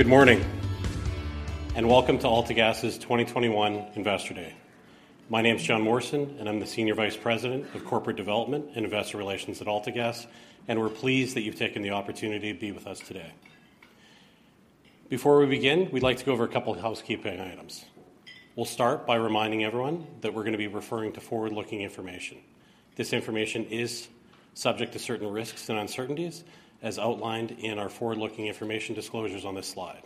Good morning, and welcome to AltaGas's 2021 Investor Day. My name is Jon Morrison, and I'm the Senior Vice President of Corporate Development and Investor Relations at AltaGas, and we're pleased that you've taken the opportunity to be with us today. Before we begin, we'd like to go over a couple of housekeeping items. We'll start by reminding everyone that we're gonna be referring to forward-looking information. This information is subject to certain risks and uncertainties, as outlined in our forward-looking information disclosures on this slide.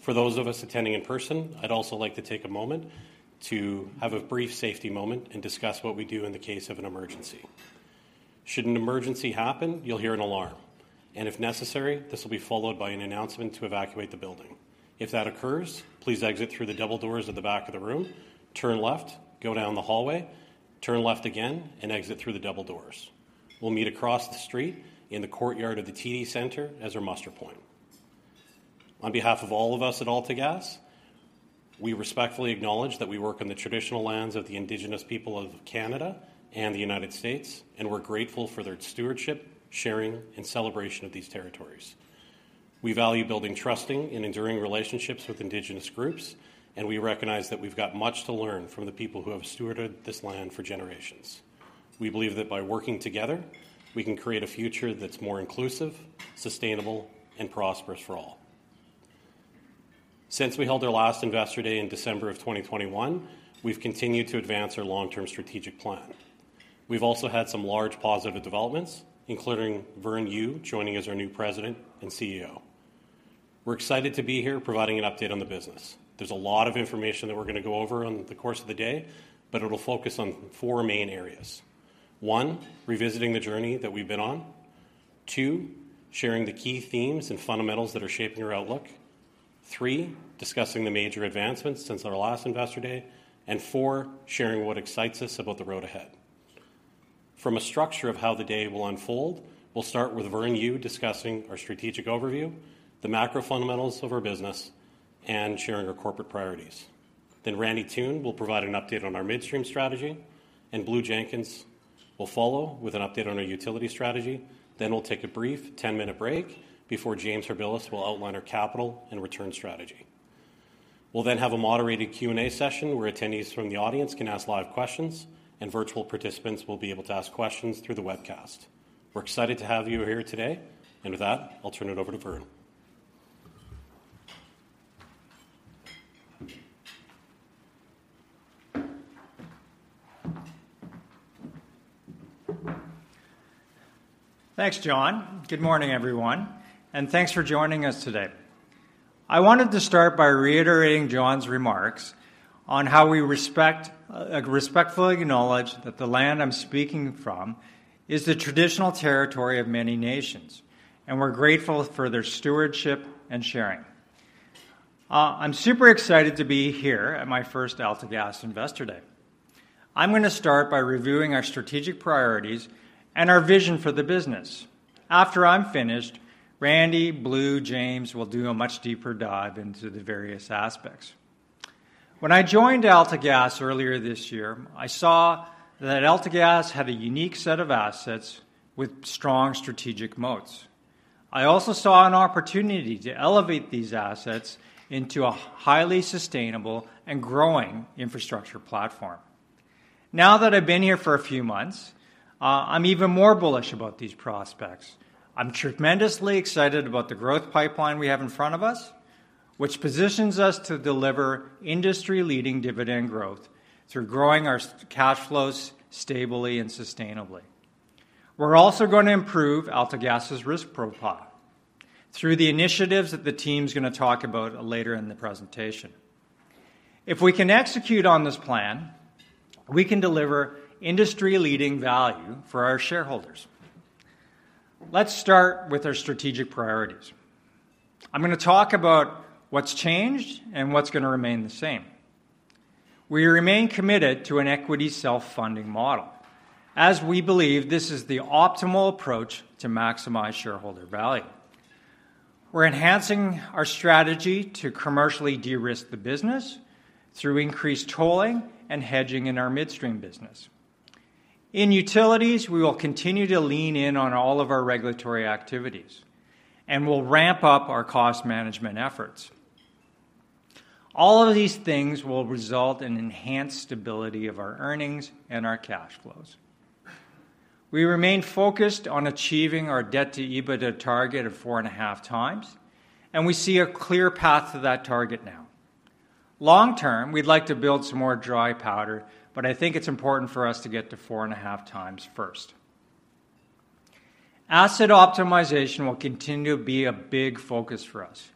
For those of us attending in person, I'd also like to take a moment to have a brief safety moment and discuss what we do in the case of an emergency. Should an emergency happen, you'll hear an alarm, and if necessary, this will be followed by an announcement to evacuate the building. If that occurs, please exit through the double doors at the back of the room, turn left, go down the hallway, turn left again, and exit through the double doors. We'll meet across the street in the courtyard of the TD Centre as our muster point. On behalf of all of us at AltaGas, we respectfully acknowledge that we work on the traditional lands of the Indigenous people of Canada and the United States, and we're grateful for their stewardship, sharing, and celebration of these territories. We value building trusting and enduring relationships with Indigenous groups, and we recognize that we've got much to learn from the people who have stewarded this land for generations. We believe that by working together, we can create a future that's more inclusive, sustainable, and prosperous for all. Since we held our last Investor Day in December 2021, we've continued to advance our long-term strategic plan. We've also had some large positive developments, including Vern Yu joining as our new President and CEO. We're excited to be here providing an update on the business. There's a lot of information that we're gonna go over on the course of the day, but it'll focus on four main areas: one, revisiting the journey that we've been on. Two, sharing the key themes and fundamentals that are shaping our outlook. Three, discussing the major advancements since our last Investor Day. And four, sharing what excites us about the road ahead. From a structure of how the day will unfold, we'll start with Vern Yu discussing our strategic overview, the macro fundamentals of our business, and sharing our corporate priorities. Then Randy Toone will provide an update on our Midstream strategy, and Blue Jenkins will follow with an update on our utility strategy. Then we'll take a brief 10-minute break before James Harbilas will outline our capital and return strategy. We'll then have a moderated Q&A session, where attendees from the audience can ask live questions, and virtual participants will be able to ask questions through the webcast. We're excited to have you here today, and with that, I'll turn it over to Vern. Thanks, Jon. Good morning, everyone, and thanks for joining us today. I wanted to start by reiterating Jon's remarks on how we respect, respectfully acknowledge that the land I'm speaking from is the traditional territory of many nations, and we're grateful for their stewardship and sharing. I'm super excited to be here at my first AltaGas Investor Day. I'm gonna start by reviewing our strategic priorities and our vision for the business. After I'm finished, Randy, Blue, James will do a much deeper dive into the various aspects. When I joined AltaGas earlier this year, I saw that AltaGas had a unique set of assets with strong strategic moats. I also saw an opportunity to elevate these assets into a highly sustainable and growing infrastructure platform. Now that I've been here for a few months, I'm even more bullish about these prospects. I'm tremendously excited about the growth pipeline we have in front of us, which positions us to deliver industry-leading dividend growth through growing our cash flows stably and sustainably. We're also going to improve AltaGas's risk profile through the initiatives that the team's gonna talk about later in the presentation. If we can execute on this plan, we can deliver industry-leading value for our shareholders. Let's start with our strategic priorities. I'm gonna talk about what's changed and what's gonna remain the same. We remain committed to an equity self-funding model, as we believe this is the optimal approach to maximize shareholder value. We're enhancing our strategy to commercially de-risk the business through increased tolling and hedging in our Midstream business. In Utilities, we will continue to lean in on all of our regulatory activities and will ramp up our cost management efforts. All of these things will result in enhanced stability of our earnings and our cash flows. We remain focused on achieving our debt-to-EBITDA target of 4.5 times, and we see a clear path to that target now. Long term, we'd like to build some more dry powder, but I think it's important for us to get to 4.5 times first. Asset optimization will continue to be a big focus for us.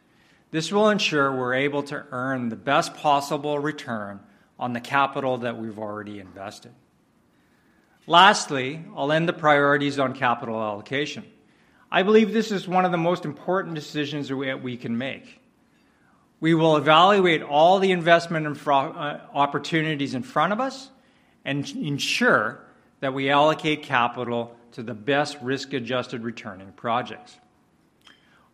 This will ensure we're able to earn the best possible return on the capital that we've already invested. Lastly, I'll end the priorities on capital allocation. I believe this is one of the most important decisions we can make. We will evaluate all the investment opportunities in front of us and ensure that we allocate capital to the best risk-adjusted return in projects.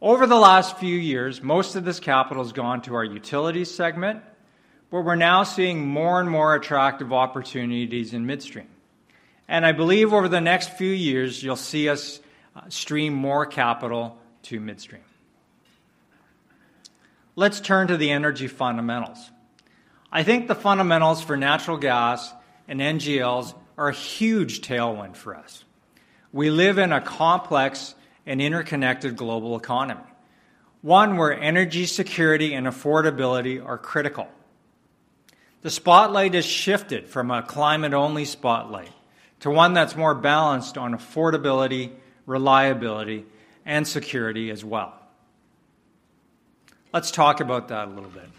Over the last few years, most of this capital has gone to our utility segment, but we're now seeing more and more attractive opportunities in Midstream, and I believe over the next few years, you'll see us stream more capital to Midstream. Let's turn to the energy fundamentals. I think the fundamentals for natural gas and NGLs are a huge tailwind for us. We live in a complex and interconnected global economy, one where energy security and affordability are critical. The spotlight has shifted from a climate-only spotlight to one that's more balanced on affordability, reliability, and security as well. Let's talk about that a little bit.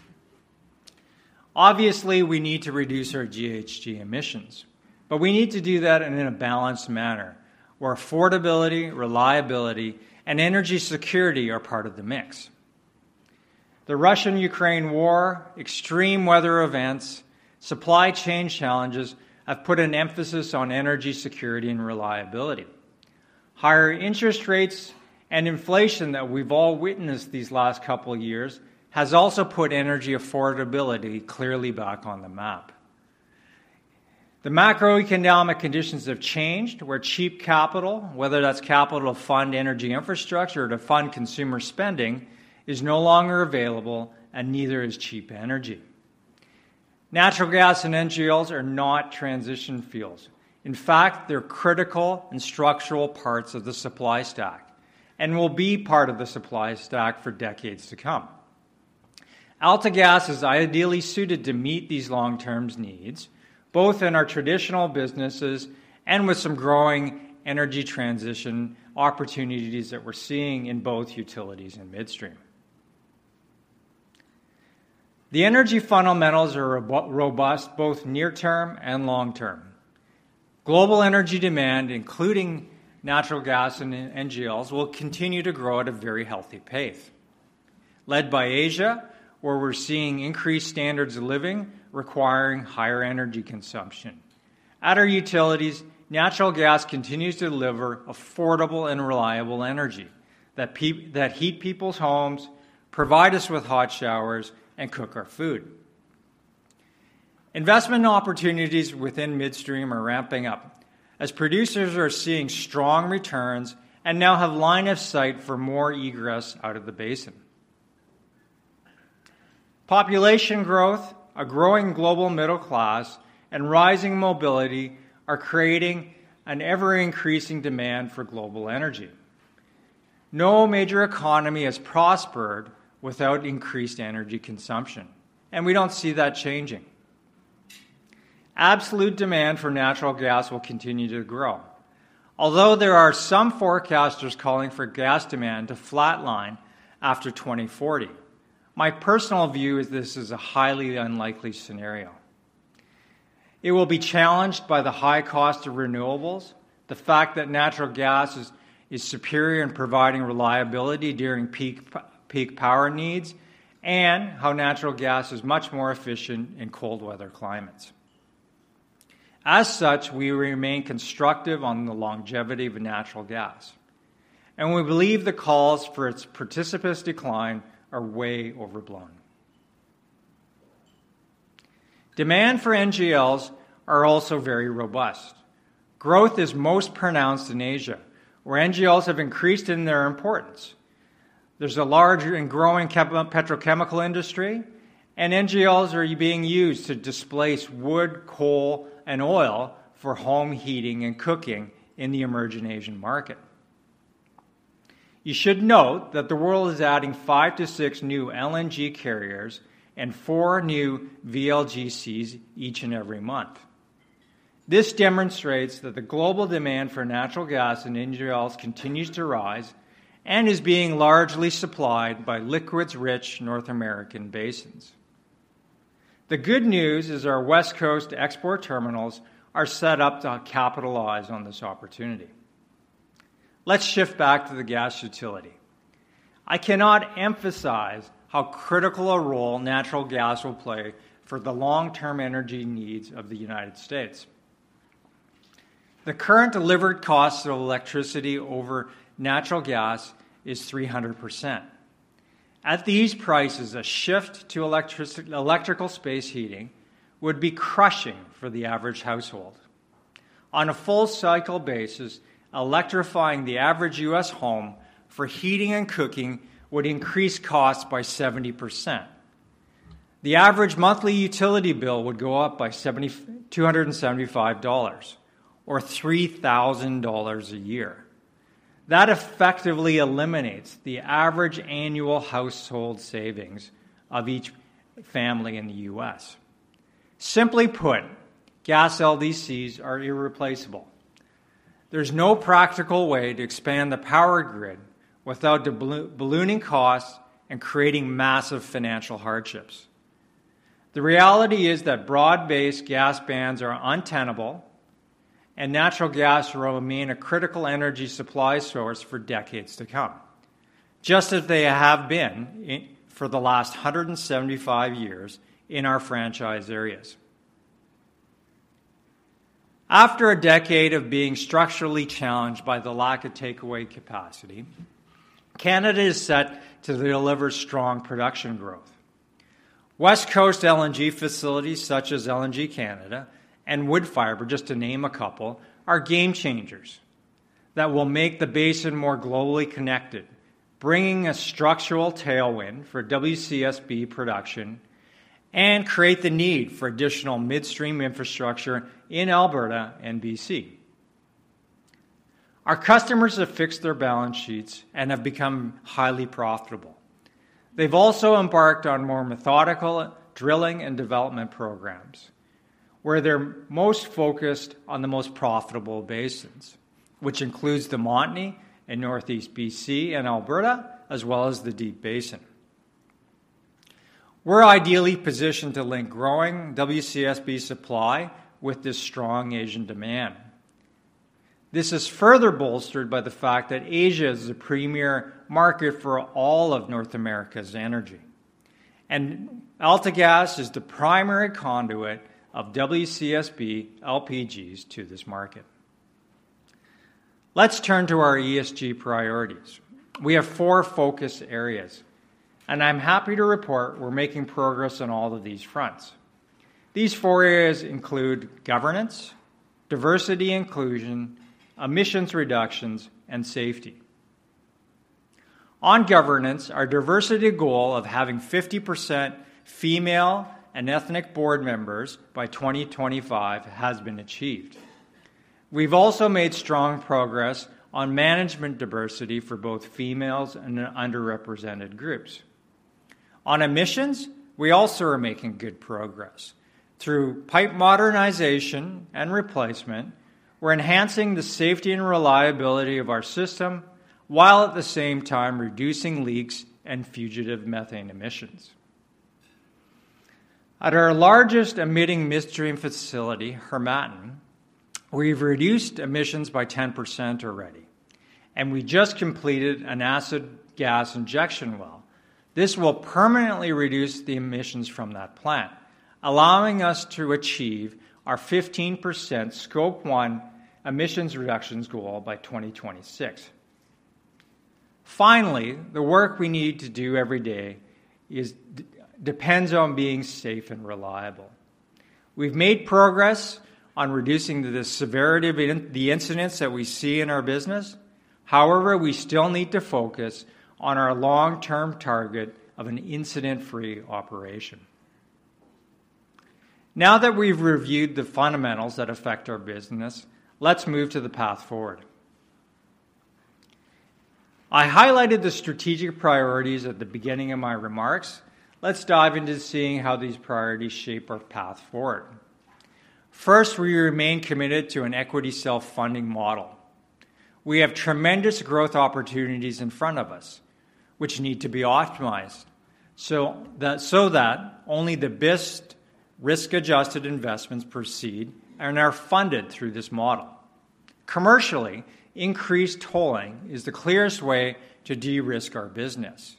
Obviously, we need to reduce our GHG emissions, but we need to do that in a balanced manner, where affordability, reliability, and energy security are part of the mix. The Russian-Ukraine war, extreme weather events, supply chain challenges, have put an emphasis on energy security and reliability. Higher interest rates and inflation that we've all witnessed these last couple of years, has also put energy affordability clearly back on the map. The macroeconomic conditions have changed, where cheap capital, whether that's capital to fund energy infrastructure or to fund consumer spending, is no longer available, and neither is cheap energy. Natural gas and NGLs are not transition fuels. In fact, they're critical and structural parts of the supply stack, and will be part of the supply stack for decades to come. AltaGas is ideally suited to meet these long-term needs, both in our traditional businesses and with some growing energy transition opportunities that we're seeing in both Utilities and Midstream. The energy fundamentals are robust, both near term and long term. Global energy demand, including natural gas and NGLs, will continue to grow at a very healthy pace, led by Asia, where we're seeing increased standards of living requiring higher energy consumption. At our Utilities, natural gas continues to deliver affordable and reliable energy that that heat people's homes, provide us with hot showers, and cook our food. Investment opportunities within Midstream are ramping up as producers are seeing strong returns and now have line of sight for more egress out of the basin. Population growth, a growing global middle class, and rising mobility are creating an ever-increasing demand for global energy. No major economy has prospered without increased energy consumption, and we don't see that changing. Absolute demand for natural gas will continue to grow. Although there are some forecasters calling for gas demand to flatline after 2040, my personal view is this is a highly unlikely scenario. It will be challenged by the high cost of renewables, the fact that natural gas is superior in providing reliability during peak power needs, and how natural gas is much more efficient in cold weather climates. As such, we remain constructive on the longevity of natural gas, and we believe the calls for its precipitous decline are way overblown. Demand for NGLs are also very robust. Growth is most pronounced in Asia, where NGLs have increased in their importance. There's a large and growing chemical, petrochemical industry, and NGLs are being used to displace wood, coal, and oil for home heating and cooking in the emerging Asian market. You should note that the world is adding 5-6 new LNG carriers and four new VLGCs each and every month. This demonstrates that the global demand for natural gas and NGLs continues to rise and is being largely supplied by liquids-rich North American basins. The good news is, our West Coast export terminals are set up to capitalize on this opportunity. Let's shift back to the gas utility. I cannot emphasize how critical a role natural gas will play for the long-term energy needs of the United States. The current delivered cost of electricity over natural gas is 300%. At these prices, a shift to electrical space heating would be crushing for the average household. On a full-cycle basis, electrifying the average U.S. home for heating and cooking would increase costs by 70%. The average monthly utility bill would go up by $275 or 3,000 a year. That effectively eliminates the average annual household savings of each family in the U.S. Simply put, gas LDCs are irreplaceable. There's no practical way to expand the power grid without ballooning costs and creating massive financial hardships. The reality is that broad-based gas bans are untenable, and natural gas will remain a critical energy supply source for decades to come, just as they have been in for the last 175 years in our franchise areas. After a decade of being structurally challenged by the lack of takeaway capacity, Canada is set to deliver strong production growth. West Coast LNG facilities such as LNG Canada and Woodfibre, just to name a couple, are game changers that will make the basin more globally connected, bringing a structural tailwind for WCSB production and create the need for additional Midstream infrastructure in Alberta and BC. Our customers have fixed their balance sheets and have become highly profitable. They've also embarked on more methodical drilling and development programs, where they're most focused on the most profitable basins, which includes the Montney in Northeast BC and Alberta, as well as the Deep Basin. We're ideally positioned to link growing WCSB supply with this strong Asian demand. This is further bolstered by the fact that Asia is the premier market for all of North America's energy, and AltaGas is the primary conduit of WCSB LPGs to this market. Let's turn to our ESG priorities. We have four focus areas, and I'm happy to report we're making progress on all of these fronts. These four areas include governance, diversity inclusion, emissions reductions, and safety. On governance, our diversity goal of having 50% female and ethnic board members by 2025 has been achieved. We've also made strong progress on management diversity for both females and underrepresented groups. On emissions, we also are making good progress. Through pipe modernization and replacement, we're enhancing the safety and reliability of our system, while at the same time reducing leaks and fugitive methane emissions. At our largest emitting Midstream facility, Harmattan, we've reduced emissions by 10% already, and we just completed an acid gas injection well. This will permanently reduce the emissions from that plant, allowing us to achieve our 15% Scope 1 emissions reductions goal by 2026. Finally, the work we need to do every day depends on being safe and reliable. We've made progress on reducing the severity of the incidents that we see in our business. However, we still need to focus on our long-term target of an incident-free operation. Now that we've reviewed the fundamentals that affect our business, let's move to the path forward. I highlighted the strategic priorities at the beginning of my remarks. Let's dive into seeing how these priorities shape our path forward. First, we remain committed to an equity self-funding model. We have tremendous growth opportunities in front of us, which need to be optimized, so that only the best risk-adjusted investments proceed and are funded through this model. Commercially, increased tolling is the clearest way to de-risk our business.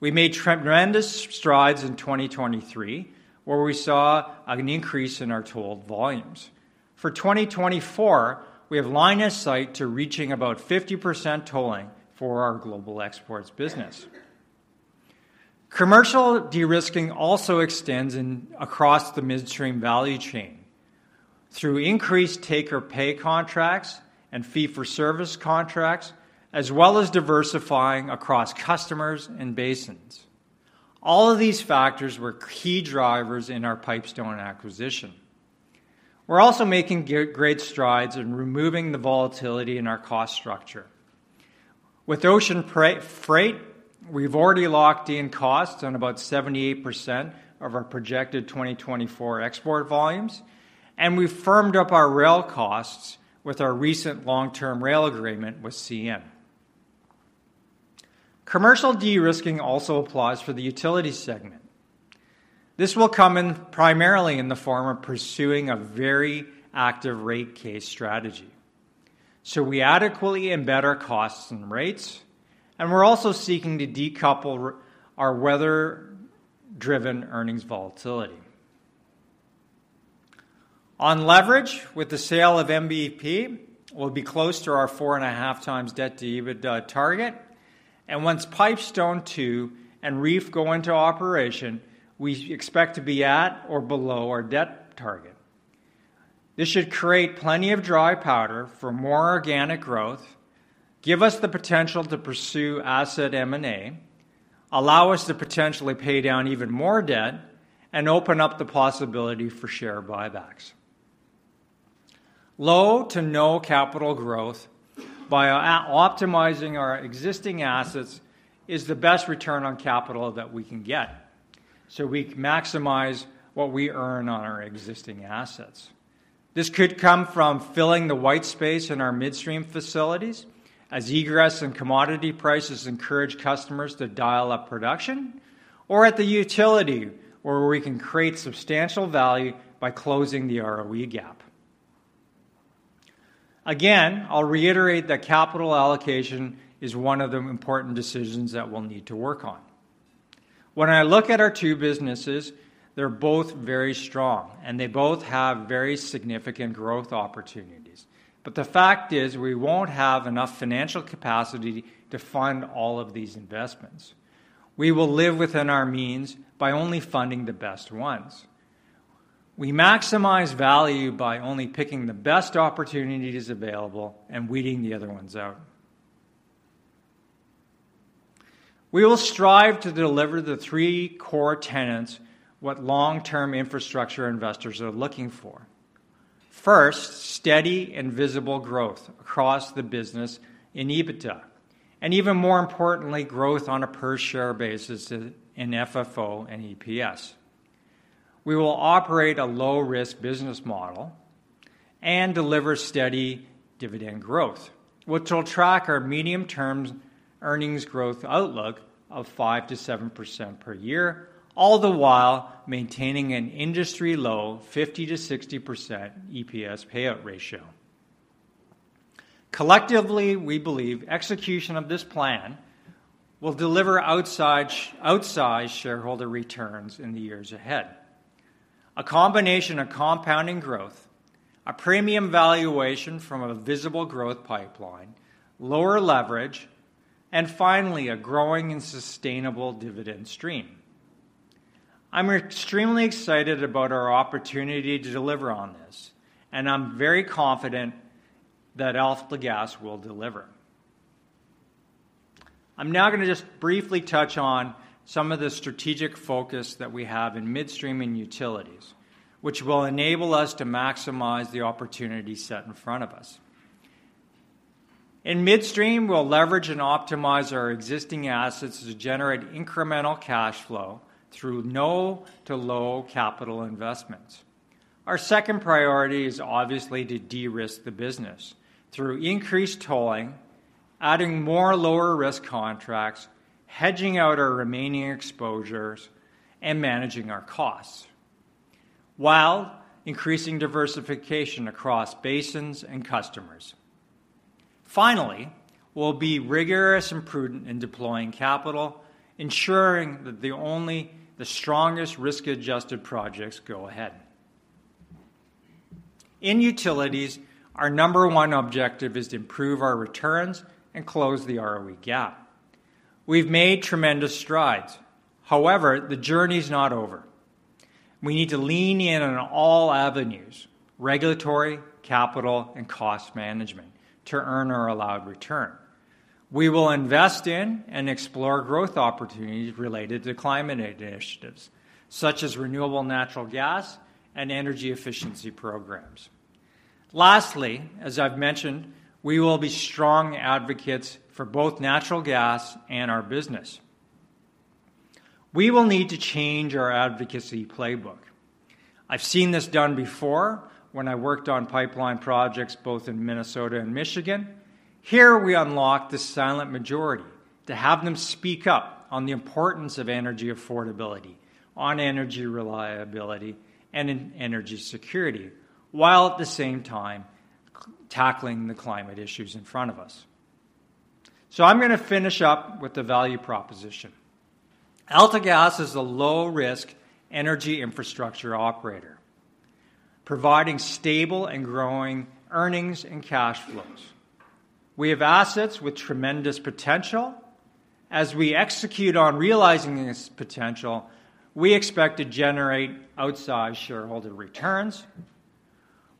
We made tremendous strides in 2023, where we saw an increase in our tolled volumes. For 2024, we have line of sight to reaching about 50% tolling for our global exports business. Commercial de-risking also extends across the Midstream value chain through increased take-or-pay contracts and fee-for-service contracts, as well as diversifying across customers and basins. All of these factors were key drivers in our Pipestone acquisition. We're also making great strides in removing the volatility in our cost structure. With ocean freight, we've already locked in costs on about 78% of our projected 2024 export volumes, and we've firmed up our rail costs with our recent long-term rail agreement with CN. Commercial de-risking also applies for the utility segment. This will come in primarily in the form of pursuing a very active rate case strategy. So we adequately embed our costs and rates, and we're also seeking to decouple our weather-driven earnings volatility. On leverage, with the sale of MVP, we'll be close to our 4.5x debt-to-EBITDA target, and once Pipestone II and REEF go into operation, we expect to be at or below our debt target. This should create plenty of dry powder for more organic growth, give us the potential to pursue asset M&A, allow us to potentially pay down even more debt, and open up the possibility for share buybacks. Low to no capital growth by optimizing our existing assets is the best return on capital that we can get, so we maximize what we earn on our existing assets. This could come from filling the white space in our Midstream facilities as egress and commodity prices encourage customers to dial up production, or at the utility, where we can create substantial value by closing the ROE gap. Again, I'll reiterate that capital allocation is one of the important decisions that we'll need to work on. When I look at our two businesses. They're both very strong, and they both have very significant growth opportunities. But the fact is, we won't have enough financial capacity to fund all of these investments. We will live within our means by only funding the best ones. We maximize value by only picking the best opportunities available and weeding the other ones out. We will strive to deliver the three core tenets what long-term infrastructure investors are looking for. First, steady and visible growth across the business in EBITDA, and even more importantly, growth on a per-share basis in FFO and EPS. We will operate a low-risk business model and deliver steady dividend growth, which will track our medium-term earnings growth outlook of 5%-7% per year, all the while maintaining an industry-low 50%-60% EPS payout ratio. Collectively, we believe execution of this plan will deliver outsized shareholder returns in the years ahead. A combination of compounding growth, a premium valuation from a visible growth pipeline, lower leverage, and finally, a growing and sustainable dividend stream. I'm extremely excited about our opportunity to deliver on this, and I'm very confident that AltaGas will deliver. I'm now gonna just briefly touch on some of the strategic focus that we have in Midstream and Utilities, which will enable us to maximize the opportunity set in front of us. In Midstream, we'll leverage and optimize our existing assets to generate incremental cash flow through no to low capital investments. Our second priority is obviously to de-risk the business through increased tolling, adding more lower-risk contracts, hedging out our remaining exposures, and managing our costs, while increasing diversification across basins and customers. Finally, we'll be rigorous and prudent in deploying capital, ensuring that only the strongest risk-adjusted projects go ahead. In Utilities, our number one objective is to improve our returns and close the ROE gap. We've made tremendous strides. However, the journey is not over. We need to lean in on all avenues: regulatory, capital, and cost management to earn our allowed return. We will invest in and explore growth opportunities related to climate initiatives, such as renewable natural gas and energy efficiency programs. Lastly, as I've mentioned, we will be strong advocates for both natural gas and our business. We will need to change our advocacy playbook. I've seen this done before when I worked on pipeline projects, both in Minnesota and Michigan. Here, we unlock the silent majority to have them speak up on the importance of energy affordability, on energy reliability, and in energy security, while at the same time, tackling the climate issues in front of us. So I'm gonna finish up with the value proposition. AltaGas is a low-risk energy infrastructure operator, providing stable and growing earnings and cash flows. We have assets with tremendous potential. As we execute on realizing this potential, we expect to generate outsized shareholder returns.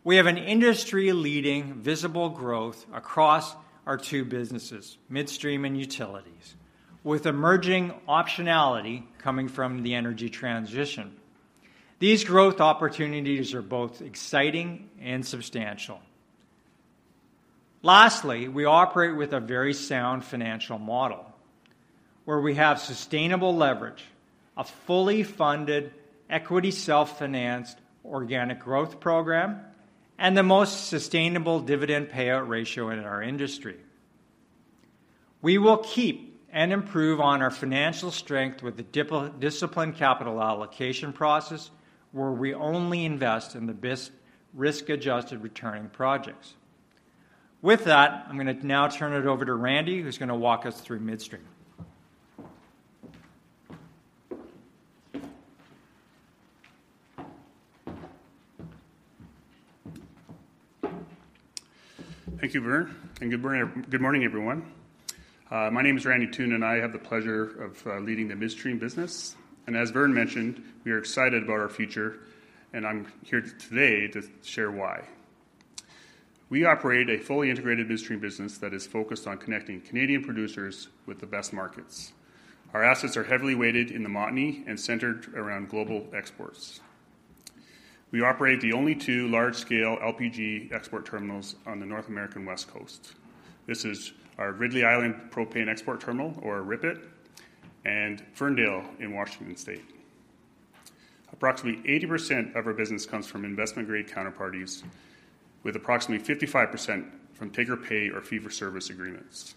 We have an industry-leading visible growth across our two businesses, Midstream and Utilities, with emerging optionality coming from the energy transition. These growth opportunities are both exciting and substantial. Lastly, we operate with a very sound financial model, where we have sustainable leverage, a fully funded equity self-financed organic growth program, and the most sustainable dividend payout ratio in our industry. We will keep and improve on our financial strength with the disciplined capital allocation process, where we only invest in the best risk-adjusted returning projects. With that, I'm gonna now turn it over to Randy, who's gonna walk us through Midstream. Thank you, Vern, and good mornin', good morning, everyone. My name is Randy Toone, and I have the pleasure of leading the Midstream business. As Vern mentioned, we are excited about our future, and I'm here today to share why. We operate a fully integrated Midstream business that is focused on connecting Canadian producers with the best markets. Our assets are heavily weighted in the Montney and centered around global exports. We operate the only two large-scale LPG export terminals on the North American West Coast. This is our Ridley Island Propane Export Terminal, or RIPET, and Ferndale in Washington State. Approximately 80% of our business comes from investment-grade counterparties, with approximately 55% from take-or-pay or fee-for-service agreements.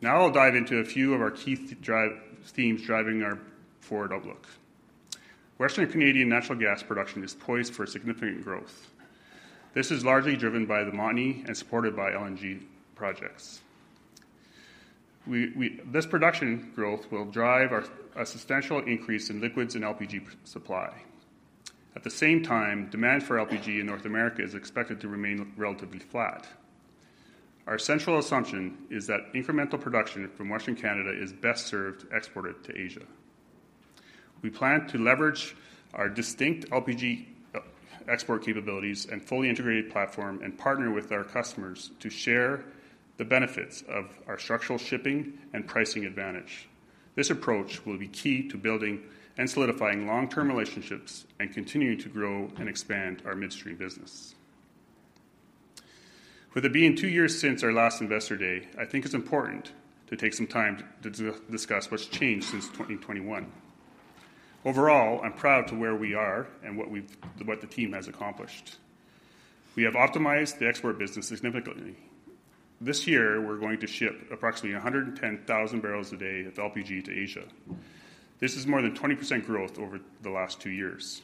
Now I'll dive into a few of our key themes driving our forward outlook. Western Canadian natural gas production is poised for significant growth. This is largely driven by the Montney and supported by LNG projects. We, this production growth will drive a substantial increase in liquids and LPG supply. At the same time, demand for LPG in North America is expected to remain relatively flat. Our central assumption is that incremental production from Western Canada is best served exported to Asia. We plan to leverage our distinct LPG export capabilities and fully integrated platform, and partner with our customers to share the benefits of our structural shipping and pricing advantage. This approach will be key to building and solidifying long-term relationships and continuing to grow and expand our Midstream business. With it being two years since our last Investor Day, I think it's important to take some time to discuss what's changed since 2021. Overall, I'm proud of where we are and what the team has accomplished. We have optimized the export business significantly. This year, we're going to ship approximately 110,000 barrels a day of LPG to Asia. This is more than 20% growth over the last two years.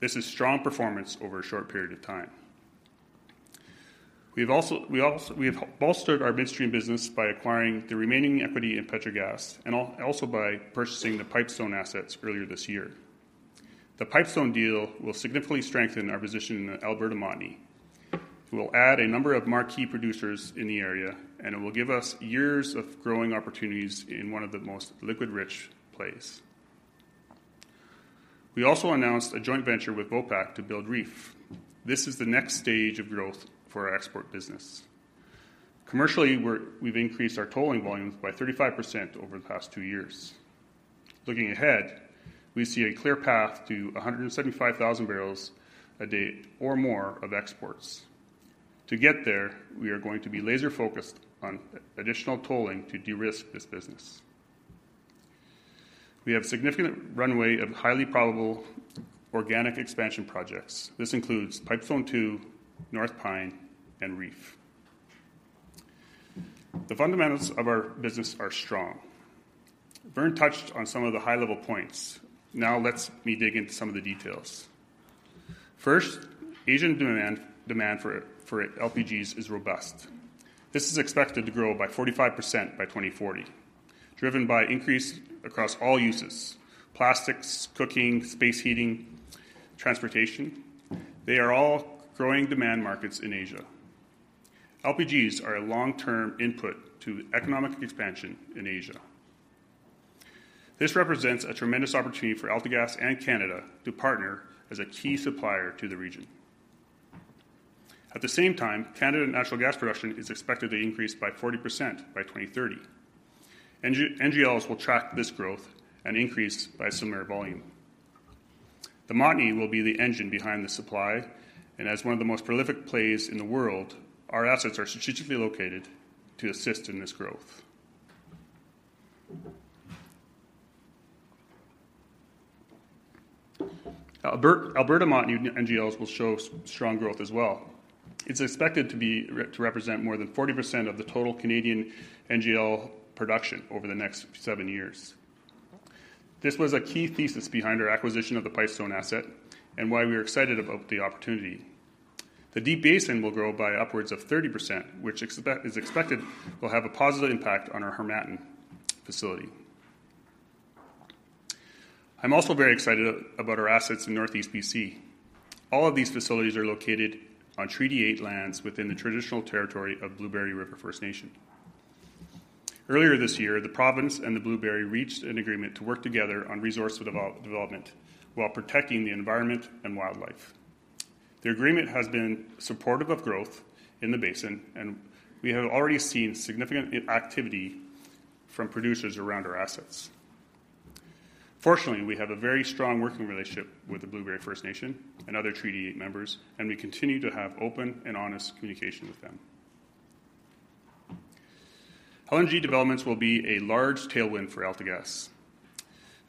This is strong performance over a short period of time. We've also bolstered our Midstream business by acquiring the remaining equity in Petrogas and also by purchasing the Pipestone assets earlier this year. The Pipestone deal will significantly strengthen our position in the Alberta Montney. We'll add a number of marquee producers in the area, and it will give us years of growing opportunities in one of the most liquid-rich plays. We also announced a joint venture with Vopak to build REEF. This is the next stage of growth for our export business. Commercially, we've increased our tolling volumes by 35% over the past two years. Looking ahead, we see a clear path to 175,000 barrels a day or more of exports. To get there, we are going to be laser-focused on additional tolling to de-risk this business. We have significant runway of highly probable organic expansion projects. This includes Pipestone II, North Pine, and REEF. The fundamentals of our business are strong. Vern touched on some of the high-level points. Now, let me dig into some of the details. First, Asian demand for LPG is robust. This is expected to grow by 45% by 2040, driven by increase across all uses: plastics, cooking, space heating, transportation. They are all growing demand markets in Asia. LPGs are a long-term input to economic expansion in Asia. This represents a tremendous opportunity for AltaGas and Canada to partner as a key supplier to the region. At the same time, Canadian natural gas production is expected to increase by 40% by 2030. NGLs will track this growth and increase by a similar volume. The Montney will be the engine behind the supply, and as one of the most prolific plays in the world, our assets are strategically located to assist in this growth. Alberta Montney NGLs will show strong growth as well. It's expected to represent more than 40% of the total Canadian NGL production over the next seven years. This was a key thesis behind our acquisition of the Pipestone asset and why we are excited about the opportunity. The Deep Basin will grow by upwards of 30%, which is expected will have a positive impact on our Harmattan facility. I'm also very excited about our assets in Northeast BC. All of these facilities are located on Treaty Eight lands within the traditional territory of Blueberry River First Nation. Earlier this year, the province and the Blueberry reached an agreement to work together on resource development while protecting the environment and wildlife. The agreement has been supportive of growth in the basin, and we have already seen significant activity from producers around our assets. Fortunately, we have a very strong working relationship with the Blueberry First Nation and other Treaty Eight members, and we continue to have open and honest communication with them. LNG developments will be a large tailwind for AltaGas.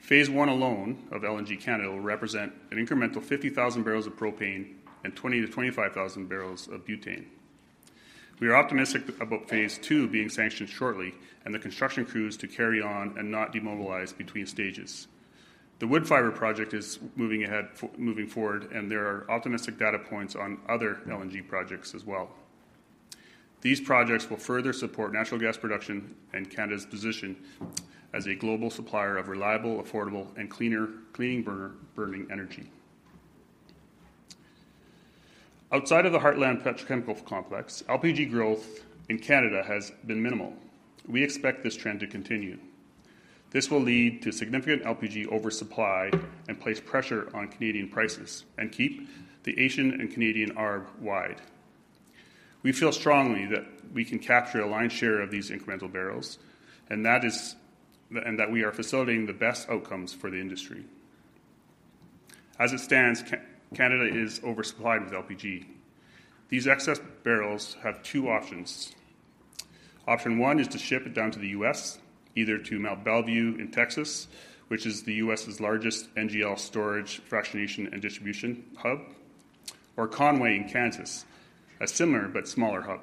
Phase I alone of LNG Canada will represent an incremental 50,000 barrels of propane and 20,000-25,000 barrels of butane. We are optimistic about phase 2 being sanctioned shortly and the construction crews to carry on and not demobilize between stages. The Woodfibre project is moving forward, and there are optimistic data points on other LNG projects as well. These projects will further support natural gas production and Canada's position as a global supplier of reliable, affordable, and cleaner-burning energy. Outside of the Heartland Petrochemical Complex, LPG growth in Canada has been minimal. We expect this trend to continue. This will lead to significant LPG oversupply and place pressure on Canadian prices and keep the Asian and Canadian ARB wide. We feel strongly that we can capture a lion's share of these incremental barrels, and that we are facilitating the best outcomes for the industry. As it stands, Canada is oversupplied with LPG. These excess barrels have two options. Option one is to ship it down to the U.S., either to Mont Belvieu in Texas, which is the U.S.'s largest NGL storage, fractionation, and distribution hub, or Conway in Kansas, a similar but smaller hub.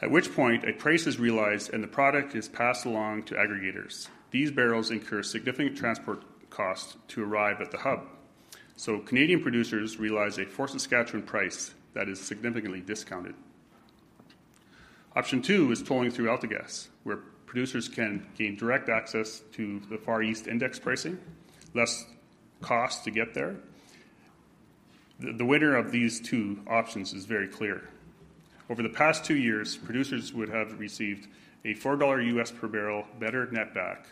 At which point, a price is realized and the product is passed along to aggregators. These barrels incur significant transport costs to arrive at the hub. So Canadian producers realize a Fort Saskatchewan price that is significantly discounted. Option two is tolling through AltaGas, where producers can gain direct access to the Far East Index pricing, less cost to get there. The winner of these two options is very clear. Over the past two years, producers would have received a $4 US per barrel better netback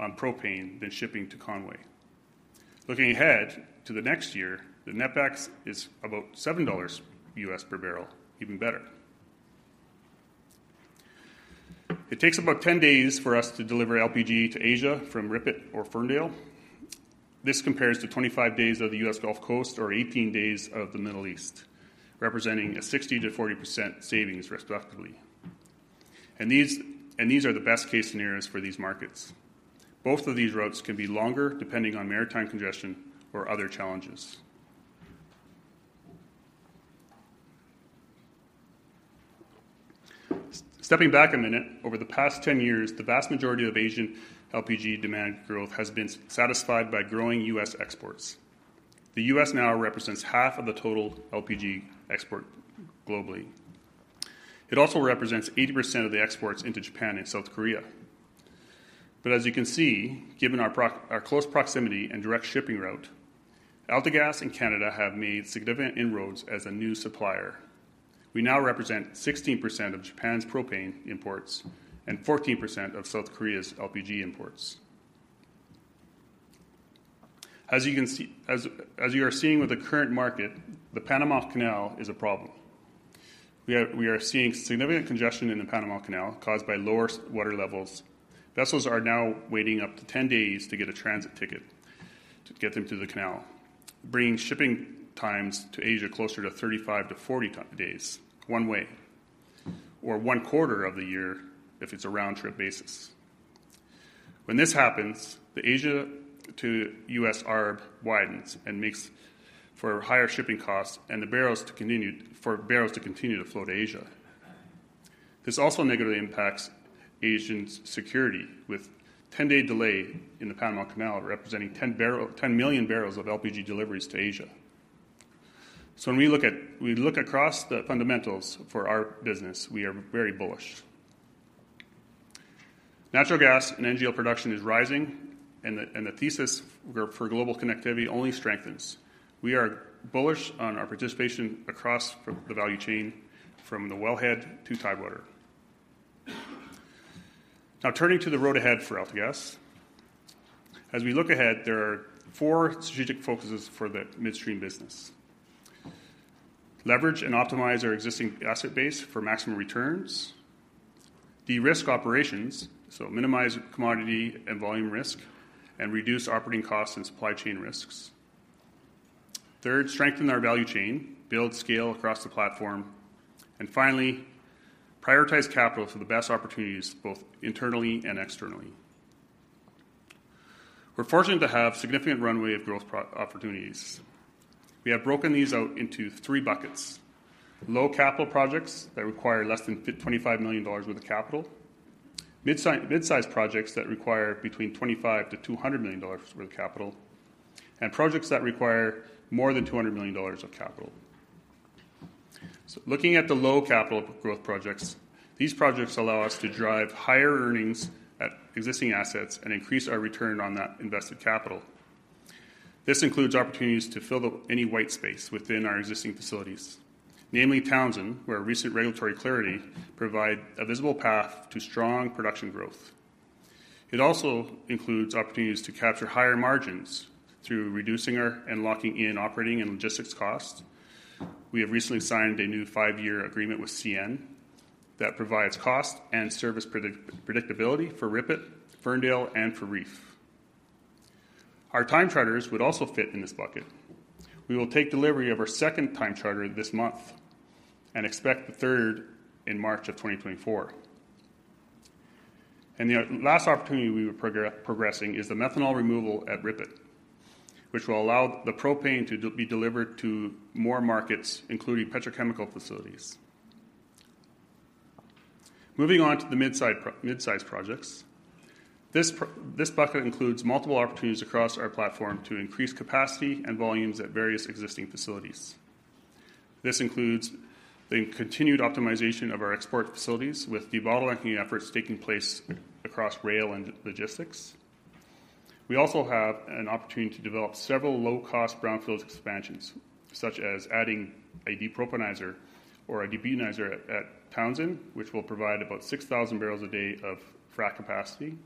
on propane than shipping to Conway. Looking ahead to the next year, the netbacks is about $7 US per barrel, even better. It takes about 10 days for us to deliver LPG to Asia from Rupert or Ferndale. This compares to 25 days of the US Gulf Coast or 18 days of the Middle East, representing a 60%-40% savings, respectively. And these, and these are the best-case scenarios for these markets. Both of these routes can be longer, depending on maritime congestion or other challenges. Stepping back a minute, over the past 10 years, the vast majority of Asian LPG demand growth has been satisfied by growing US exports. The US now represents half of the total LPG export globally. It also represents 80% of the exports into Japan and South Korea. But as you can see, given our close proximity and direct shipping route, AltaGas and Canada have made significant inroads as a new supplier. We now represent 16% of Japan's propane imports and 14% of South Korea's LPG imports. As you can see, as you are seeing with the current market, the Panama Canal is a problem. We are seeing significant congestion in the Panama Canal caused by lower water levels. Vessels are now waiting up to 10 days to get a transit ticket to get them through the canal, bringing shipping times to Asia closer to 35-40 days, one way, or one quarter of the year if it's a round-trip basis. When this happens, the Asia to U.S. ARB widens and makes for higher shipping costs and for barrels to continue to flow to Asia. This also negatively impacts Asian security, with 10-day delay in the Panama Canal representing 10 million barrels of LPG deliveries to Asia. So when we look across the fundamentals for our business, we are very bullish. Natural gas and NGL production is rising, and the thesis for global connectivity only strengthens. We are bullish on our participation across the value chain, from the wellhead to tidewater. Now, turning to the road ahead for AltaGas. As we look ahead, there are four strategic focuses for the Midstream business: Leverage and optimize our existing asset base for maximum returns. De-risk operations, so minimize commodity and volume risk, and reduce operating costs and supply chain risks. Third, strengthen our value chain, build scale across the platform. And finally, prioritize capital for the best opportunities, both internally and externally. We're fortunate to have significant runway of growth opportunities. We have broken these out into three buckets: low capital projects that require less than 25 million dollars worth of capital, mid-sized projects that require between 25 million-200 million dollars worth of capital, and projects that require more than 200 million dollars of capital. So looking at the low capital growth projects, these projects allow us to drive higher earnings at existing assets and increase our return on that invested capital. This includes opportunities to fill any white space within our existing facilities, namely Townsend, where recent regulatory clarity provide a visible path to strong production growth. It also includes opportunities to capture higher margins through reducing our and locking in operating and logistics costs. We have recently signed a new five-year agreement with CN that provides cost and service predictability for RIPET, Ferndale, and for REEF. Our time charters would also fit in this bucket. We will take delivery of our second time charter this month and expect the third in March 2024. The last opportunity we were progressing is the methanol removal at RIPET, which will allow the propane to be delivered to more markets, including petrochemical facilities. Moving on to the mid-sized projects. This bucket includes multiple opportunities across our platform to increase capacity and volumes at various existing facilities. This includes the continued optimization of our export facilities, with debottlenecking efforts taking place across rail and logistics. We also have an opportunity to develop several low-cost brownfields expansions, such as adding a depropanizer or a debutanizer at Townsend, which will provide about 6,000 barrels a day of frac capacity.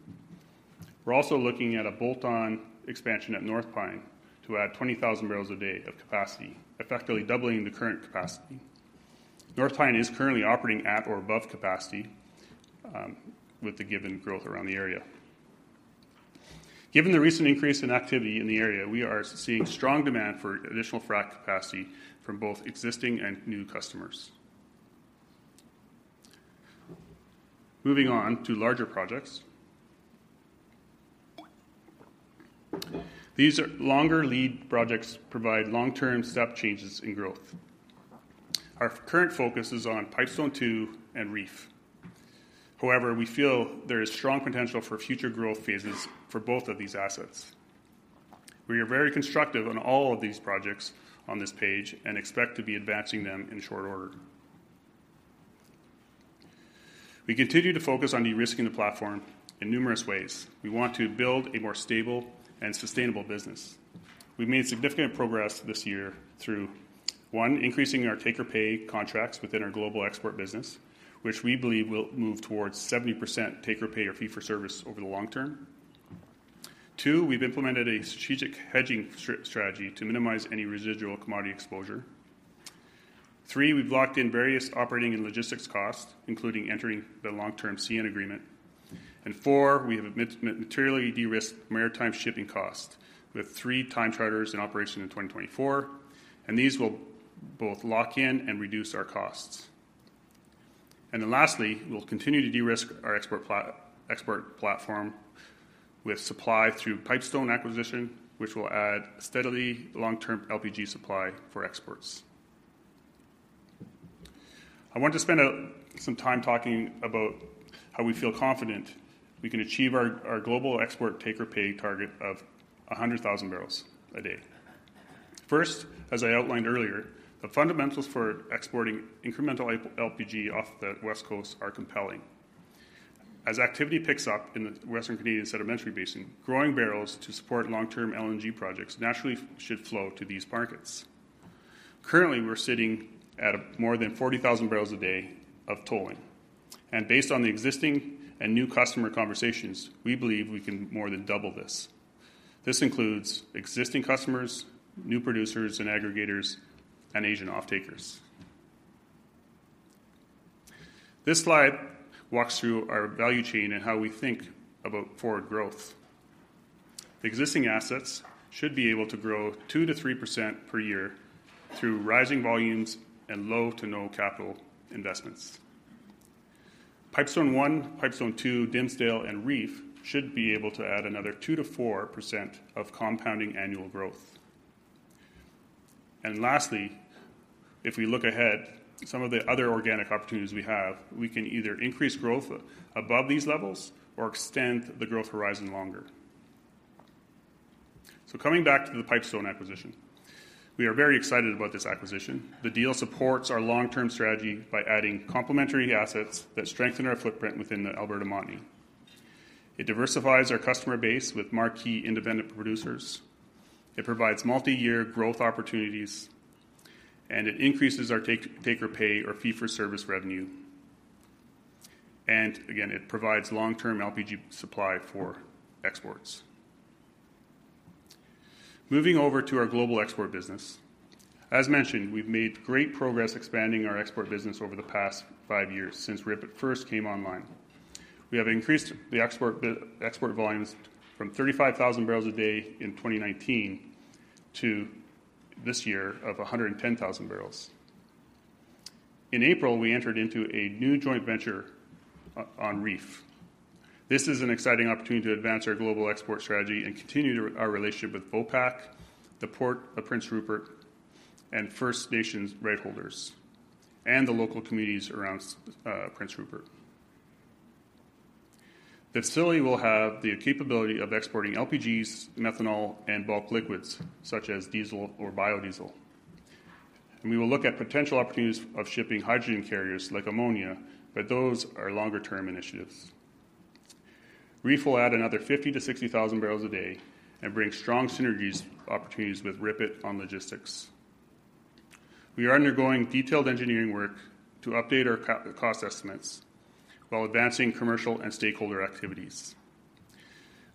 We're also looking at a bolt-on expansion at North Pine to add 20,000 barrels a day of capacity, effectively doubling the current capacity. North Pine is currently operating at or above capacity, with the given growth around the area. Given the recent increase in activity in the area, we are seeing strong demand for additional frac capacity from both existing and new customers. Moving on to larger projects. These are longer lead projects provide long-term step changes in growth. Our current focus is on Pipestone II and REEF. However, we feel there is strong potential for future growth phases for both of these assets. We are very constructive on all of these projects on this page and expect to be advancing them in short order. We continue to focus on de-risking the platform in numerous ways. We want to build a more stable and sustainable business. We've made significant progress this year through, 1, increasing our take-or-pay contracts within our global export business, which we believe will move towards 70% take-or-pay or fee-for-service over the long term. 2, we've implemented a strategic hedging strategy to minimize any residual commodity exposure. 3, we've locked in various operating and logistics costs, including entering the long-term CN agreement. And 4, we have materially de-risked maritime shipping costs, with 3 time charters in operation in 2024, and these will both lock in and reduce our costs. Then lastly, we'll continue to de-risk our export platform with supply through Pipestone acquisition, which will add steadily long-term LPG supply for exports. I want to spend some time talking about how we feel confident we can achieve our global export take-or-pay target of 100,000 barrels a day. First, as I outlined earlier, the fundamentals for exporting incremental LPG off the West Coast are compelling. As activity picks up in the Western Canadian Sedimentary Basin, growing barrels to support long-term LNG projects naturally should flow to these markets. Currently, we're sitting at more than 40,000 barrels a day of tolling, and based on the existing and new customer conversations, we believe we can more than double this. This includes existing customers, new producers and aggregators, and Asian off-takers. This slide walks through our value chain and how we think about forward growth. The existing assets should be able to grow 2%-3% per year through rising volumes and low to no capital investments. Pipestone One, Pipestone II, Dimsdale, and REEF should be able to add another 2%-4% of compounding annual growth. And lastly, if we look ahead, some of the other organic opportunities we have, we can either increase growth above these levels or extend the growth horizon longer. So coming back to the Pipestone acquisition, we are very excited about this acquisition. The deal supports our long-term strategy by adding complementary assets that strengthen our footprint within the Alberta Montney. It diversifies our customer base with marquee independent producers, it provides multi-year growth opportunities, and it increases our take, take-or-pay or fee-for-service revenue. And again, it provides long-term LPG supply for exports. Moving over to our global export business. As mentioned, we've made great progress expanding our export business over the past five years since RIPET first came online. We have increased the export volumes from 35,000 barrels a day in 2019 to this year of 110,000 barrels. In April, we entered into a new joint venture on REEF. This is an exciting opportunity to advance our global export strategy and continue to our relationship with Vopak, the Port of Prince Rupert, and First Nations right holders, and the local communities around Prince Rupert. The facility will have the capability of exporting LPGs, methanol, and bulk liquids, such as diesel or biodiesel. And we will look at potential opportunities of shipping hydrogen carriers like ammonia, but those are longer-term initiatives. REEF will add another 50-60,000 barrels a day and bring strong synergies opportunities with RIPET on logistics. We are undergoing detailed engineering work to update ou rcost estimates while advancing commercial and stakeholder activities.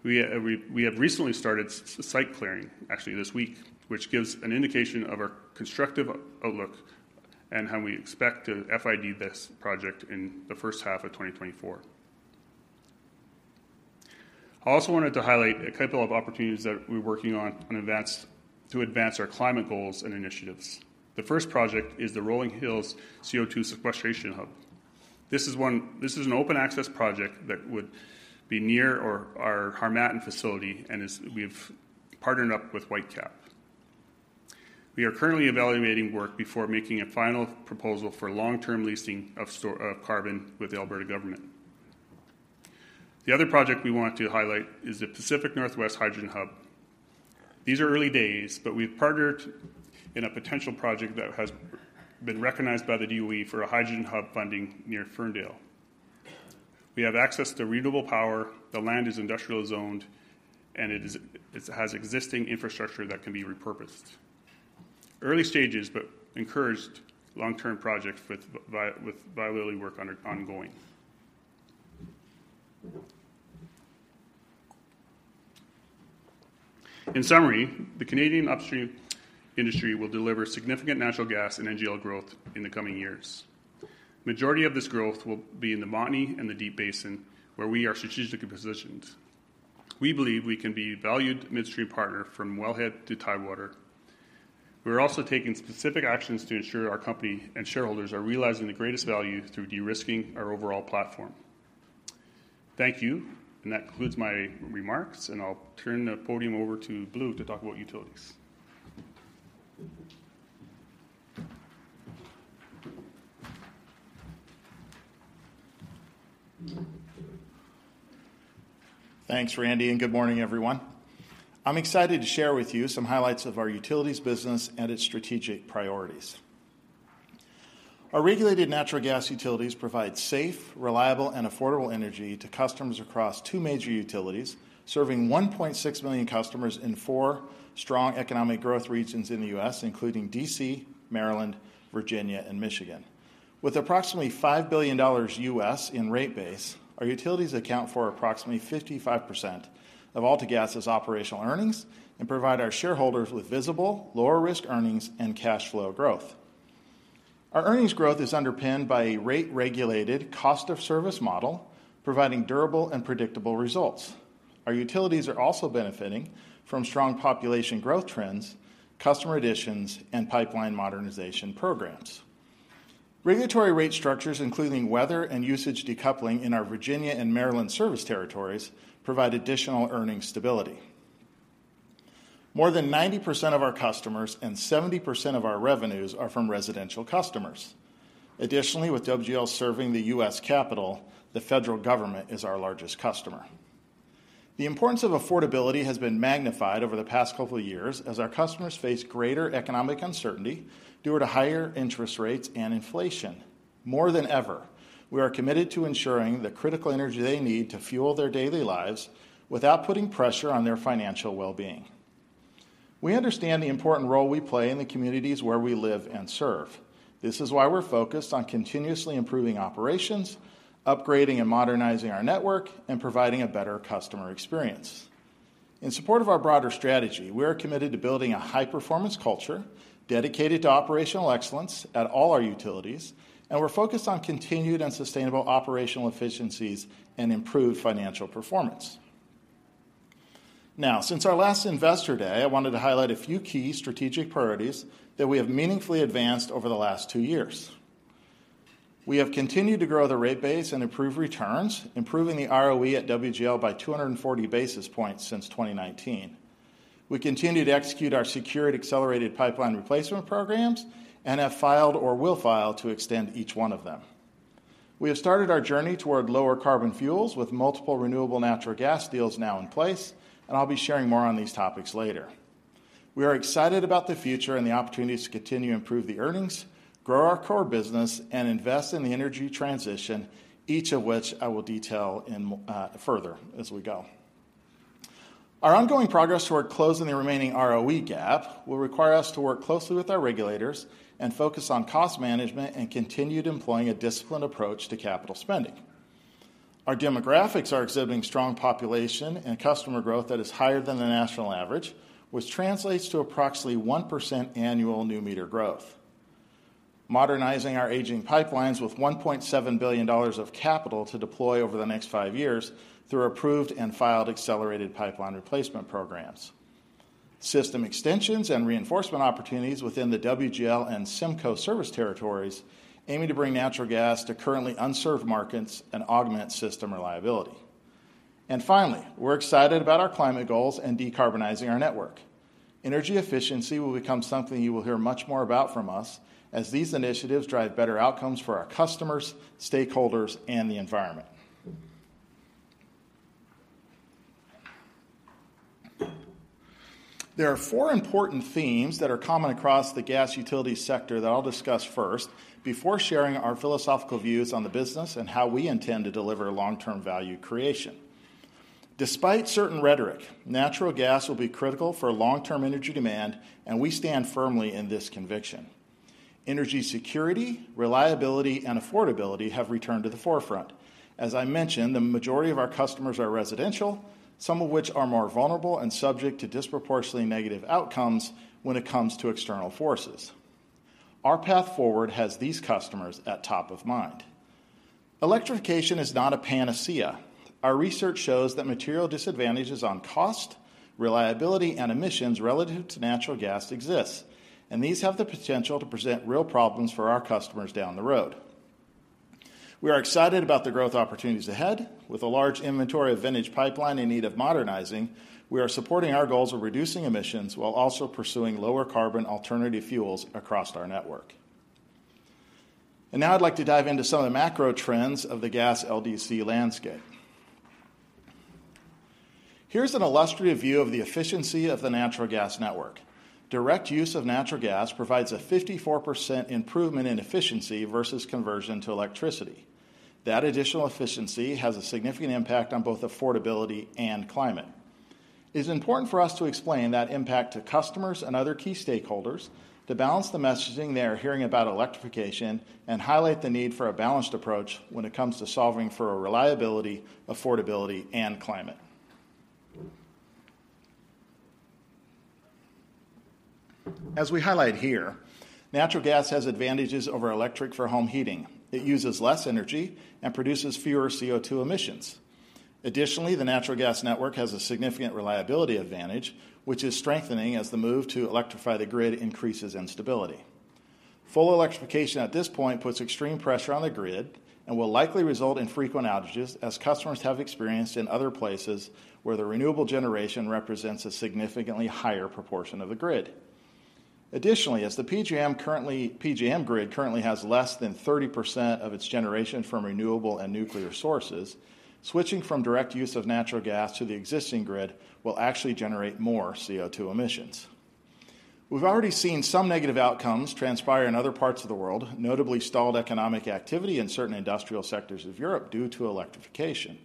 We have recently started site clearing, actually this week, which gives an indication of our constructive outlook and how we expect to FID this project in the first half of 2024. I also wanted to highlight a couple of opportunities that we're working on to advance our climate goals and initiatives. The first project is the Rolling Hills CO2 Sequestration Hub. This is an open access project that would be near our Harmattan facility, and we've partnered up with Whitecap. We are currently evaluating work before making a final proposal for long-term leasing of storage of carbon with the Alberta government. The other project we want to highlight is the Pacific Northwest Hydrogen Hub. These are early days, but we've partnered in a potential project that has been recognized by the DOE for a hydrogen hub funding near Ferndale. We have access to renewable power, the land is industrial zoned, and it has existing infrastructure that can be repurposed. Early stages, but encouraged long-term projects with viability work under ongoing. In summary, the Canadian upstream industry will deliver significant natural gas and NGL growth in the coming years. Majority of this growth will be in the Montney and the Deep Basin, where we are strategically positioned. We believe we can be a valued Midstream partner from wellhead to tidewater. We are also taking specific actions to ensure our company and shareholders are realizing the greatest value through de-risking our overall platform. Thank you, and that concludes my remarks, and I'll turn the podium over to Blue to talk about Utilities. Thanks, Randy, and good morning, everyone. I'm excited to share with you some highlights of our Utilities business and its strategic priorities. Our regulated natural gas Utilities provide safe, reliable, and affordable energy to customers across two major Utilities, serving 1.6 million customers in four strong economic growth regions in the U.S., including D.C., Maryland, Virginia, and Michigan. With approximately $5 billion in rate base, our Utilities account for approximately 55% of AltaGas's operational earnings and provide our shareholders with visible, lower-risk earnings and cash flow growth. Our earnings growth is underpinned by a rate-regulated cost-of-service model, providing durable and predictable results. Our Utilities are also benefiting from strong population growth trends, customer additions, and pipeline modernization programs. Regulatory rate structures, including weather and usage decoupling in our Virginia and Maryland service territories, provide additional earning stability. More than 90% of our customers and 70% of our revenues are from residential customers. Additionally, with WGL serving the U.S. capital, the federal government is our largest customer. The importance of affordability has been magnified over the past couple of years as our customers face greater economic uncertainty due to higher interest rates and inflation. More than ever, we are committed to ensuring the critical energy they need to fuel their daily lives without putting pressure on their financial well-being. We understand the important role we play in the communities where we live and serve. This is why we're focused on continuously improving operations, upgrading and modernizing our network, and providing a better customer experience. In support of our broader strategy, we are committed to building a high-performance culture dedicated to operational excellence at all our Utilities, and we're focused on continued and sustainable operational efficiencies and improved financial performance. Now, since our last Investor Day, I wanted to highlight a few key strategic priorities that we have meaningfully advanced over the last 2 years. We have continued to grow the rate base and improve returns, improving the ROE at WGL by 240 basis points since 2019. We continue to execute our secured accelerated pipeline replacement programs and have filed or will file to extend each one of them. We have started our journey toward lower-carbon fuels, with multiple renewable natural gas deals now in place, and I'll be sharing more on these topics later. We are excited about the future and the opportunities to continue to improve the earnings, grow our core business, and invest in the energy transition, each of which I will detail in further as we go. Our ongoing progress toward closing the remaining ROE gap will require us to work closely with our regulators and focus on cost management and continued employing a disciplined approach to capital spending. Our demographics are exhibiting strong population and customer growth that is higher than the national average, which translates to approximately 1% annual new meter growth. Modernizing our aging pipelines with $1.7 billion of capital to deploy over the next five years through approved and filed accelerated pipeline replacement programs. System extensions and reinforcement opportunities within the WGL and SEMCO service territories, aiming to bring natural gas to currently unserved markets and augment system reliability. And finally, we're excited about our climate goals and decarbonizing our network. Energy efficiency will become something you will hear much more about from us as these initiatives drive better outcomes for our customers, stakeholders, and the environment. There are four important themes that are common across the gas utility sector that I'll discuss first before sharing our philosophical views on the business and how we intend to deliver long-term value creation. Despite certain rhetoric, natural gas will be critical for long-term energy demand, and we stand firmly in this conviction. Energy security, reliability, and affordability have returned to the forefront. As I mentioned, the majority of our customers are residential, some of which are more vulnerable and subject to disproportionately negative outcomes when it comes to external forces. Our path forward has these customers at top of mind. Electrification is not a panacea. Our research shows that material disadvantages on cost, reliability, and emissions relative to natural gas exists, and these have the potential to present real problems for our customers down the road. We are excited about the growth opportunities ahead. With a large inventory of vintage pipeline in need of modernizing, we are supporting our goals of reducing emissions while also pursuing lower-carbon alternative fuels across our network. Now I'd like to dive into some of the macro trends of the gas LDC landscape. Here's an illustrative view of the efficiency of the natural gas network. Direct use of natural gas provides a 54% improvement in efficiency versus conversion to electricity. That additional efficiency has a significant impact on both affordability and climate. It's important for us to explain that impact to customers and other key stakeholders to balance the messaging they are hearing about electrification and highlight the need for a balanced approach when it comes to solving for reliability, affordability, and climate. As we highlight here, natural gas has advantages over electric for home heating. It uses less energy and produces fewer CO2 emissions. Additionally, the natural gas network has a significant reliability advantage, which is strengthening as the move to electrify the grid increases instability. Full electrification at this point puts extreme pressure on the grid and will likely result in frequent outages, as customers have experienced in other places where the renewable generation represents a significantly higher proportion of the grid. Additionally, as the PJM grid currently has less than 30% of its generation from renewable and nuclear sources, switching from direct use of natural gas to the existing grid will actually generate more CO₂ emissions. We've already seen some negative outcomes transpire in other parts of the world, notably stalled economic activity in certain industrial sectors of Europe due to electrification.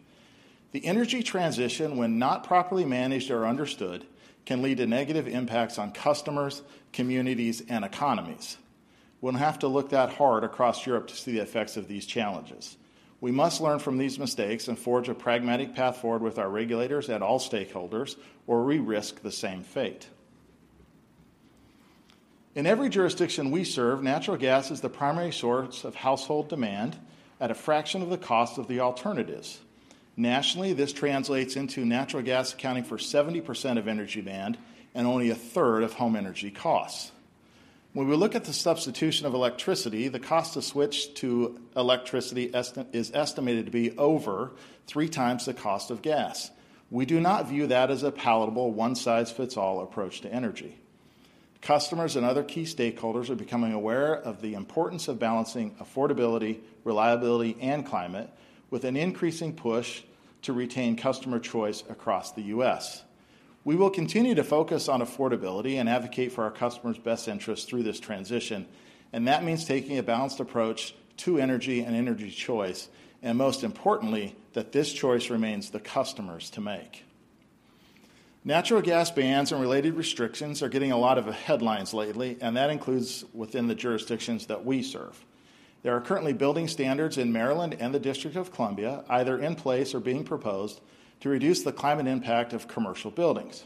The energy transition, when not properly managed or understood, can lead to negative impacts on customers, communities, and economies. We don't have to look that hard across Europe to see the effects of these challenges. We must learn from these mistakes and forge a pragmatic path forward with our regulators and all stakeholders, or we risk the same fate. In every jurisdiction we serve, natural gas is the primary source of household demand at a fraction of the cost of the alternatives. Nationally, this translates into natural gas accounting for 70% of energy demand and only a third of home energy costs. When we look at the substitution of electricity, the cost to switch to electricity is estimated to be over three times the cost of gas. We do not view that as a palatable one-size-fits-all approach to energy. Customers and other key stakeholders are becoming aware of the importance of balancing affordability, reliability, and climate, with an increasing push to retain customer choice across the US. We will continue to focus on affordability and advocate for our customers' best interests through this transition, and that means taking a balanced approach to energy and energy choice, and most importantly, that this choice remains the customers to make. Natural gas bans and related restrictions are getting a lot of headlines lately, and that includes within the jurisdictions that we serve. There are currently building standards in Maryland and the District of Columbia, either in place or being proposed, to reduce the climate impact of commercial buildings.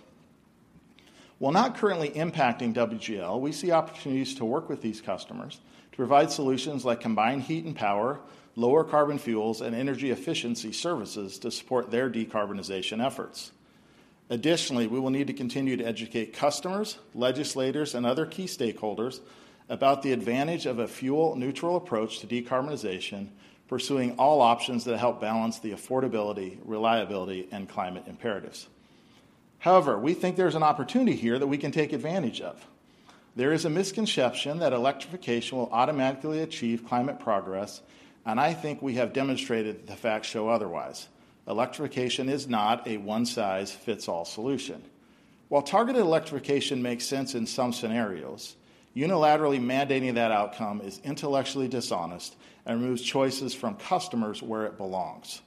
While not currently impacting WGL, we see opportunities to work with these customers to provide solutions like combined heat and power, lower carbon fuels, and energy efficiency services to support their decarbonization efforts. Additionally, we will need to continue to educate customers, legislators, and other key stakeholders about the advantage of a fuel-neutral approach to decarbonization, pursuing all options that help balance the affordability, reliability, and climate imperatives. However, we think there's an opportunity here that we can take advantage of. There is a misconception that electrification will automatically achieve climate progress, and I think we have demonstrated that the facts show otherwise. Electrification is not a one-size-fits-all solution. While targeted electrification makes sense in some scenarios, unilaterally mandating that outcome is intellectually dishonest and removes choices from customers where it belongs.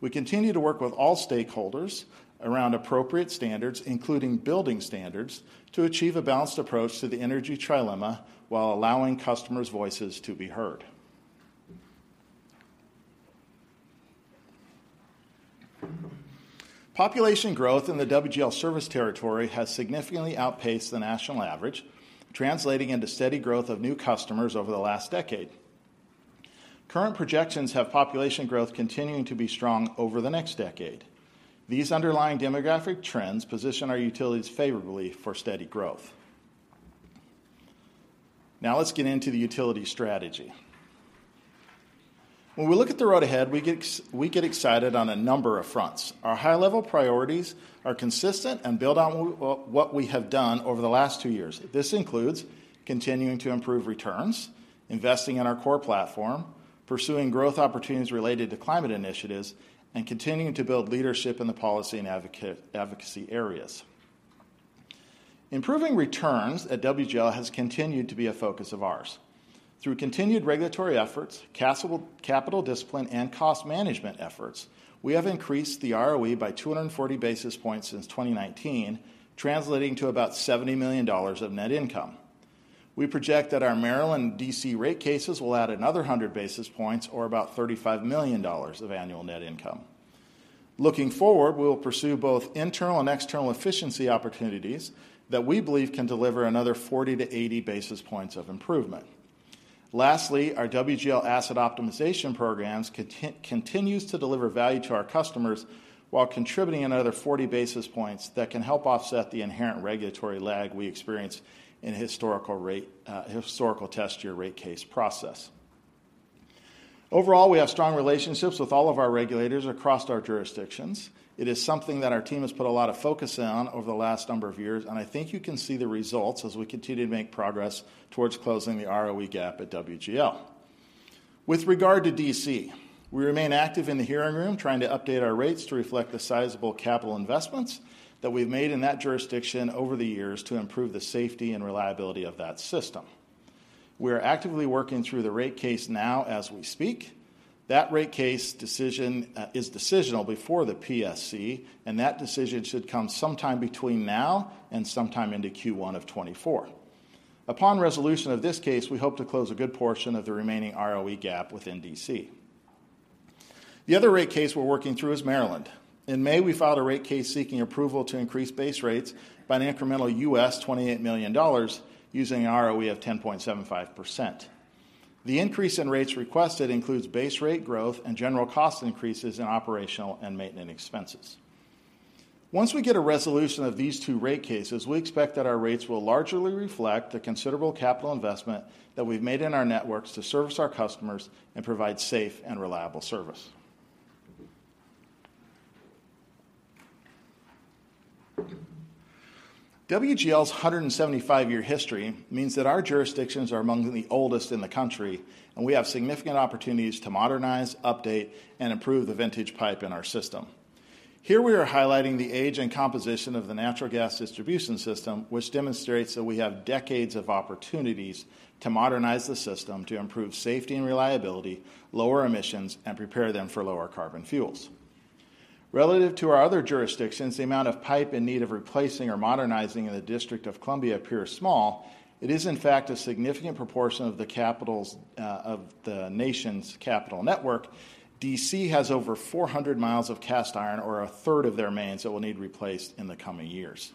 We continue to work with all stakeholders around appropriate standards, including building standards, to achieve a balanced approach to the energy trilemma while allowing customers' voices to be heard. Population growth in the WGL service territory has significantly outpaced the national average, translating into steady growth of new customers over the last decade. Current projections have population growth continuing to be strong over the next decade. These underlying demographic trends position our Utilities favorably for steady growth. Now let's get into the utility strategy. When we look at the road ahead, we get excited on a number of fronts. Our high-level priorities are consistent and build on what we have done over the last two years. This includes continuing to improve returns, investing in our core platform, pursuing growth opportunities related to climate initiatives, and continuing to build leadership in the policy and advocacy areas. Improving returns at WGL has continued to be a focus of ours. Through continued regulatory efforts, capital discipline, and cost management efforts, we have increased the ROE by 240 basis points since 2019, translating to about $70 million of net income. We project that our Maryland DC rate cases will add another 100 basis points, or about $35 million of annual net income. Looking forward, we will pursue both internal and external efficiency opportunities that we believe can deliver another 40-80 basis points of improvement. Lastly, our WGL asset optimization programs continues to deliver value to our customers while contributing another 40 basis points that can help offset the inherent regulatory lag we experience in historical rate, historical test year rate case process. Overall, we have strong relationships with all of our regulators across our jurisdictions. It is something that our team has put a lot of focus on over the last number of years, and I think you can see the results as we continue to make progress towards closing the ROE gap at WGL. With regard to DC, we remain active in the hearing room, trying to update our rates to reflect the sizable capital investments that we've made in that jurisdiction over the years to improve the safety and reliability of that system. We are actively working through the rate case now as we speak. That rate case decision is a decision before the PSC, and that decision should come sometime between now and sometime into Q1 of 2024. Upon resolution of this case, we hope to close a good portion of the remaining ROE gap within D.C. The other rate case we're working through is Maryland. In May, we filed a rate case seeking approval to increase base rates by an incremental $28 million using an ROE of 10.75%. The increase in rates requested includes base rate growth and general cost increases in operational and maintenance expenses. Once we get a resolution of these two rate cases, we expect that our rates will largely reflect the considerable capital investment that we've made in our networks to service our customers and provide safe and reliable service. WGL's 175-year history means that our jurisdictions are among the oldest in the country, and we have significant opportunities to modernize, update, and improve the vintage pipe in our system. Here we are highlighting the age and composition of the natural gas distribution system, which demonstrates that we have decades of opportunities to modernize the system to improve safety and reliability, lower emissions, and prepare them for lower carbon fuels. Relative to our other jurisdictions, the amount of pipe in need of replacing or modernizing in the District of Columbia appears small. It is, in fact, a significant proportion of the capital's, of the nation's capital network. D.C. has over 400 miles of cast iron, or a third of their mains, that will need replaced in the coming years.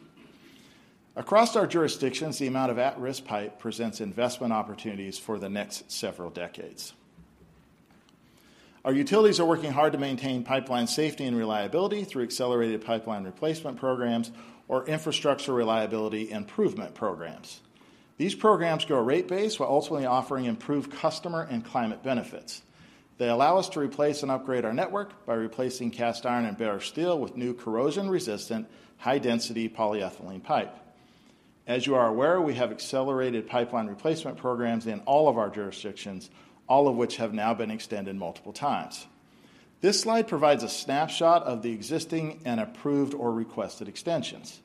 Across our jurisdictions, the amount of at-risk pipe presents investment opportunities for the next several decades. Our Utilities are working hard to maintain pipeline safety and reliability through accelerated pipeline replacement programs or infrastructure reliability improvement programs. These programs go rate-based while ultimately offering improved customer and climate benefits. They allow us to replace and upgrade our network by replacing cast iron and bare steel with new corrosion-resistant, high-density polyethylene pipe. As you are aware, we have accelerated pipeline replacement programs in all of our jurisdictions, all of which have now been extended multiple times. This slide provides a snapshot of the existing and approved or requested extensions.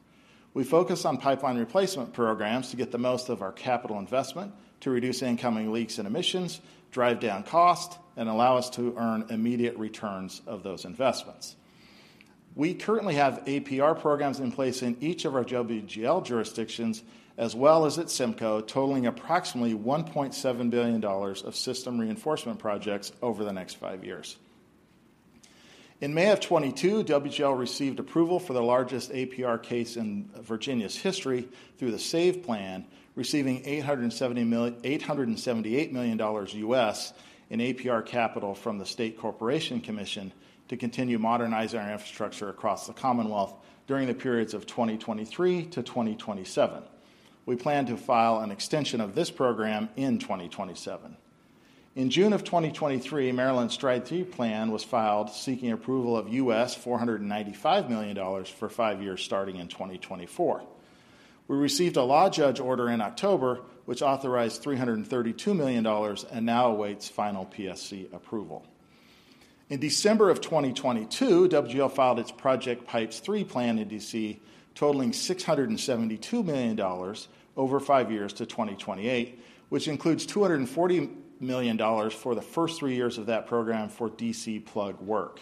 We focus on pipeline replacement programs to get the most of our capital investment to reduce incoming leaks and emissions, drive down cost, and allow us to earn immediate returns of those investments. We currently have APR programs in place in each of our WGL jurisdictions, as well as at SEMCO, totaling approximately $1.7 billion of system reinforcement projects over the next five years. In May of 2022, WGL received approval for the largest APR case in Virginia's history through the SAVE Plan, receiving $878 million in APR capital from the State Corporation Commission to continue modernizing our infrastructure across the Commonwealth during the periods of 2023 to 2027. We plan to file an extension of this program in 2027. In June of 2023, Maryland's STRIDE 3 plan was filed, seeking approval of $495 million for five years, starting in 2024. We received a law judge order in October, which authorized $332 million, and now awaits final PSC approval. In December of 2022, WGL filed its Project Pipes Three plan in D.C., totaling $672 million over five years to 2028, which includes $240 million for the first three years of that program for D.C. plugged work.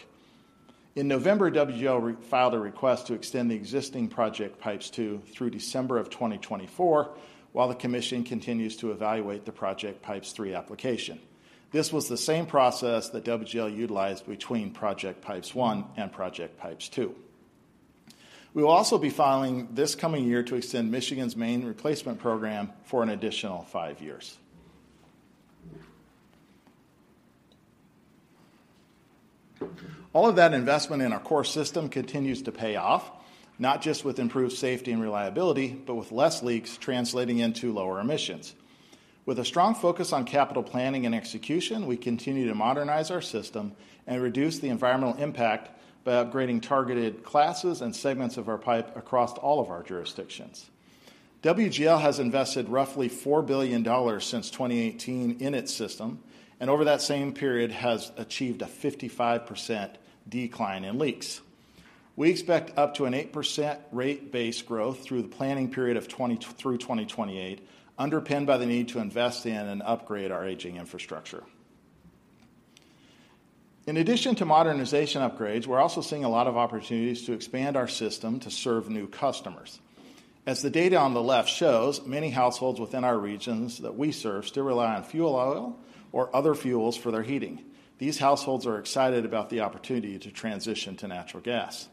In November, WGL re-filed a request to extend the existing Project Pipes Two through December of 2024, while the commission continues to evaluate the Project Pipes Three application. This was the same process that WGL utilized between Project Pipes One and Project Pipes Two. We will also be filing this coming year to extend Michigan's main replacement program for an additional five years. All of that investment in our core system continues to pay off, not just with improved safety and reliability, but with less leaks translating into lower emissions. With a strong focus on capital planning and execution, we continue to modernize our system and reduce the environmental impact by upgrading targeted classes and segments of our pipe across all of our jurisdictions. WGL has invested roughly $4 billion since 2018 in its system, and over that same period, has achieved a 55% decline in leaks. We expect up to an 8% rate-based growth through the planning period of 2020 through 2028, underpinned by the need to invest in and upgrade our aging infrastructure. In addition to modernization upgrades, we're also seeing a lot of opportunities to expand our system to serve new customers. As the data on the left shows, many households within our regions that we serve still rely on fuel oil or other fuels for their heating. These households are excited about the opportunity to transition to natural gas.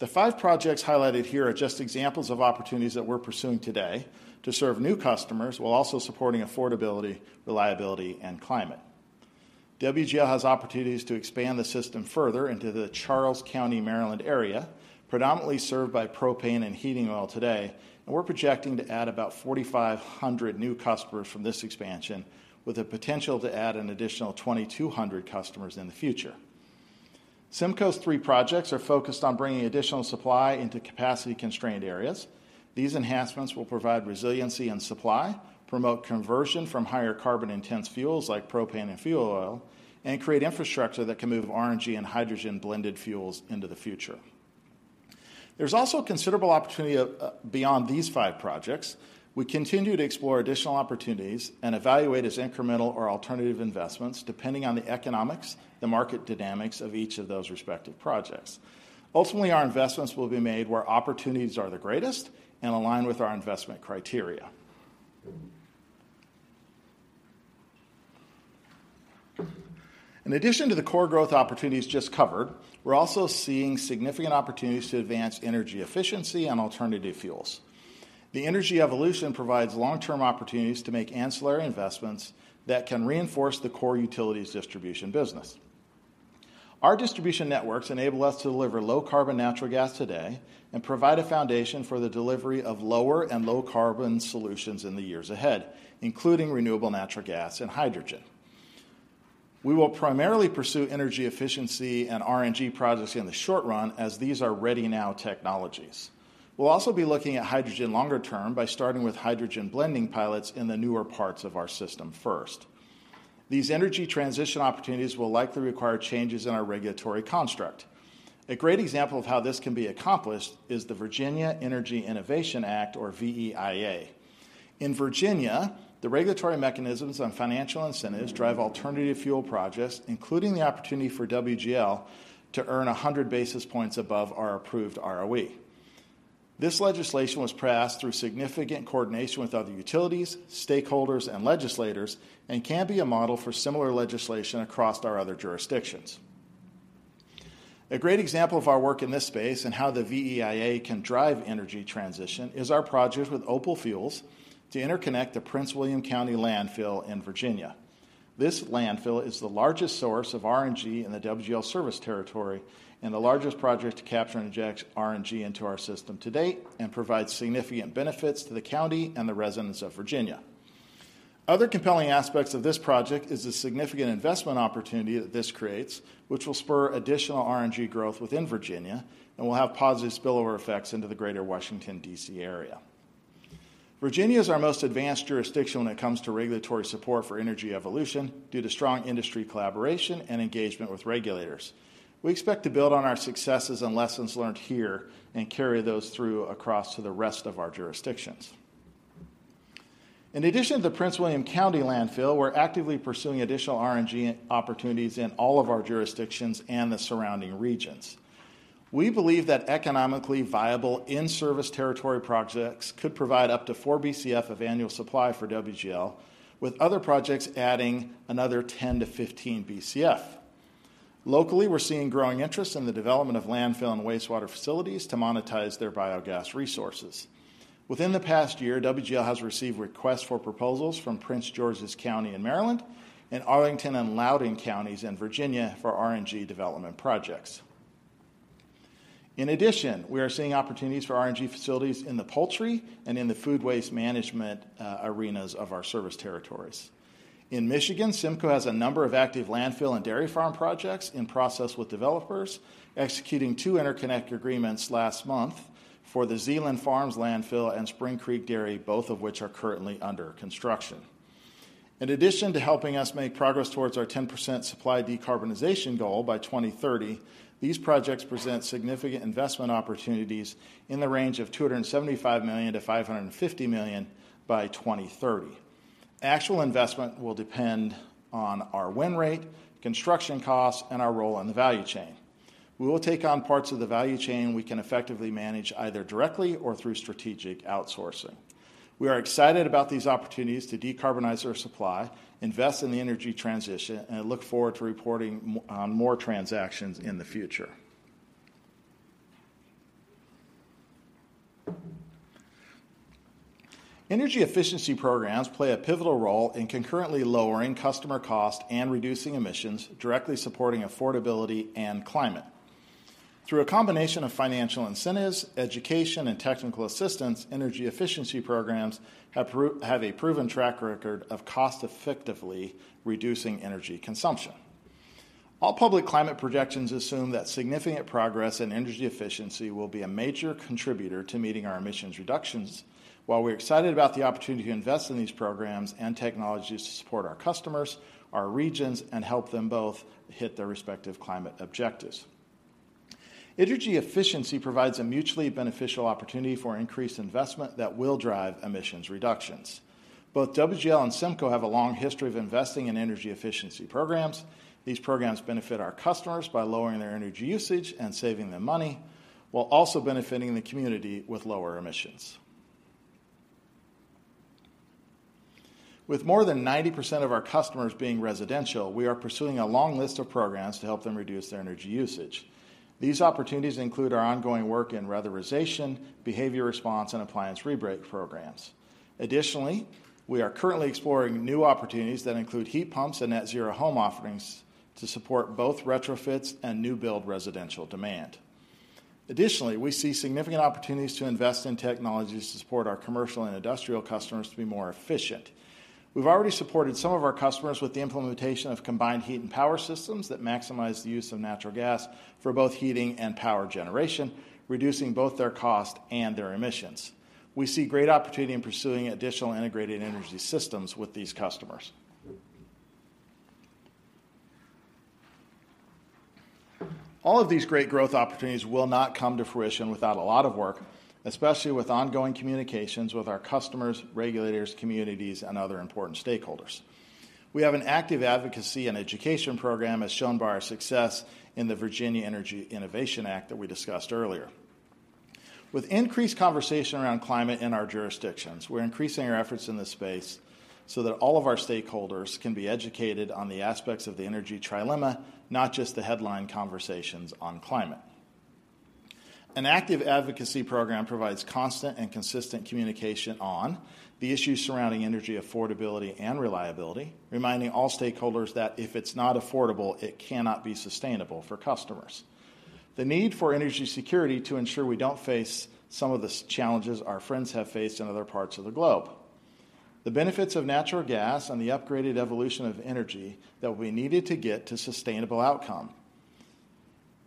The five projects highlighted here are just examples of opportunities that we're pursuing today to serve new customers while also supporting affordability, reliability, and climate. WGL has opportunities to expand the system further into the Charles County, Maryland, area, predominantly served by propane and heating oil today, and we're projecting to add about 4,500 new customers from this expansion, with the potential to add an additional 2,200 customers in the future. SEMCO's three projects are focused on bringing additional supply into capacity-constrained areas. These enhancements will provide resiliency and supply, promote conversion from higher carbon-intense fuels like propane and fuel oil, and create infrastructure that can move RNG and hydrogen-blended fuels into the future. There's also considerable opportunity beyond these five projects. We continue to explore additional opportunities and evaluate as incremental or alternative investments, depending on the economics, the market dynamics of each of those respective projects. Ultimately, our investments will be made where opportunities are the greatest and align with our investment criteria. In addition to the core growth opportunities just covered, we're also seeing significant opportunities to advance energy efficiency and alternative fuels.... The energy evolution provides long-term opportunities to make ancillary investments that can reinforce the core Utilities distribution business. Our distribution networks enable us to deliver low carbon natural gas today, and provide a foundation for the delivery of lower and low carbon solutions in the years ahead, including renewable natural gas and hydrogen. We will primarily pursue energy efficiency and RNG projects in the short run, as these are ready-now technologies. We'll also be looking at hydrogen longer term by starting with hydrogen blending pilots in the newer parts of our system first. These energy transition opportunities will likely require changes in our regulatory construct. A great example of how this can be accomplished is the Virginia Energy Innovation Act, or VEIA. In Virginia, the regulatory mechanisms on financial incentives drive alternative fuel projects, including the opportunity for WGL to earn 100 basis points above our approved ROE. This legislation was passed through significant coordination with other Utilities, stakeholders, and legislators, and can be a model for similar legislation across our other jurisdictions. A great example of our work in this space and how the VEIA can drive energy transition, is our project with Opal Fuels to interconnect the Prince William County Landfill in Virginia. This landfill is the largest source of RNG in the WGL service territory, and the largest project to capture and inject RNG into our system to date, and provides significant benefits to the county and the residents of Virginia. Other compelling aspects of this project is the significant investment opportunity that this creates, which will spur additional RNG growth within Virginia, and will have positive spillover effects into the greater Washington, D.C. area. Virginia is our most advanced jurisdiction when it comes to regulatory support for energy evolution, due to strong industry collaboration and engagement with regulators. We expect to build on our successes and lessons learned here, and carry those through across to the rest of our jurisdictions. In addition to the Prince William County Landfill, we're actively pursuing additional RNG opportunities in all of our jurisdictions and the surrounding regions. We believe that economically viable in-service territory projects could provide up to 4 BCF of annual supply for WGL, with other projects adding another 10-15 BCF. Locally, we're seeing growing interest in the development of landfill and wastewater facilities to monetize their biogas resources. Within the past year, WGL has received requests for proposals from Prince George's County in Maryland, and Arlington and Loudoun Counties in Virginia for RNG development projects. In addition, we are seeing opportunities for RNG facilities in the poultry and in the food waste management arenas of our service territories. In Michigan, SEMCO has a number of active landfill and dairy farm projects in process with developers, executing two interconnect agreements last month for the Zeeland Farms Landfill and Spring Creek Dairy, both of which are currently under construction. In addition to helping us make progress towards our 10% supply decarbonization goal by 2030, these projects present significant investment opportunities in the range of $275 million-$550 million by 2030. Actual investment will depend on our win rate, construction costs, and our role in the value chain. We will take on parts of the value chain we can effectively manage, either directly or through strategic outsourcing. We are excited about these opportunities to decarbonize our supply, invest in the energy transition, and look forward to reporting more on more transactions in the future. Energy efficiency programs play a pivotal role in concurrently lowering customer cost and reducing emissions, directly supporting affordability and climate. Through a combination of financial incentives, education, and technical assistance, energy efficiency programs have a proven track record of cost-effectively reducing energy consumption. All public climate projections assume that significant progress in energy efficiency will be a major contributor to meeting our emissions reductions, while we're excited about the opportunity to invest in these programs and technologies to support our customers, our regions, and help them both hit their respective climate objectives. Energy efficiency provides a mutually beneficial opportunity for increased investment that will drive emissions reductions. Both WGL and SEMCO have a long history of investing in energy efficiency programs. These programs benefit our customers by lowering their energy usage and saving them money, while also benefiting the community with lower emissions. With more than 90% of our customers being residential, we are pursuing a long list of programs to help them reduce their energy usage. These opportunities include our ongoing work in weatherization, behavior response, and appliance rebate programs. Additionally, we are currently exploring new opportunities that include heat pumps and net zero home offerings to support both retrofits and new build residential demand. Additionally, we see significant opportunities to invest in technologies to support our commercial and industrial customers to be more efficient. We've already supported some of our customers with the implementation of combined heat and power systems that maximize the use of natural gas for both heating and power generation, reducing both their cost and their emissions. We see great opportunity in pursuing additional integrated energy systems with these customers. All of these great growth opportunities will not come to fruition without a lot of work, especially with ongoing communications with our customers, regulators, communities, and other important stakeholders. We have an active advocacy and education program, as shown by our success in the Virginia Energy Innovation Act that we discussed earlier. With increased conversation around climate in our jurisdictions, we're increasing our efforts in this space so that all of our stakeholders can be educated on the aspects of the energy trilemma, not just the headline conversations on climate... An active advocacy program provides constant and consistent communication on the issues surrounding energy affordability and reliability, reminding all stakeholders that if it's not affordable, it cannot be sustainable for customers. The need for energy security to ensure we don't face some of the challenges our friends have faced in other parts of the globe. The benefits of natural gas and the upgraded evolution of energy that we needed to get to sustainable outcome.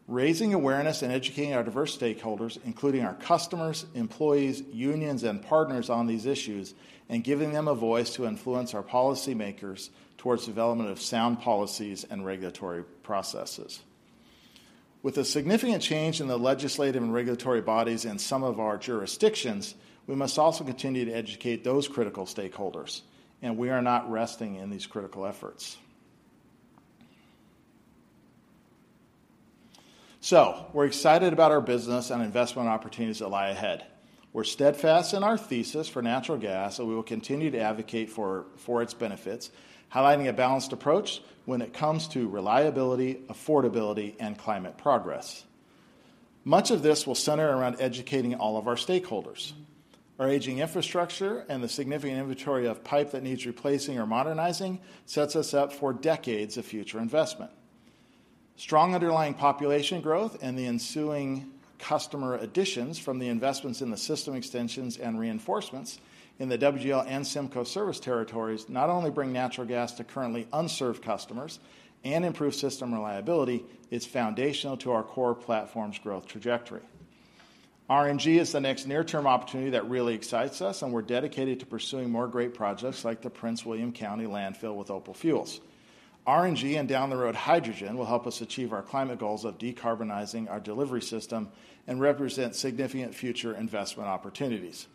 Raising awareness and educating our diverse stakeholders, including our customers, employees, unions, and partners on these issues, and giving them a voice to influence our policymakers towards development of sound policies and regulatory processes. With a significant change in the legislative and regulatory bodies in some of our jurisdictions, we must also continue to educate those critical stakeholders, and we are not resting in these critical efforts. So we're excited about our business and investment opportunities that lie ahead. We're steadfast in our thesis for natural gas, and we will continue to advocate for its benefits, highlighting a balanced approach when it comes to reliability, affordability, and climate progress. Much of this will center around educating all of our stakeholders. Our aging infrastructure and the significant inventory of pipe that needs replacing or modernizing sets us up for decades of future investment. Strong underlying population growth and the ensuing customer additions from the investments in the system extensions and reinforcements in the WGL and SEMCO service territories not only bring natural gas to currently unserved customers and improve system reliability, it's foundational to our core platform's growth trajectory. RNG is the next near-term opportunity that really excites us, and we're dedicated to pursuing more great projects like the Prince William County landfill with Opal Fuels. RNG and down the road, hydrogen, will help us achieve our climate goals of decarbonizing our delivery system and represent significant future investment opportunities.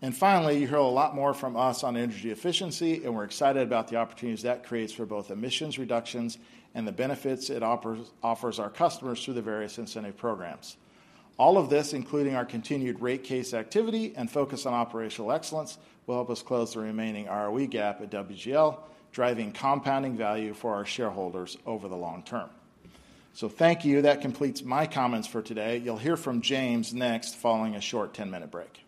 And finally, you'll hear a lot more from us on energy efficiency, and we're excited about the opportunities that creates for both emissions reductions and the benefits it offers, offers our customers through the various incentive programs. All of this, including our continued rate case activity and focus on operational excellence, will help us close the remaining ROE gap at WGL, driving compounding value for our shareholders over the long term. So thank you. That completes my comments for today. You'll hear from James next, following a short 10-minute break.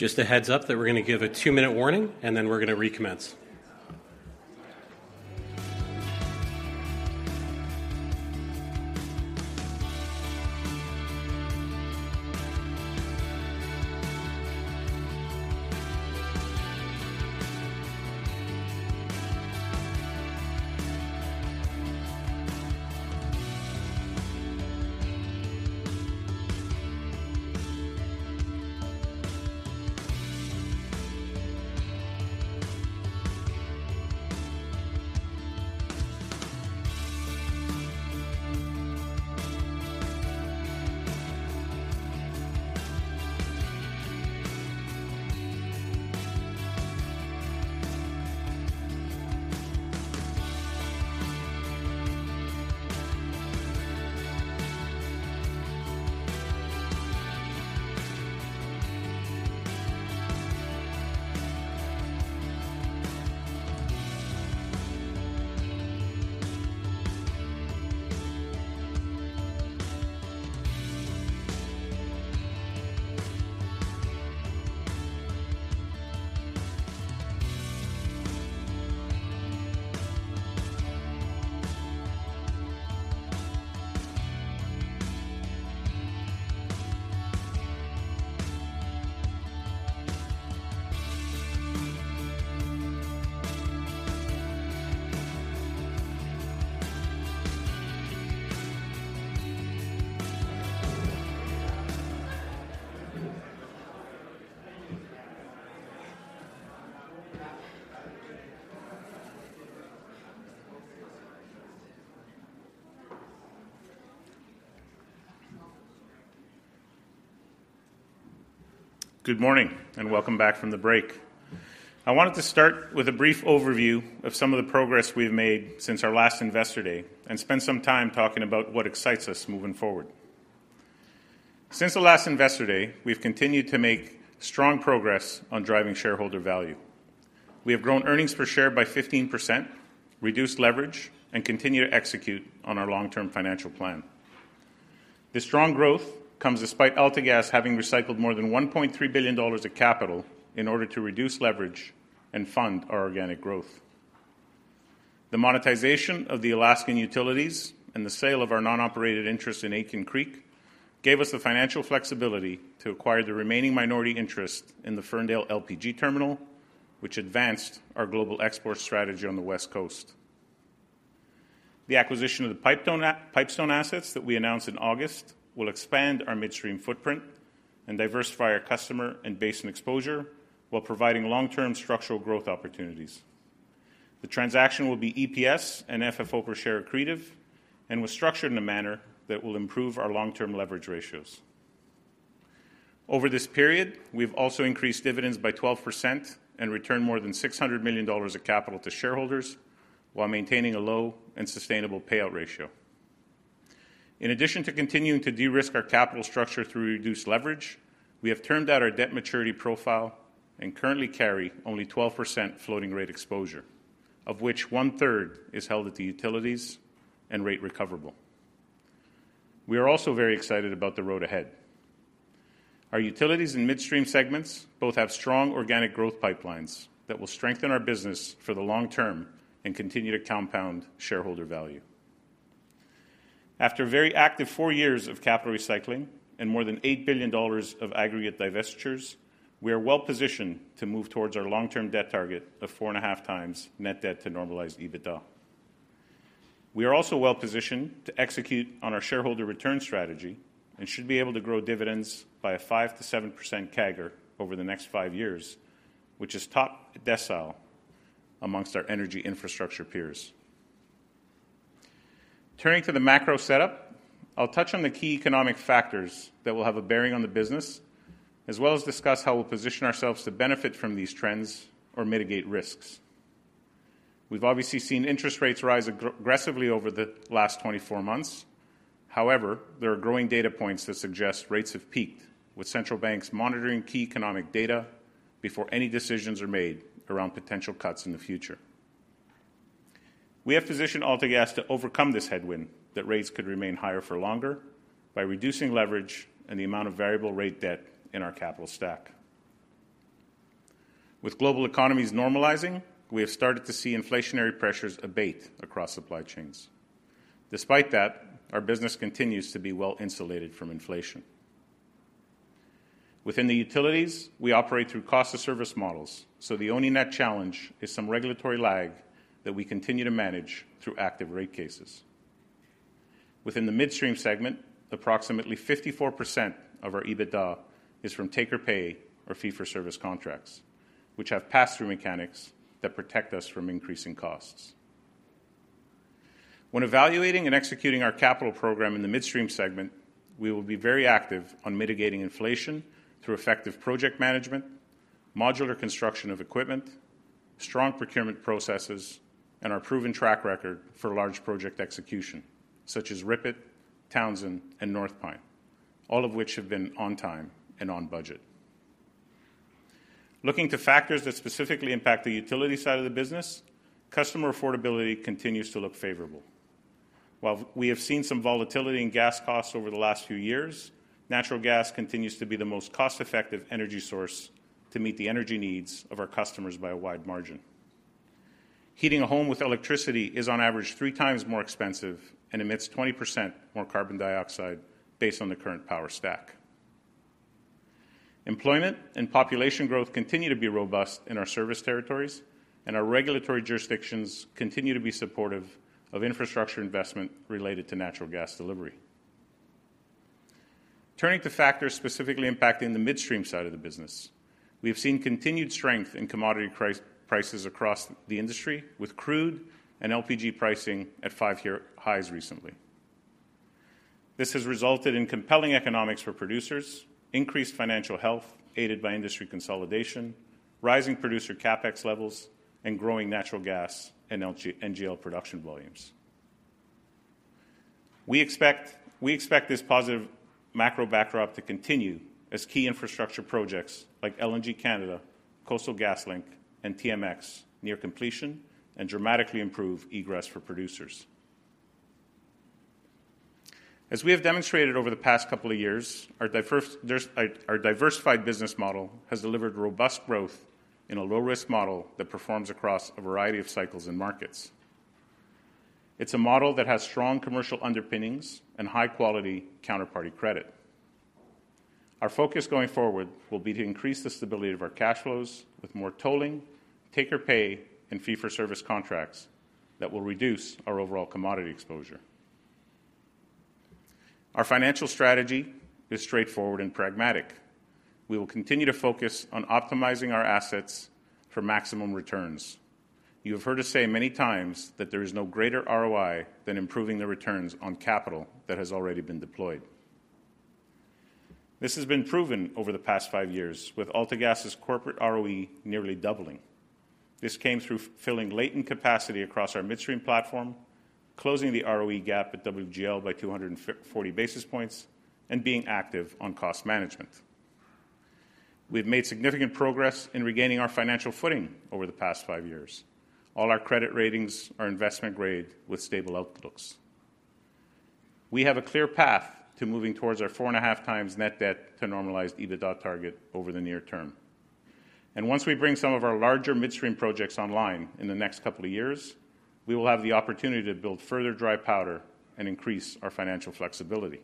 Just a heads up that we're gonna give a two-minute warning, and then we're gonna recommence. Good morning, and welcome back from the break. I wanted to start with a brief overview of some of the progress we've made since our last Investor Day, and spend some time talking about what excites us moving forward. Since the last Investor Day, we've continued to make strong progress on driving shareholder value. We have grown earnings per share by 15%, reduced leverage, and continue to execute on our long-term financial plan. This strong growth comes despite AltaGas having recycled more than $1.3 billion of capital in order to reduce leverage and fund our organic growth. The monetization of the Alaskan Utilities and the sale of our non-operated interest in Aitken Creek gave us the financial flexibility to acquire the remaining minority interest in the Ferndale LPG Terminal, which advanced our global export strategy on the West Coast. The acquisition of the Pipestone, Pipestone assets that we announced in August will expand our Midstream footprint and diversify our customer and basin exposure while providing long-term structural growth opportunities. The transaction will be EPS and FFO per share accretive and was structured in a manner that will improve our long-term leverage ratios. Over this period, we've also increased dividends by 12% and returned more than 600 million dollars of capital to shareholders while maintaining a low and sustainable payout ratio. In addition to continuing to de-risk our capital structure through reduced leverage, we have termed out our debt maturity profile and currently carry only 12% floating rate exposure, of which one-third is held at the Utilities and rate recoverable. We are also very excited about the road ahead. Our Utilities and Midstream segments both have strong organic growth pipelines that will strengthen our business for the long term and continue to compound shareholder value. After a very active 4 years of capital recycling and more than 8 billion dollars of aggregate divestitures, we are well-positioned to move towards our long-term debt target of 4.5x net debt to normalized EBITDA. We are also well-positioned to execute on our shareholder return strategy and should be able to grow dividends by a 5%-7% CAGR over the next 5 years, which is top decile amongst our energy infrastructure peers. Turning to the macro setup, I'll touch on the key economic factors that will have a bearing on the business, as well as discuss how we'll position ourselves to benefit from these trends or mitigate risks. We've obviously seen interest rates rise aggressively over the last 24 months. However, there are growing data points that suggest rates have peaked, with central banks monitoring key economic data before any decisions are made around potential cuts in the future. We have positioned AltaGas to overcome this headwind that rates could remain higher for longer by reducing leverage and the amount of variable rate debt in our capital stack. With global economies normalizing, we have started to see inflationary pressures abate across supply chains. Despite that, our business continues to be well insulated from inflation. Within the Utilities, we operate through cost of service models, so the only net challenge is some regulatory lag that we continue to manage through active rate cases. Within the Midstream segment, approximately 54% of our EBITDA is from take-or-pay or fee-for-service contracts, which have pass-through mechanics that protect us from increasing costs. When evaluating and executing our capital program in the Midstream segment, we will be very active on mitigating inflation through effective project management, modular construction of equipment, strong procurement processes, and our proven track record for large project execution, such as RIPET, Townsend, and North Pine, all of which have been on time and on budget. Looking to factors that specifically impact the utility side of the business, customer affordability continues to look favorable. While we have seen some volatility in gas costs over the last few years, natural gas continues to be the most cost-effective energy source to meet the energy needs of our customers by a wide margin. Heating a home with electricity is, on average, three times more expensive and emits 20% more carbon dioxide based on the current power stack. Employment and population growth continue to be robust in our service territories, and our regulatory jurisdictions continue to be supportive of infrastructure investment related to natural gas delivery. Turning to factors specifically impacting the Midstream side of the business, we have seen continued strength in commodity price, prices across the industry, with crude and LPG pricing at 5-year highs recently. This has resulted in compelling economics for producers, increased financial health aided by industry consolidation, rising producer CapEx levels, and growing natural gas and LPG and NGL production volumes. We expect, we expect this positive macro backdrop to continue as key infrastructure projects like LNG Canada, Coastal GasLink, and TMX near completion and dramatically improve egress for producers. As we have demonstrated over the past couple of years, our diversified business model has delivered robust growth in a low-risk model that performs across a variety of cycles and markets. It's a model that has strong commercial underpinnings and high-quality counterparty credit. Our focus going forward will be to increase the stability of our cash flows with more tolling, take-or-pay, and fee-for-service contracts that will reduce our overall commodity exposure. Our financial strategy is straightforward and pragmatic. We will continue to focus on optimizing our assets for maximum returns. You have heard us say many times that there is no greater ROI than improving the returns on capital that has already been deployed. This has been proven over the past 5 years, with AltaGas's corporate ROE nearly doubling. This came through filling latent capacity across our Midstream platform, closing the ROE gap at WGL by 250 basis points, and being active on cost management. We've made significant progress in regaining our financial footing over the past 5 years. All our credit ratings are investment grade with stable outlooks. We have a clear path to moving towards our 4.5 times net debt to normalized EBITDA target over the near term. And once we bring some of our larger Midstream projects online in the next couple of years, we will have the opportunity to build further dry powder and increase our financial flexibility.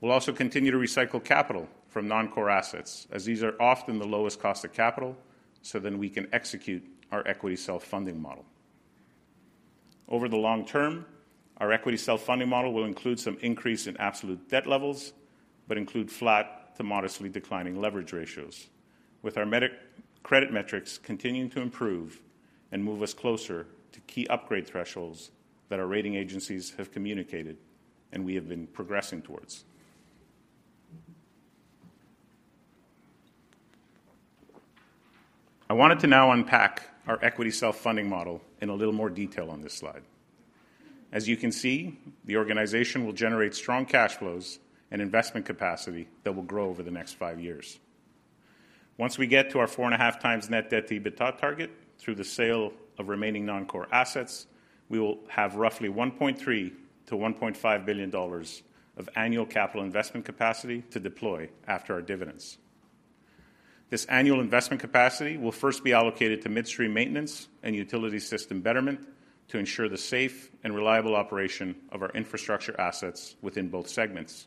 We'll also continue to recycle capital from non-core assets, as these are often the lowest cost of capital, so then we can execute our equity self-funding model. Over the long term, our equity self-funding model will include some increase in absolute debt levels, but include flat to modestly declining leverage ratios, with our mid-cycle credit metrics continuing to improve and move us closer to key upgrade thresholds that our rating agencies have communicated and we have been progressing towards. I wanted to now unpack our equity self-funding model in a little more detail on this slide. As you can see, the organization will generate strong cash flows and investment capacity that will grow over the next five years. Once we get to our 4.5x net debt-to-EBITDA target through the sale of remaining non-core assets, we will have roughly 1.3 billion-1.5 billion dollars of annual capital investment capacity to deploy after our dividends. This annual investment capacity will first be allocated to Midstream maintenance and utility system betterment to ensure the safe and reliable operation of our infrastructure assets within both segments.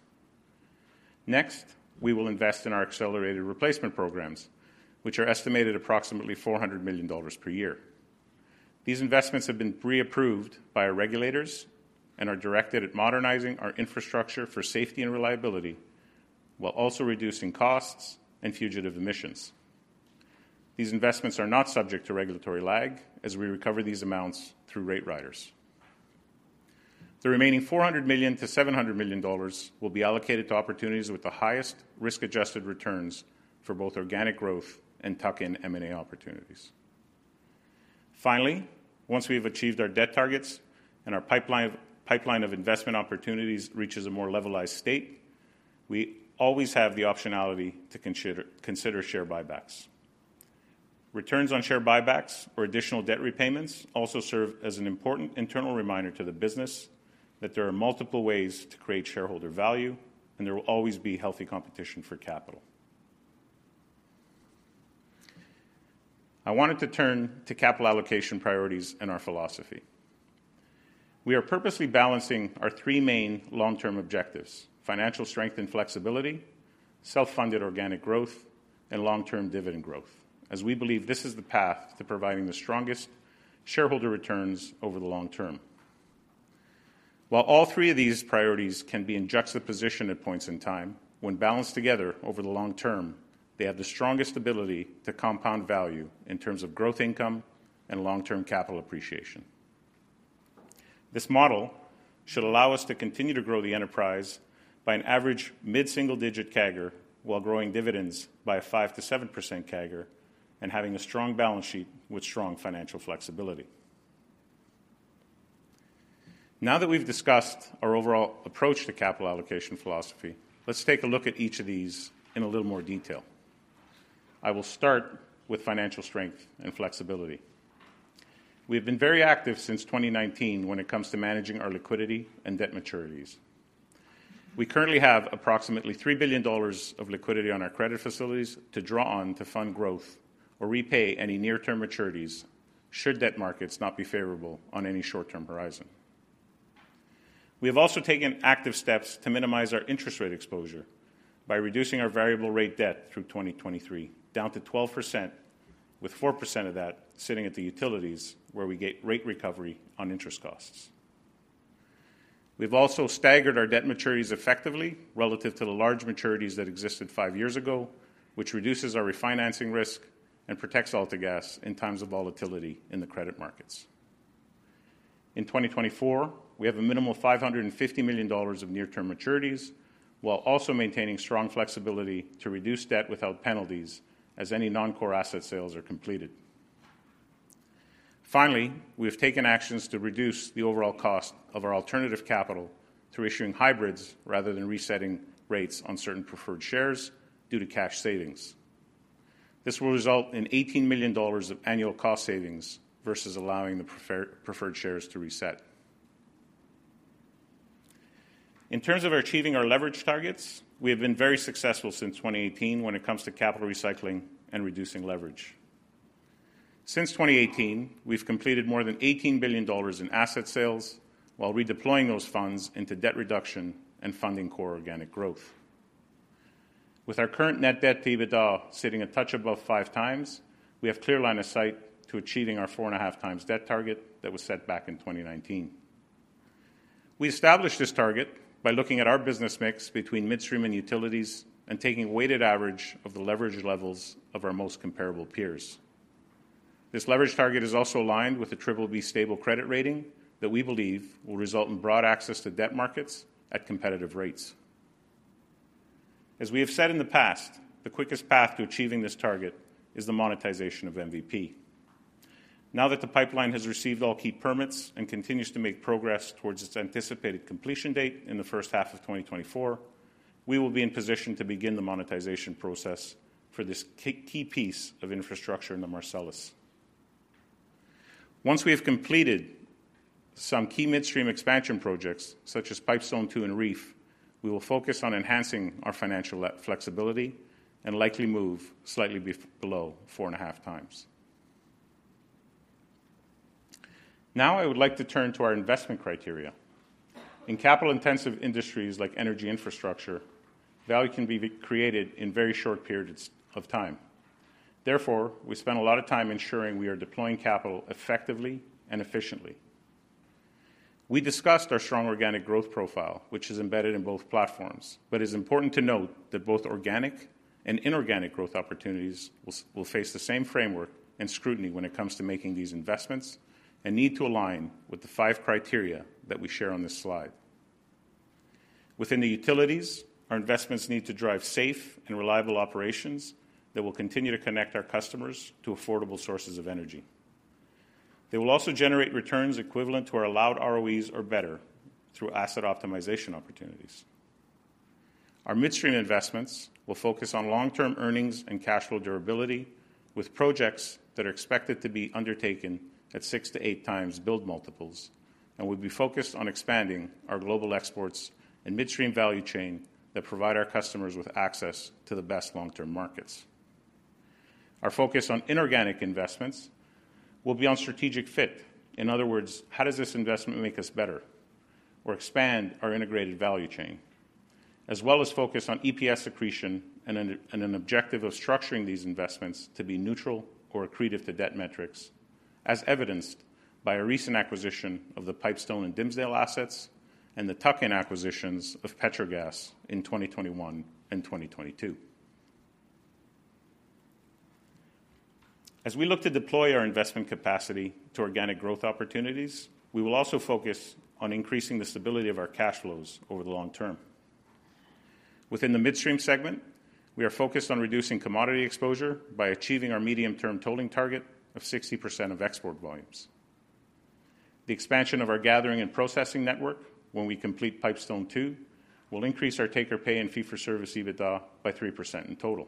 Next, we will invest in our accelerated replacement programs, which are estimated approximately 400 million dollars per year. These investments have been pre-approved by our regulators and are directed at modernizing our infrastructure for safety and reliability, while also reducing costs and fugitive emissions. These investments are not subject to regulatory lag as we recover these amounts through rate riders. The remaining 400 million-700 million dollars will be allocated to opportunities with the highest risk-adjusted returns for both organic growth and tuck-in M&A opportunities. Finally, once we've achieved our debt targets and our pipeline of investment opportunities reaches a more levelized state, we always have the optionality to consider share buybacks. Returns on share buybacks or additional debt repayments also serve as an important internal reminder to the business that there are multiple ways to create shareholder value, and there will always be healthy competition for capital. I wanted to turn to capital allocation priorities and our philosophy. We are purposely balancing our three main long-term objectives: financial strength and flexibility, self-funded organic growth, and long-term dividend growth, as we believe this is the path to providing the strongest shareholder returns over the long term. While all three of these priorities can be in juxtaposition at points in time, when balanced together over the long term, they have the strongest ability to compound value in terms of growth income and long-term capital appreciation. This model should allow us to continue to grow the enterprise by an average mid-single-digit CAGR, while growing dividends by a 5%-7% CAGR and having a strong balance sheet with strong financial flexibility. Now that we've discussed our overall approach to capital allocation philosophy, let's take a look at each of these in a little more detail. I will start with financial strength and flexibility. We have been very active since 2019 when it comes to managing our liquidity and debt maturities. We currently have approximately 3 billion dollars of liquidity on our credit facilities to draw on to fund growth or repay any near-term maturities, should debt markets not be favorable on any short-term horizon. We have also taken active steps to minimize our interest rate exposure by reducing our variable rate debt through 2023, down to 12%, with 4% of that sitting at the Utilities, where we get rate recovery on interest costs. We've also staggered our debt maturities effectively relative to the large maturities that existed five years ago, which reduces our refinancing risk and protects AltaGas in times of volatility in the credit markets. In 2024, we have a minimum of 550 million dollars of near-term maturities, while also maintaining strong flexibility to reduce debt without penalties as any non-core asset sales are completed. Finally, we have taken actions to reduce the overall cost of our alternative capital through issuing hybrids rather than resetting rates on certain preferred shares due to cash savings. This will result in 18 million dollars of annual cost savings versus allowing the preferred shares to reset. In terms of achieving our leverage targets, we have been very successful since 2018 when it comes to capital recycling and reducing leverage. Since 2018, we've completed more than 18 billion dollars in asset sales while redeploying those funds into debt reduction and funding core organic growth. With our current net debt-to-EBITDA sitting a touch above 5x, we have clear line of sight to achieving our 4.5x debt target that was set back in 2019. We established this target by looking at our business mix between Midstream and Utilities and taking weighted average of the leverage levels of our most comparable peers. This leverage target is also aligned with the Triple B stable credit rating that we believe will result in broad access to debt markets at competitive rates. As we have said in the past, the quickest path to achieving this target is the monetization of MVP. Now that the pipeline has received all key permits and continues to make progress towards its anticipated completion date in the first half of 2024, we will be in position to begin the monetization process for this key, key piece of infrastructure in the Marcellus. Once we have completed some key Midstream expansion projects, such as Pipestone II and REEF, we will focus on enhancing our financial flexibility and likely move slightly below 4.5 times. Now I would like to turn to our investment criteria. In capital-intensive industries like energy infrastructure, value can be created in very short periods of time. Therefore, we spend a lot of time ensuring we are deploying capital effectively and efficiently. We discussed our strong organic growth profile, which is embedded in both platforms, but it's important to note that both organic and inorganic growth opportunities will face the same framework and scrutiny when it comes to making these investments and need to align with the five criteria that we share on this slide. Within the Utilities, our investments need to drive safe and reliable operations that will continue to connect our customers to affordable sources of energy. They will also generate returns equivalent to our allowed ROEs or better through asset optimization opportunities. Our Midstream investments will focus on long-term earnings and cash flow durability, with projects that are expected to be undertaken at 6-8x build multiples, and we'll be focused on expanding our global exports and Midstream value chain that provide our customers with access to the best long-term markets. Our focus on inorganic investments will be on strategic fit. In other words, how does this investment make us better or expand our integrated value chain? As well as focus on EPS accretion and an objective of structuring these investments to be neutral or accretive to debt metrics, as evidenced by a recent acquisition of the Pipestone and Dimsdale assets and the tuck-in acquisitions of Petrogas in 2021 and 2022. As we look to deploy our investment capacity to organic growth opportunities, we will also focus on increasing the stability of our cash flows over the long term. Within the Midstream segment, we are focused on reducing commodity exposure by achieving our medium-term tolling target of 60% of export volumes. The expansion of our gathering and processing network when we complete Pipestone II, will increase our take-or-pay and fee-for-service EBITDA by 3% in total.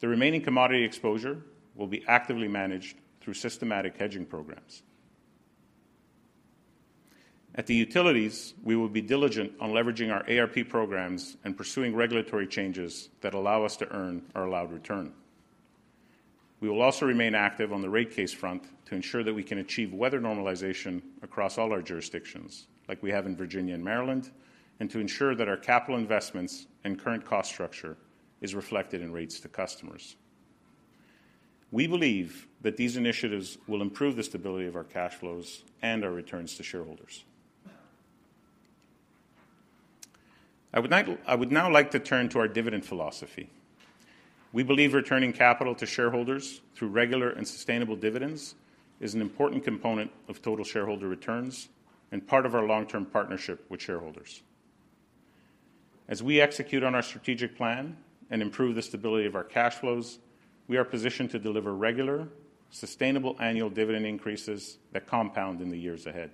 The remaining commodity exposure will be actively managed through systematic hedging programs. At the Utilities, we will be diligent on leveraging our APR programs and pursuing regulatory changes that allow us to earn our allowed return. We will also remain active on the rate case front to ensure that we can achieve weather normalization across all our jurisdictions, like we have in Virginia and Maryland, and to ensure that our capital investments and current cost structure is reflected in rates to customers. We believe that these initiatives will improve the stability of our cash flows and our returns to shareholders. I would like—I would now like to turn to our dividend philosophy. We believe returning capital to shareholders through regular and sustainable dividends is an important component of total shareholder returns and part of our long-term partnership with shareholders. As we execute on our strategic plan and improve the stability of our cash flows, we are positioned to deliver regular, sustainable annual dividend increases that compound in the years ahead.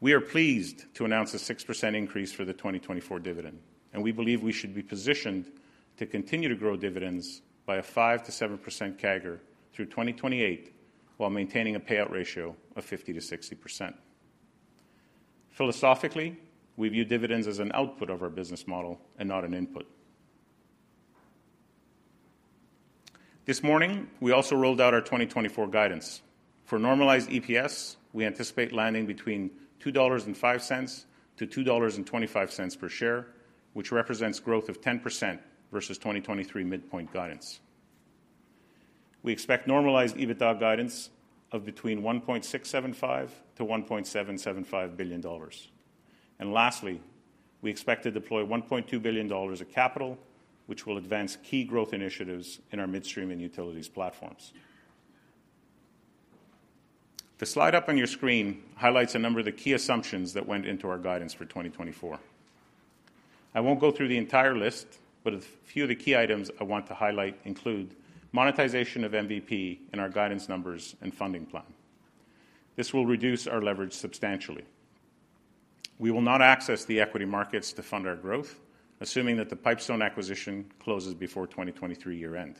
We are pleased to announce a 6% increase for the 2024 dividend, and we believe we should be positioned to continue to grow dividends by a 5%-7% CAGR through 2028, while maintaining a payout ratio of 50%-60%. Philosophically, we view dividends as an output of our business model and not an input. This morning, we also rolled out our 2024 guidance. For normalized EPS, we anticipate landing between 2.05-2.25 dollars per share, which represents growth of 10% versus 2023 midpoint guidance. We expect normalized EBITDA guidance of between 1.675 billion-1.775 billion dollars. And lastly, we expect to deploy 1.2 billion dollars of capital, which will advance key growth initiatives in our Midstream and Utilities platforms. The slide up on your screen highlights a number of the key assumptions that went into our guidance for 2024. I won't go through the entire list, but a few of the key items I want to highlight include monetization of MVP in our guidance numbers and funding plan. This will reduce our leverage substantially. We will not access the equity markets to fund our growth, assuming that the Pipestone acquisition closes before 2023 year end.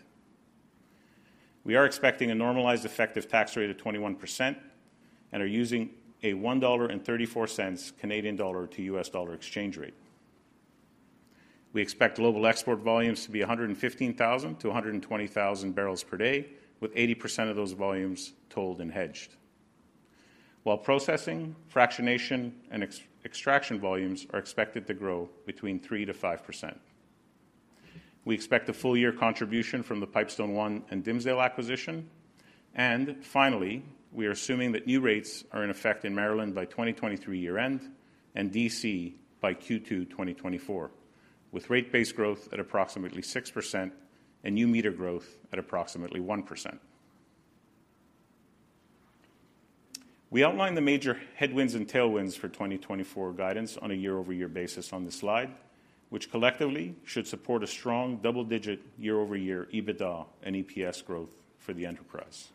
We are expecting a normalized effective tax rate of 21% and are using a 1.34 Canadian dollar to US dollar exchange rate. We expect global export volumes to be 115,000-120,000 barrels per day, with 80% of those volumes tolled and hedged. While processing, fractionation, and extraction volumes are expected to grow between 3%-5%. We expect a full year contribution from the Pipestone One and Dimsdale acquisition. And finally, we are assuming that new rates are in effect in Maryland by 2023 year end and D.C. by Q2 2024, with rate-based growth at approximately 6% and new meter growth at approximately 1%.... We outlined the major headwinds and tailwinds for 2024 guidance on a year-over-year basis on this slide, which collectively should support a strong double-digit year-over-year EBITDA and EPS growth for the enterprise.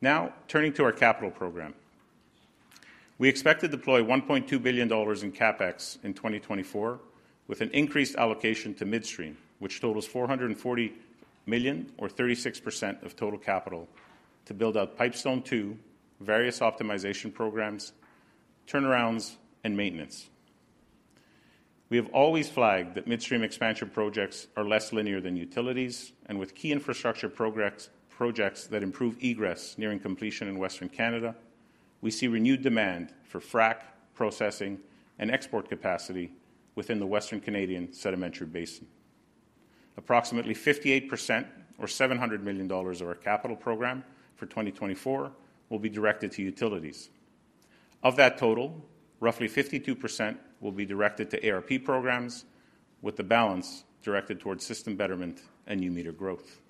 Now, turning to our capital program. We expect to deploy 1.2 billion dollars in CapEx in 2024, with an increased allocation to Midstream, which totals 440 million or 36% of total capital to build out Pipestone II, various optimization programs, turnarounds, and maintenance. We have always flagged that Midstream expansion projects are less linear than Utilities, and with key infrastructure projects that improve egress nearing completion in Western Canada, we see renewed demand for frac, processing, and export capacity within the Western Canadian Sedimentary Basin. Approximately 58% or 700 million dollars of our capital program for 2024 will be directed to Utilities. Of that total, roughly 52% will be directed to APR programs, with the balance directed towards system betterment and new meter growth.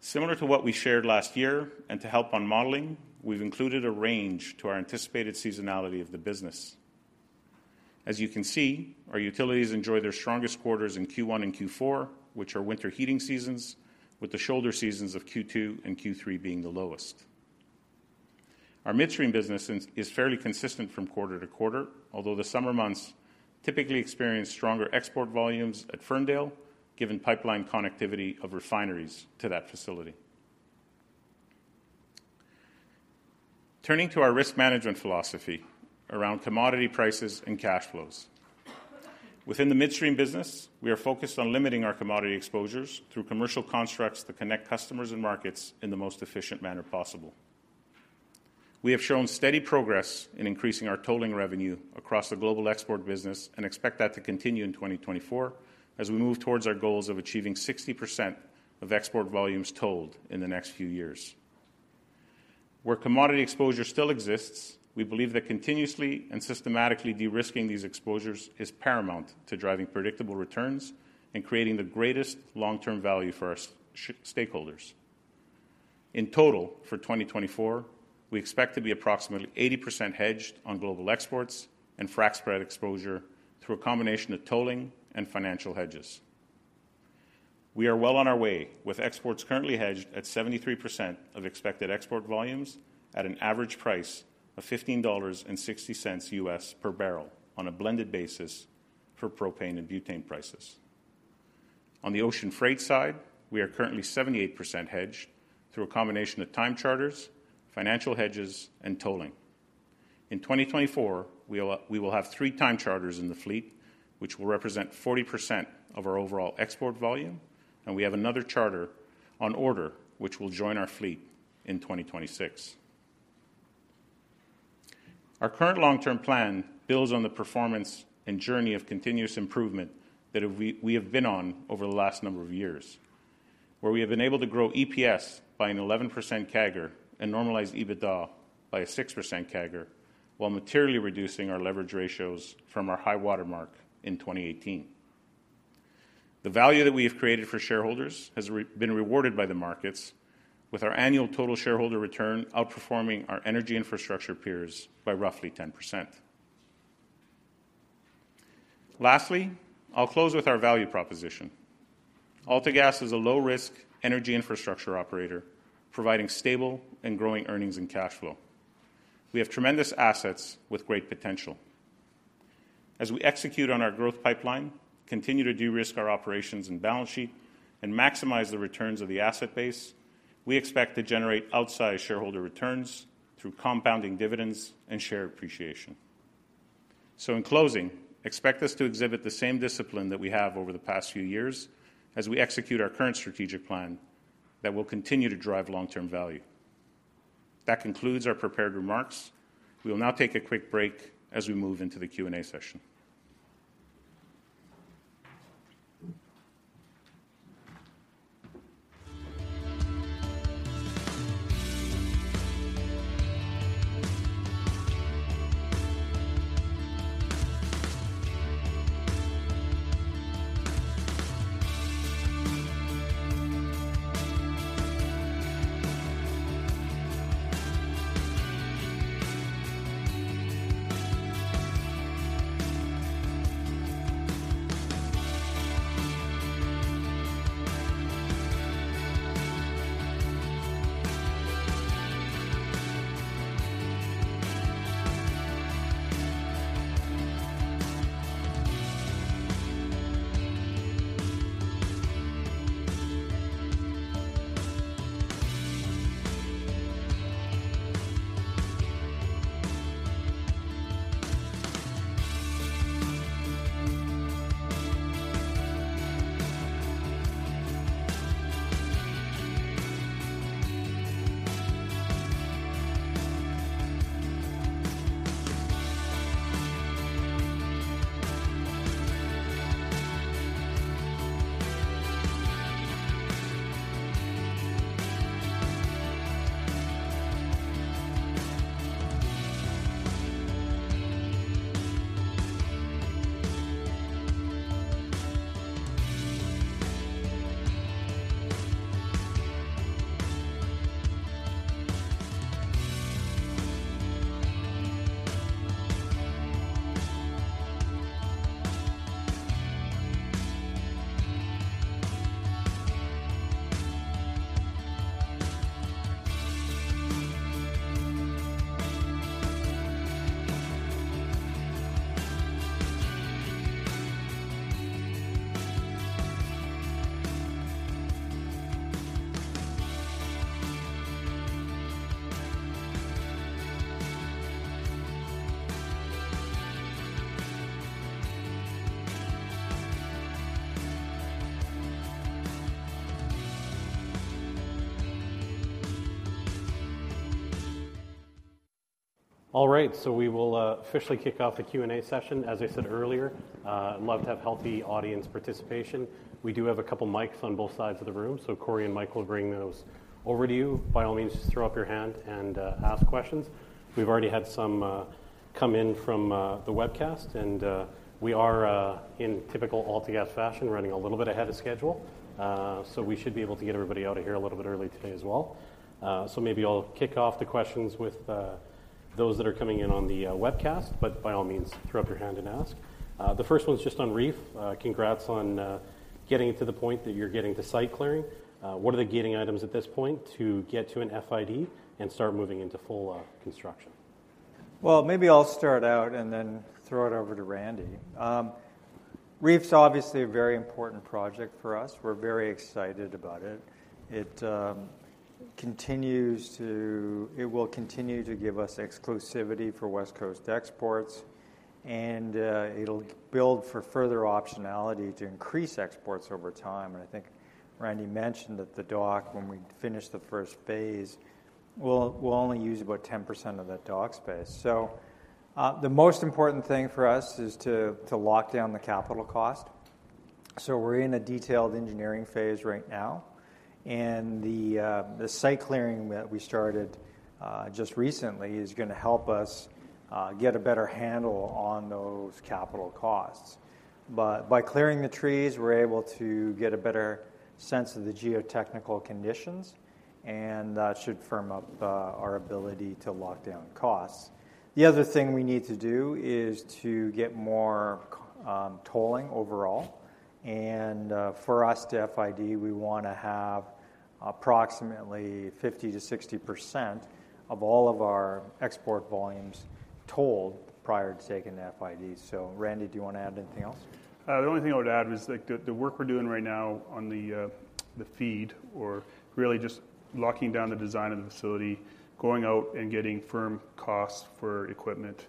Similar to what we shared last year, and to help on modeling, we've included a range to our anticipated seasonality of the business. As you can see, our Utilities enjoy their strongest quarters in Q1 and Q4, which are winter heating seasons, with the shoulder seasons of Q2 and Q3 being the lowest. Our Midstream business is fairly consistent from quarter to quarter, although the summer months typically experience stronger export volumes at Ferndale, given pipeline connectivity of refineries to that facility. Turning to our risk management philosophy around commodity prices and cash flows. Within the Midstream business, we are focused on limiting our commodity exposures through commercial constructs that connect customers and markets in the most efficient manner possible. We have shown steady progress in increasing our tolling revenue across the global export business and expect that to continue in 2024 as we move towards our goals of achieving 60% of export volumes tolled in the next few years. Where commodity exposure still exists, we believe that continuously and systematically de-risking these exposures is paramount to driving predictable returns and creating the greatest long-term value for our stakeholders. In total, for 2024, we expect to be approximately 80% hedged on global exports and frac spread exposure through a combination of tolling and financial hedges. We are well on our way, with exports currently hedged at 73% of expected export volumes at an average price of $15.60 US per barrel on a blended basis for propane and butane prices. On the ocean freight side, we are currently 78% hedged through a combination of time charters, financial hedges, and tolling. In 2024, we will, we will have three time charters in the fleet, which will represent 40% of our overall export volume, and we have another charter on order, which will join our fleet in 2026. Our current long-term plan builds on the performance and journey of continuous improvement that we, we have been on over the last number of years, where we have been able to grow EPS by an 11% CAGR and normalize EBITDA by a 6% CAGR, while materially reducing our leverage ratios from our high-water mark in 2018. The value that we have created for shareholders has been rewarded by the markets, with our annual total shareholder return outperforming our energy infrastructure peers by roughly 10%. Lastly, I'll close with our value proposition. AltaGas is a low-risk energy infrastructure operator providing stable and growing earnings and cash flow. We have tremendous assets with great potential. As we execute on our growth pipeline, continue to de-risk our operations and balance sheet, and maximize the returns of the asset base, we expect to generate outsized shareholder returns through compounding dividends and share appreciation. In closing, expect us to exhibit the same discipline that we have over the past few years as we execute our current strategic plan that will continue to drive long-term value. That concludes our prepared remarks. We will now take a quick break as we move into the Q&A session. All right, so we will officially kick off the Q&A session. As I said earlier, I'd love to have healthy audience participation. We do have a couple mics on both sides of the room, so Corey and Mike will bring those over to you. By all means, just throw up your hand and ask questions. We've already had some come in from the webcast, and we are in typical AltaGas fashion, running a little bit ahead of schedule. So we should be able to get everybody out of here a little bit early today as well. So maybe I'll kick off the questions with those that are coming in on the webcast, but by all means, throw up your hand and ask. The first one is just on REEF. Congrats on getting it to the point that you're getting to site clearing. What are the gating items at this point to get to an FID and start moving into full construction? Well, maybe I'll start out and then throw it over to Randy. REEF's obviously a very important project for us. We're very excited about it. It continues to-- It will continue to give us exclusivity for West Coast exports, and, it'll build for further optionality to increase exports over time. And I think Randy mentioned that the dock, when we finish the first phase, we'll, we'll only use about 10% of that dock space. So, the most important thing for us is to, to lock down the capital cost. So we're in a detailed engineering phase right now, and the, the site clearing that we started, just recently is gonna help us, get a better handle on those capital costs. But by clearing the trees, we're able to get a better sense of the geotechnical conditions, and that should firm up our ability to lock down costs. The other thing we need to do is to get more tolling overall. And for us to FID, we wanna have approximately 50%-60% of all of our export volumes tolled prior to taking the FID. So, Randy, do you want to add anything else? The only thing I would add is that the work we're doing right now on the FEEDd or really just locking down the design of the facility, going out and getting firm costs for equipment.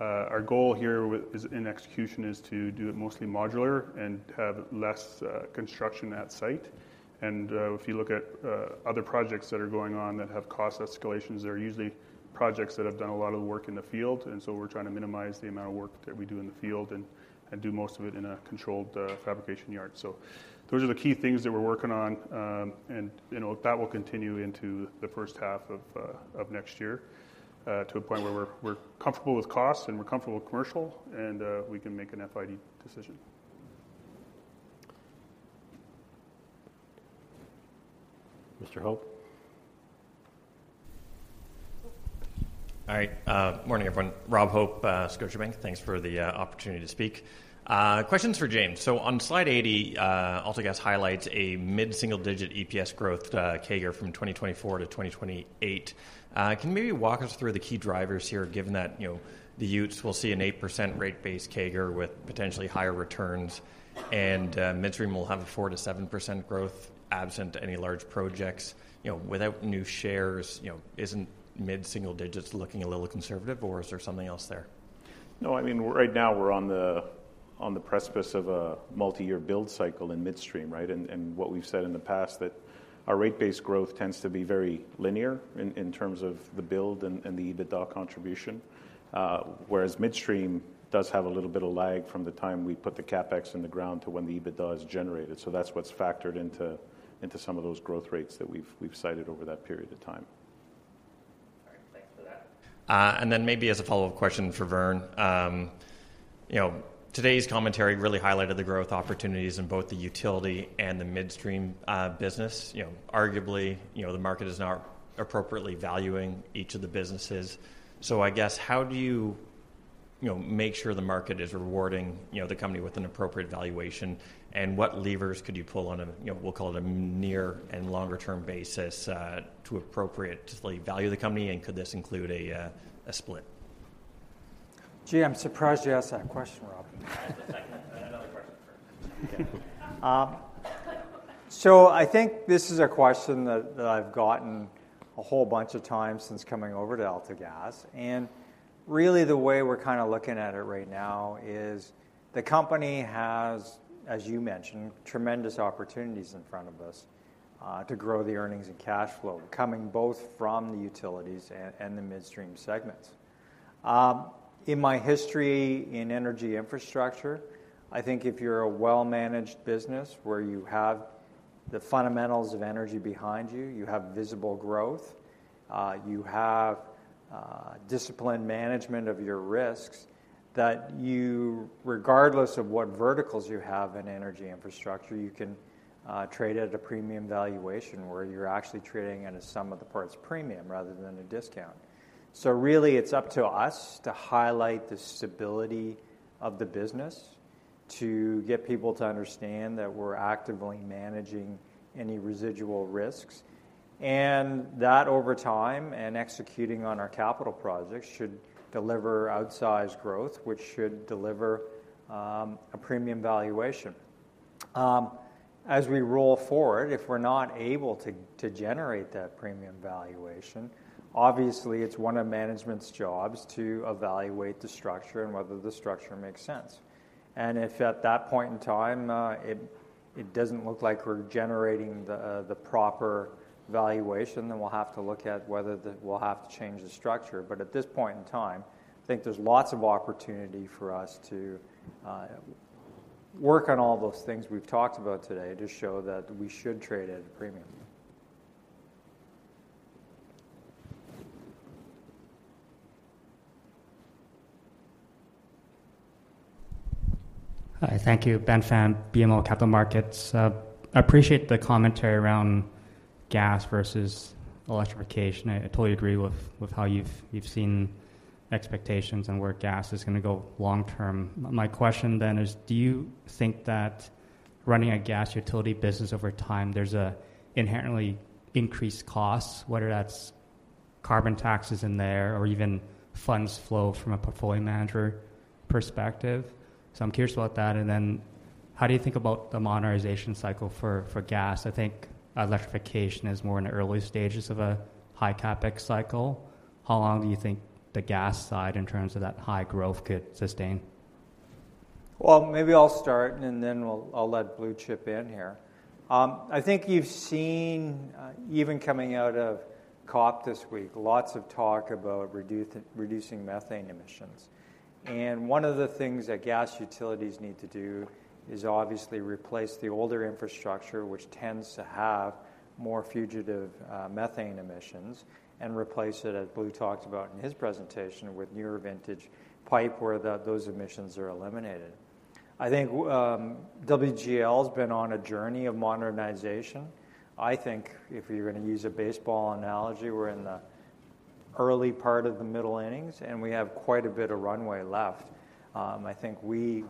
Our goal here is in execution, is to do it mostly modular and have less construction at site. And if you look at other projects that are going on that have cost escalations, they're usually projects that have done a lot of the work in the field. And so we're trying to minimize the amount of work that we do in the field and do most of it in a controlled fabrication yard. So those are the key things that we're working on. And, you know, that will continue into the first half of next year to a point where we're comfortable with costs and we're comfortable with commercial, and we can make an FID decision. Mr. Hope? All right, morning, everyone. Rob Hope, Scotiabank. Thanks for the opportunity to speak. Questions for James. So on slide 80, AltaGas highlights a mid-single-digit EPS growth CAGR from 2024 to 2028. Can you maybe walk us through the key drivers here, given that, you know, the utes will see an 8% rate base CAGR with potentially higher returns, and Midstream will have a 4%-7% growth absent any large projects? You know, without new shares, you know, isn't mid-single digits looking a little conservative, or is there something else there? No, I mean, right now we're on the precipice of a multi-year build cycle in Midstream, right? And what we've said in the past that our rate base growth tends to be very linear in terms of the build and the EBITDA contribution. Whereas Midstream does have a little bit of lag from the time we put the CapEx in the ground to when the EBITDA is generated. So that's what's factored into some of those growth rates that we've cited over that period of time. All right, thanks for that. And then maybe as a follow-up question for Vern. You know, today's commentary really highlighted the growth opportunities in both the utility and the Midstream business. You know, arguably, you know, the market is not appropriately valuing each of the businesses. So I guess, how do you, you know, make sure the market is rewarding, you know, the company with an appropriate valuation? And what levers could you pull on a, you know, we'll call it a near and longer term basis, to appropriately value the company, and could this include a split? Gee, I'm surprised you asked that question, Rob. Just a second, another question first. So I think this is a question that, that I've gotten a whole bunch of times since coming over to AltaGas. And really, the way we're kinda looking at it right now is the company has, as you mentioned, tremendous opportunities in front of us, to grow the earnings and cash flow, coming both from the Utilities and, and the Midstream segments. In my history in energy infrastructure, I think if you're a well-managed business where you have the fundamentals of energy behind you, you have visible growth, you have, disciplined management of your risks, that you, regardless of what verticals you have in energy infrastructure, you can, trade at a premium valuation, where you're actually trading at a sum of the parts premium rather than a discount. So really, it's up to us to highlight the stability of the business, to get people to understand that we're actively managing any residual risks, and that over time, and executing on our capital projects, should deliver outsized growth, which should deliver a premium valuation. As we roll forward, if we're not able to generate that premium valuation, obviously, it's one of management's jobs to evaluate the structure and whether the structure makes sense. If at that point in time, it doesn't look like we're generating the proper valuation, then we'll have to look at whether we'll have to change the structure. At this point in time, I think there's lots of opportunity for us to work on all those things we've talked about today to show that we should trade at a premium. Hi, thank you. Ben Pham, BMO Capital Markets. I appreciate the commentary around gas versus electrification. I, I totally agree with, with how you've, you've seen expectations and where gas is gonna go long term. My question then is: Do you think that running a gas utility business over time, there's a inherently increased costs, whether that's carbon taxes in there or even funds flow from a portfolio manager perspective? So I'm curious about that, and then how do you think about the modernization cycle for, for gas? I think electrification is more in the early stages of a high CapEx cycle. How long do you think the gas side, in terms of that high growth, could sustain? Well, maybe I'll start, and then I'll let Blue chip in here. I think you've seen, even coming out of COP this week, lots of talk about reducing methane emissions. And one of the things that gas Utilities need to do is obviously replace the older infrastructure, which tends to have more fugitive methane emissions, and replace it, as Blue talked about in his presentation, with newer vintage pipe where those emissions are eliminated. I think WGL has been on a journey of modernization. I think if you're gonna use a baseball analogy, we're in the early part of the middle innings, and we have quite a bit of runway left. I think we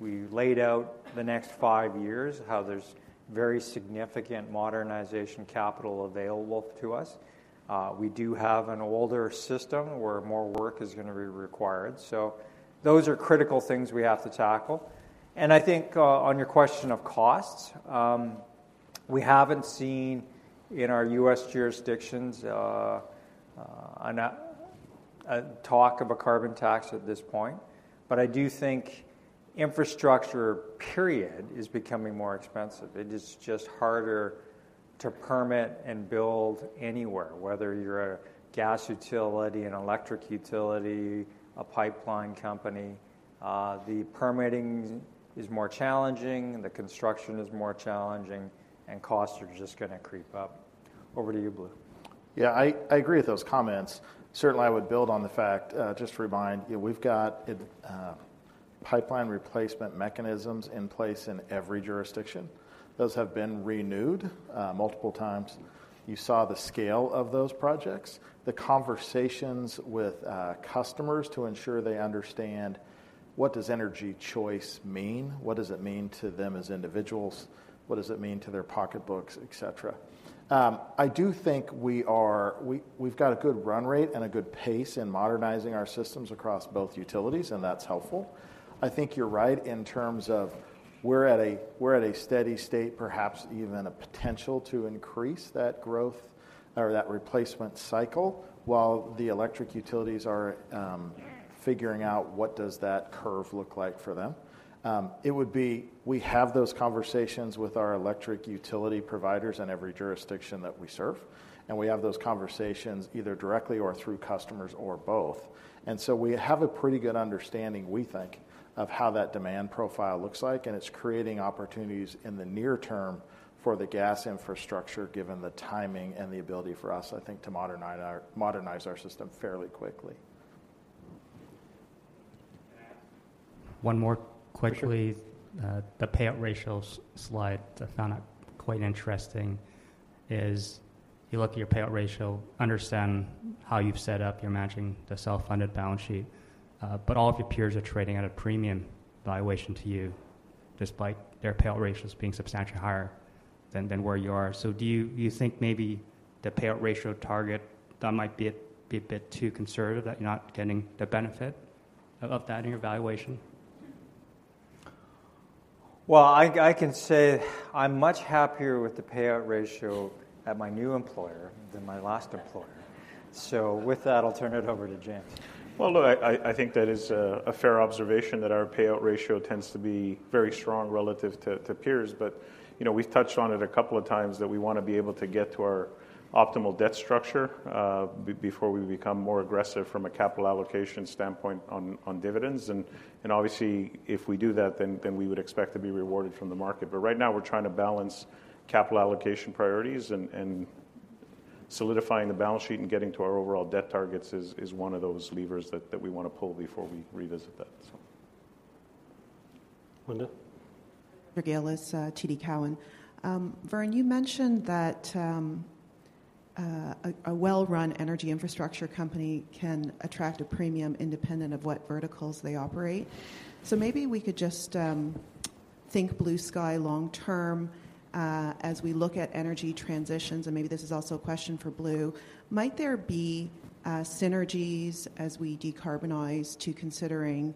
laid out the next five years, how there's very significant modernization capital available to us. We do have an older system where more work is gonna be required, so those are critical things we have to tackle. And I think, on your question of costs, we haven't seen in our U.S. jurisdictions, a talk of a carbon tax at this point. But I do think infrastructure, period, is becoming more expensive. It is just harder to permit and build anywhere, whether you're a gas utility, an electric utility, a pipeline company. The permitting is more challenging, the construction is more challenging, and costs are just gonna creep up. Over to you, Blue. Yeah, I agree with those comments. Certainly, I would build on the fact just to remind you, we've got pipeline replacement mechanisms in place in every jurisdiction. Those have been renewed multiple times. You saw the scale of those projects, the conversations with customers to ensure they understand what does energy choice mean, what does it mean to them as individuals, what does it mean to their pocketbooks, et cetera. I do think we've got a good run rate and a good pace in modernizing our systems across both Utilities, and that's helpful. I think you're right in terms of we're at a steady state, perhaps even a potential to increase that growth or that replacement cycle, while the electric Utilities are figuring out what does that curve look like for them. It would be... We have those conversations with our electric utility providers in every jurisdiction that we serve, and we have those conversations either directly or through customers or both. So we have a pretty good understanding, we think, of how that demand profile looks like, and it's creating opportunities in the near term for the gas infrastructure, given the timing and the ability for us, I think, to modernize our system fairly quickly. One more quickly. Sure. The payout ratios slide, I found that quite interesting, is you look at your payout ratio, understand how you've set up, you're managing the self-funded balance sheet, but all of your peers are trading at a premium valuation to you, despite their payout ratios being substantially higher than where you are. So do you think maybe the payout ratio target, that might be a bit too conservative, that you're not getting the benefit of that in your valuation? Well, I can say I'm much happier with the payout ratio at my new employer than my last employer. So with that, I'll turn it over to James. Well, look, I think that is a fair observation that our payout ratio tends to be very strong relative to peers. But, you know, we've touched on it a couple of times, that we wanna be able to get to our optimal debt structure before we become more aggressive from a capital allocation standpoint on dividends. And obviously, if we do that, then we would expect to be rewarded from the market. But right now we're trying to balance capital allocation priorities and solidifying the balance sheet and getting to our overall debt targets is one of those levers that we want to pull before we revisit that. So. Linda? Linda Ezergailis, TD Cowen. Vern, you mentioned that a well-run energy infrastructure company can attract a premium independent of what verticals they operate. So maybe we could just think blue-sky long-term as we look at energy transitions, and maybe this is also a question for Blue: Might there be synergies as we decarbonize to considering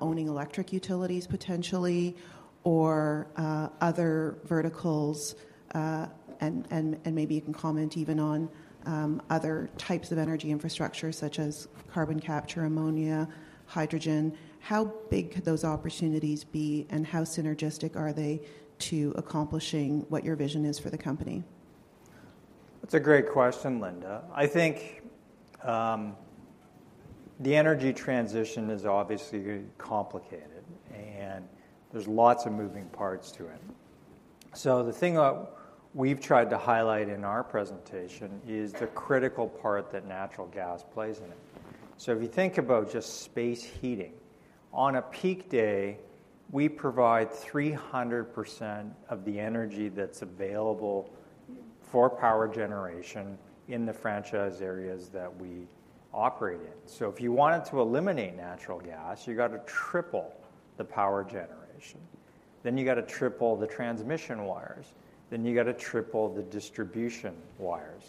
owning electric Utilities potentially, or other verticals, and maybe you can comment even on other types of energy infrastructure, such as carbon capture, ammonia, hydrogen? How big could those opportunities be, and how synergistic are they to accomplishing what your vision is for the company? That's a great question, Linda. I think, the energy transition is obviously complicated, and there's lots of moving parts to it. So the thing that we've tried to highlight in our presentation is the critical part that natural gas plays in it. So if you think about just space heating, on a peak day, we provide 300% of the energy that's available for power generation in the franchise areas that we operate in. So if you wanted to eliminate natural gas, you gotta triple the power generation, then you gotta triple the transmission wires, then you gotta triple the distribution wires.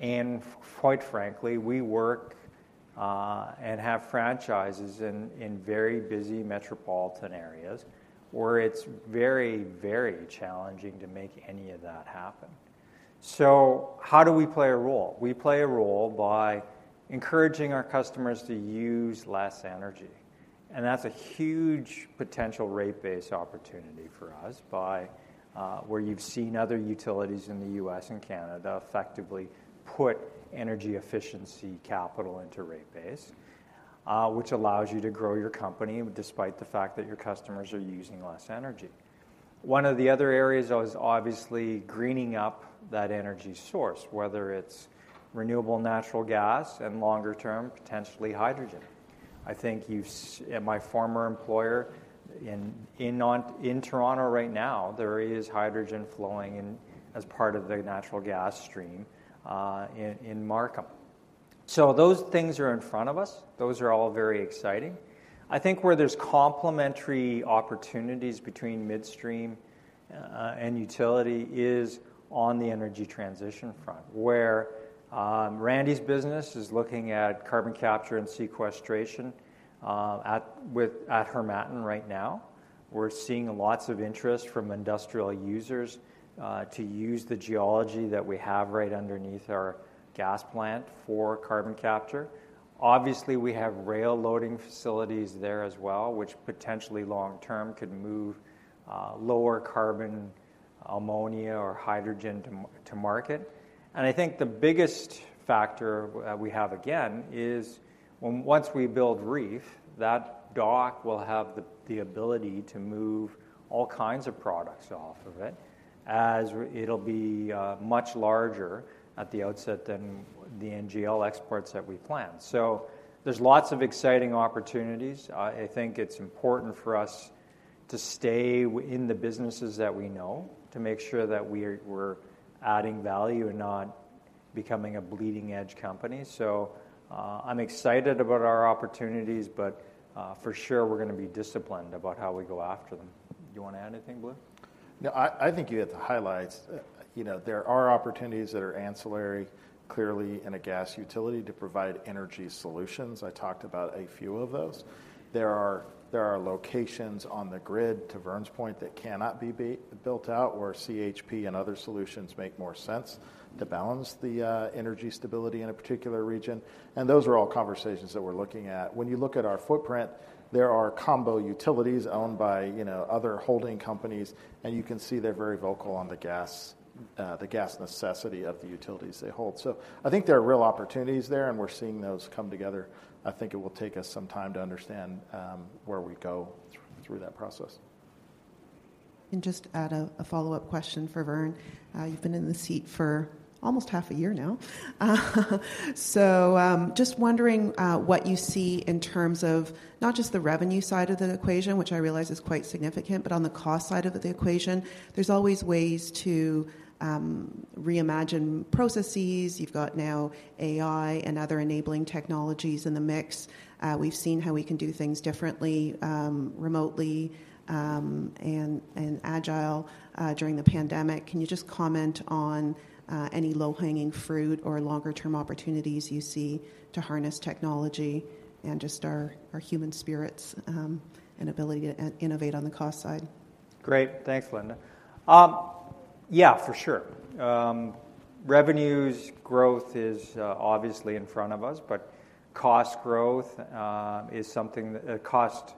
And quite frankly, we work and have franchises in very busy metropolitan areas, where it's very, very challenging to make any of that happen. So how do we play a role? We play a role by encouraging our customers to use less energy, and that's a huge potential rate base opportunity for us by where you've seen other Utilities in the U.S. and Canada effectively put energy efficiency capital into rate base, which allows you to grow your company despite the fact that your customers are using less energy. One of the other areas is obviously greening up that energy source, whether it's renewable natural gas and longer-term, potentially hydrogen. I think you've. At my former employer in Ontario in Toronto right now, there is hydrogen flowing in as part of the natural gas stream, in Markham. So those things are in front of us. Those are all very exciting. I think where there's complementary opportunities between Midstream and utility is on the energy transition front, where Randy's business is looking at carbon capture and sequestration at Harmattan right now. We're seeing lots of interest from industrial users to use the geology that we have right underneath our gas plant for carbon capture. Obviously, we have rail loading facilities there as well, which potentially long-term could move lower carbon ammonia or hydrogen to market. And I think the biggest factor we have, again, is once we build REEF, that dock will have the ability to move all kinds of products off of it, as it'll be much larger at the outset than the NGL exports that we plan. So there's lots of exciting opportunities. I think it's important for us to stay in the businesses that we know, to make sure that we're adding value and not becoming a bleeding-edge company. So, I'm excited about our opportunities, but, for sure, we're gonna be disciplined about how we go after them. Do you want to add anything, Blue? No, I think you hit the highlights. You know, there are opportunities that are ancillary, clearly in a gas utility to provide energy solutions. I talked about a few of those. There are locations on the grid, to Vern's point, that cannot be built out, where CHP and other solutions make more sense to balance the energy stability in a particular region, and those are all conversations that we're looking at. When you look at our footprint, there are combo Utilities owned by, you know, other holding companies, and you can see they're very vocal on the gas, the gas necessity of the Utilities they hold. So I think there are real opportunities there, and we're seeing those come together. I think it will take us some time to understand where we go through that process. Just add a follow-up question for Vern. You've been in the seat for almost half a year now. So, just wondering what you see in terms of not just the revenue side of the equation, which I realize is quite significant, but on the cost side of the equation. There's always ways to reimagine processes. You've got now AI and other enabling technologies in the mix. We've seen how we can do things differently, remotely, and agile during the pandemic. Can you just comment on any low-hanging fruit or longer-term opportunities you see to harness technology and just our human spirits and ability to innovate on the cost side? Great. Thanks, Linda. Yeah, for sure. Revenues growth is obviously in front of us, but cost growth is something that. Cost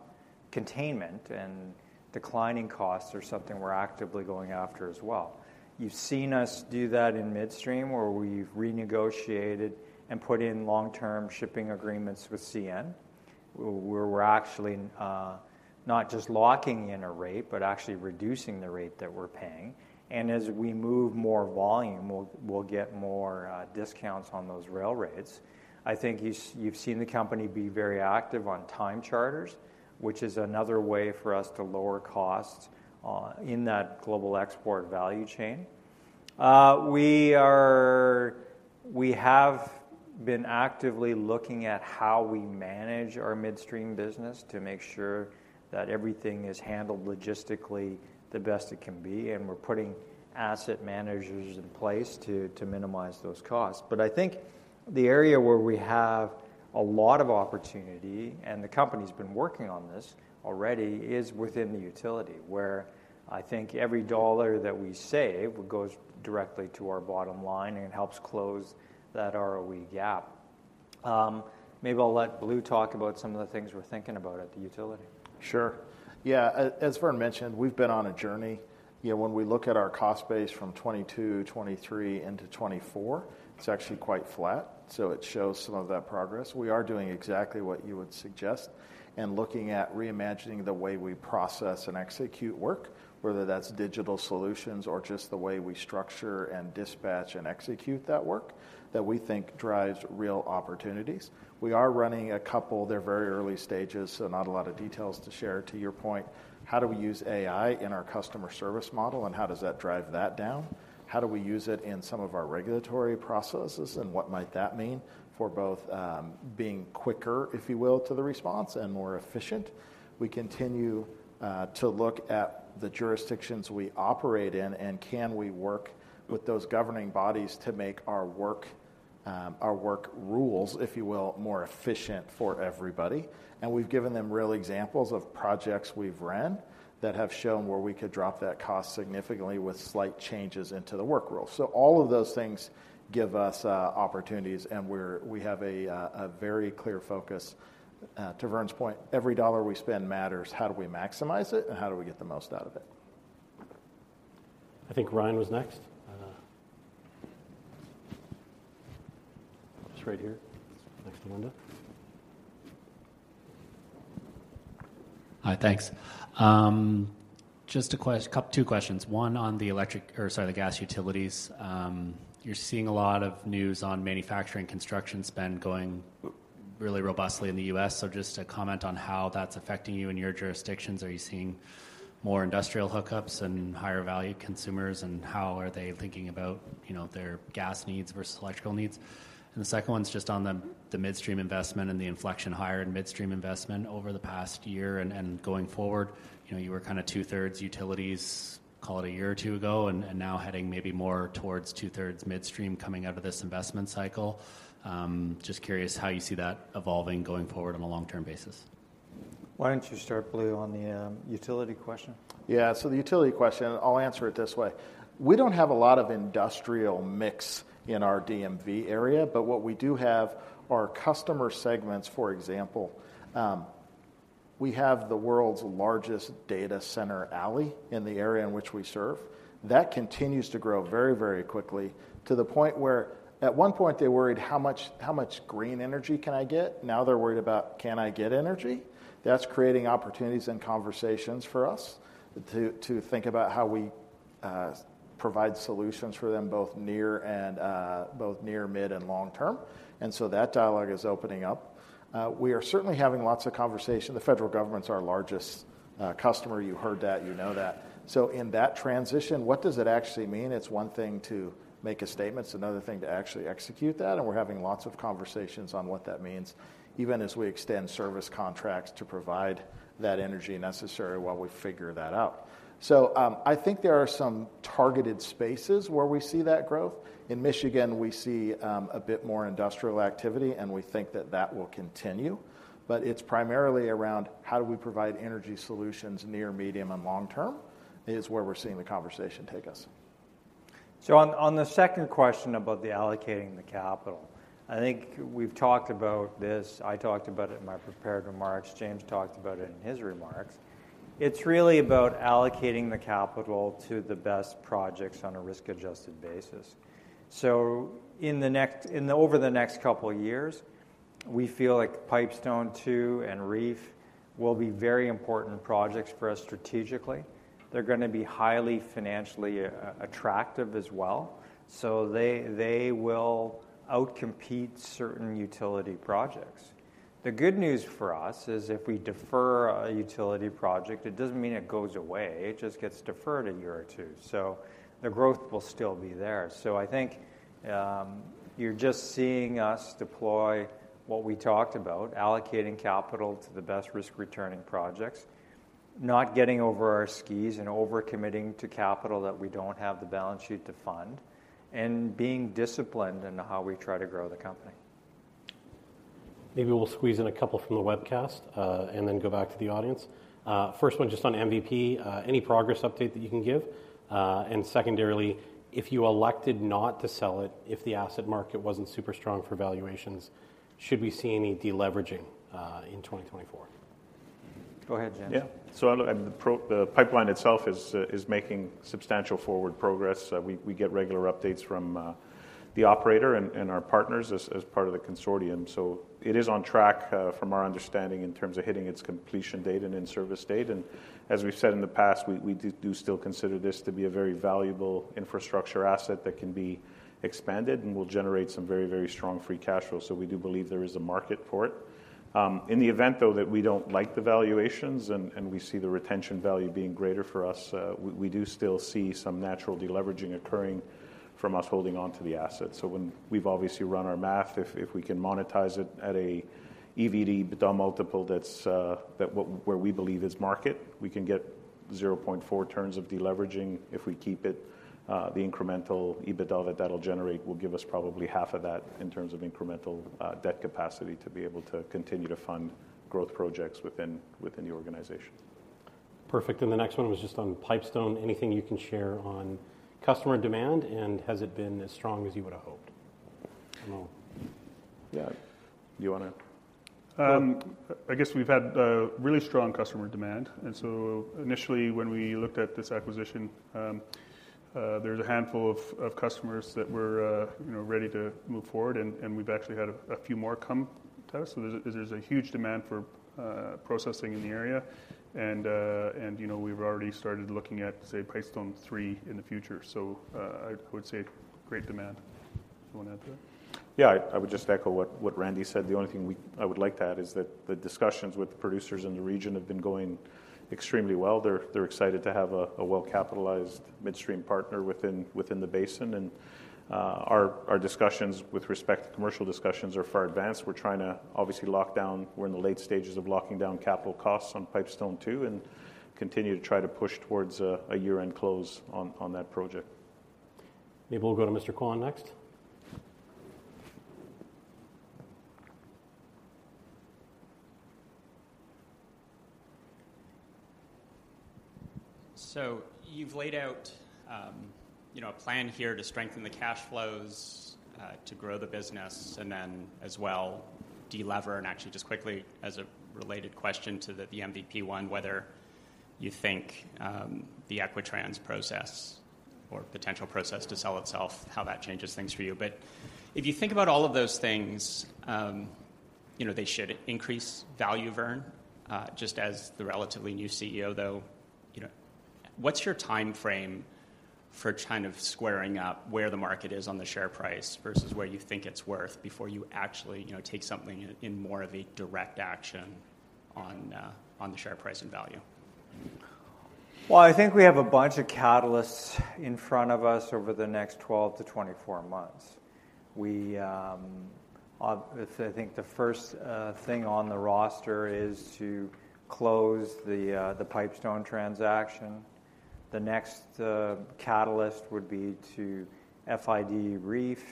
containment and declining costs are something we're actively going after as well. You've seen us do that in Midstream, where we've renegotiated and put in long-term shipping agreements with CN, where we're actually not just locking in a rate, but actually reducing the rate that we're paying. And as we move more volume, we'll get more discounts on those rail rates. I think you've seen the company be very active on time charters, which is another way for us to lower costs in that global export value chain. We have been actively looking at how we manage our Midstream business to make sure that everything is handled logistically the best it can be, and we're putting asset managers in place to minimize those costs. But I think the area where we have a lot of opportunity, and the company's been working on this already, is within the utility, where I think every dollar that we save goes directly to our bottom line and helps close that ROE gap. Maybe I'll let Blue talk about some of the things we're thinking about at the utility. Sure. Yeah, as Vern mentioned, we've been on a journey. You know, when we look at our cost base from 2022, 2023 into 2024, it's actually quite flat, so it shows some of that progress. We are doing exactly what you would suggest and looking at reimagining the way we process and execute work, whether that's digital solutions or just the way we structure and dispatch and execute that work, that we think drives real opportunities. We are running a couple. They're very early stages, so not a lot of details to share. To your point, how do we use AI in our customer service model, and how does that drive that down? How do we use it in some of our regulatory processes, and what might that mean for both, being quicker, if you will, to the response and more efficient? We continue to look at the jurisdictions we operate in, and can we work with those governing bodies to make our work, our work rules, if you will, more efficient for everybody? And we've given them real examples of projects we've ran that have shown where we could drop that cost significantly with slight changes into the work rule. So all of those things give us opportunities, and we have a very clear focus. To Vern's point, every dollar we spend matters. How do we maximize it, and how do we get the most out of it. I think Ryan was next. Just right here, next to Linda. Hi, thanks. Just a couple two questions. One on the electric, or sorry, the gas Utilities. You're seeing a lot of news on manufacturing construction spend going really robustly in the US, so just a comment on how that's affecting you in your jurisdictions. Are you seeing more industrial hookups and higher value consumers, and how are they thinking about, you know, their gas needs versus electrical needs? And the second one's just on the Midstream investment and the inflection higher in Midstream investment over the past year and going forward. You know, you were kinda two-thirds Utilities, call it a year or two ago, and now heading maybe more towards two-thirds Midstream coming out of this investment cycle. Just curious how you see that evolving going forward on a long-term basis. Why don't you start, Blue, on the utility question? Yeah, so the utility question, I'll answer it this way: We don't have a lot of industrial mix in our DMV area, but what we do have are customer segments, for example, we have the world's largest data center alley in the area in which we serve. That continues to grow very, very quickly, to the point where at one point, they worried: How much- how much green energy can I get? Now they're worried about, Can I get energy? That's creating opportunities and conversations for us to think about how we provide solutions for them, both near and both near, mid, and long term. And so that dialogue is opening up. We are certainly having lots of conversation. The federal government's our largest customer. You heard that. You know that. So in that transition, what does it actually mean? It's one thing to make a statement, it's another thing to actually execute that, and we're having lots of conversations on what that means, even as we extend service contracts to provide that energy necessary while we figure that out. So, I think there are some targeted spaces where we see that growth. In Michigan, we see a bit more industrial activity, and we think that that will continue, but it's primarily around how do we provide energy solutions near, medium, and long term, is where we're seeing the conversation take us. So, on the second question about the allocating the capital, I think we've talked about this. I talked about it in my prepared remarks. James talked about it in his remarks. It's really about allocating the capital to the best projects on a risk-adjusted basis. So, in over the next couple of years, we feel like Pipestone II and REEF will be very important projects for us strategically. They're gonna be highly financially attractive as well, so they, they will outcompete certain utility projects. The good news for us is if we defer a utility project, it doesn't mean it goes away; it just gets deferred a year or two, so the growth will still be there. I think, you're just seeing us deploy what we talked about, allocating capital to the best risk-returning projects, not getting over our skis and over-committing to capital that we don't have the balance sheet to fund, and being disciplined in how we try to grow the company. Maybe we'll squeeze in a couple from the webcast, and then go back to the audience. First one, just on MVP, any progress update that you can give? And secondarily, if you elected not to sell it, if the asset market wasn't super strong for valuations, should we see any deleveraging, in 2024? Go ahead, James. Yeah. So, the pipeline itself is making substantial forward progress. We get regular updates from the operator and our partners as part of the consortium. So it is on track from our understanding in terms of hitting its completion date and in-service date. And as we've said in the past, we do still consider this to be a very valuable infrastructure asset that can be expanded and will generate some very strong free cash flow. So we do believe there is a market for it. In the event, though, that we don't like the valuations and we see the retention value being greater for us, we do still see some natural de-leveraging occurring from us holding onto the asset. When we've obviously run our math, if we can monetize it at an EBITDA multiple, that's what we believe is market, we can get 0.4 terms of de-leveraging. If we keep it, the incremental EBITDA that that'll generate will give us probably half of that in terms of incremental debt capacity to be able to continue to fund growth projects within the organization. Perfect. And the next one was just on Pipestone. Anything you can share on customer demand, and has it been as strong as you would've hoped? Well, yeah. You wanna? I guess we've had really strong customer demand. So initially, when we looked at this acquisition, there was a handful of customers that were, you know, ready to move forward, and we've actually had a few more come to us. So there's a huge demand for processing in the area. And, you know, we've already started looking at, say, Pipestone 3 in the future. So I would say great demand. You wanna add to that? Yeah, I, I would just echo what, what Randy said. The only thing we, I would like to add is that the discussions with the producers in the region have been going extremely well. They're, they're excited to have a, a well-capitalized Midstream partner within, within the basin. And, our, our discussions with respect to commercial discussions are far advanced. We're trying to obviously lock down... We're in the late stages of locking down capital costs on Pipestone II, and continue to try to push towards a, a year-end close on, on that project. Maybe we'll go to Mr. Kwan next. So you've laid out, you know, a plan here to strengthen the cash flows, to grow the business and then as well, de-lever. And actually, just quickly, as a related question to the, the MVP one, whether you think, the Equitrans process or potential process to sell itself, how that changes things for you. But if you think about all of those things, you know, they should increase value, Vern. Just as the relatively new CEO, though, you know, what's your timeframe for kind of squaring up where the market is on the share price versus where you think it's worth, before you actually, you know, take something in, in more of a direct action on, on the share price and value? Well, I think we have a bunch of catalysts in front of us over the next 12-24 months. We, I think the first thing on the roster is to close the Pipestone transaction. The next catalyst would be to FID REEF.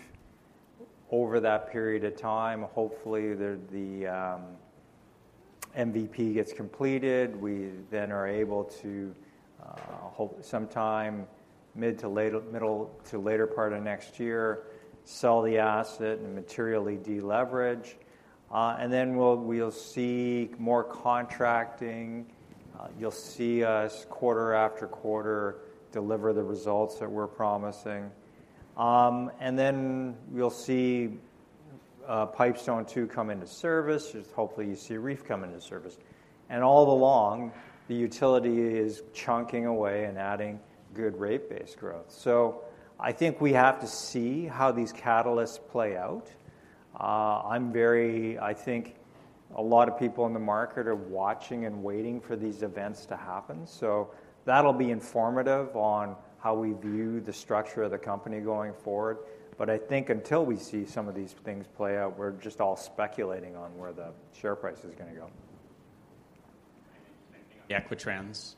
Over that period of time, hopefully, the MVP gets completed. We then are able to sometime mid to late, middle to later part of next year, sell the asset and materially de-leverage. And then we'll see more contracting. You'll see us, quarter after quarter, deliver the results that we're promising. And then you'll see Pipestone II come into service. Hopefully, you see REEF come into service. And all along, the utility is chunking away and adding good rate base growth. So I think we have to see how these catalysts play out. I'm very, I think a lot of people in the market are watching and waiting for these events to happen, so that'll be informative on how we view the structure of the company going forward. But I think until we see some of these things play out, we're just all speculating on where the share price is gonna go. And Equitrans?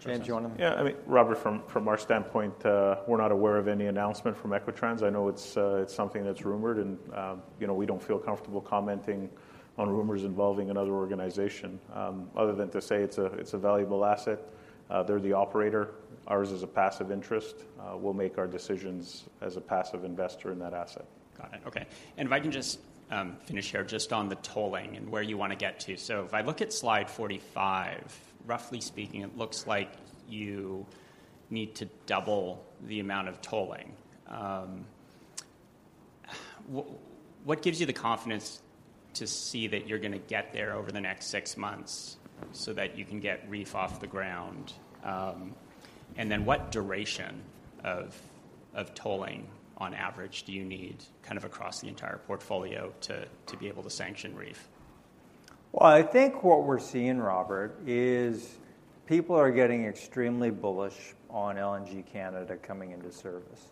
James, do you want to- Yeah, I mean, Robert, from our standpoint, we're not aware of any announcement from Equitrans. I know it's something that's rumored, and, you know, we don't feel comfortable commenting on rumors involving another organization, other than to say it's a valuable asset. They're the operator. Ours is a passive interest. We'll make our decisions as a passive investor in that asset. Got it. Okay. And if I can just finish here, just on the tolling and where you wanna get to. So if I look at slide 45, roughly speaking, it looks like you need to double the amount of tolling. What, what gives you the confidence to see that you're gonna get there over the next six months so that you can get REEF off the ground? And then what duration of tolling, on average, do you need, kind of across the entire portfolio, to be able to sanction REEF? Well, I think what we're seeing, Robert, is people are getting extremely bullish on LNG Canada coming into service,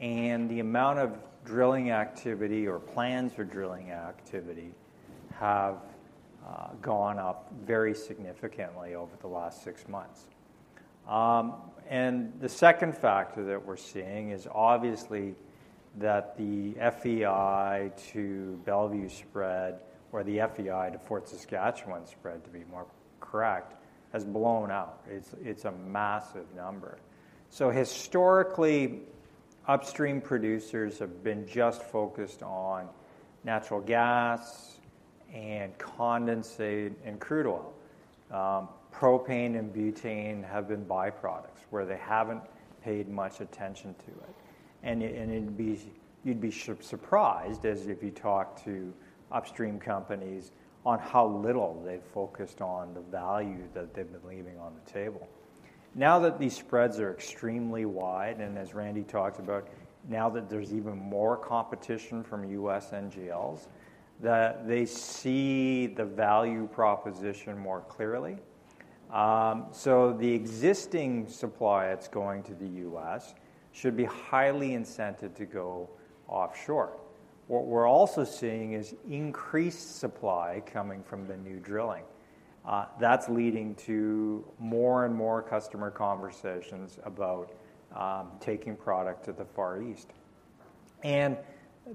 and the amount of drilling activity or plans for drilling activity have gone up very significantly over the last six months. And the second factor that we're seeing is obviously that the FEI to Belvieu spread, or the FEI to Fort Saskatchewan spread, to be more correct, has blown out. It's a massive number. So historically, upstream producers have been just focused on natural gas and condensate and crude oil. Propane and butane have been byproducts, where they haven't paid much attention to it. And you'd be surprised as if you talk to upstream companies on how little they've focused on the value that they've been leaving on the table. Now that these spreads are extremely wide, and as Randy talked about, now that there's even more competition from U.S. NGLs, that they see the value proposition more clearly. So the existing supply that's going to the U.S. should be highly incented to go offshore. What we're also seeing is increased supply coming from the new drilling. That's leading to more and more customer conversations about taking product to the Far East. And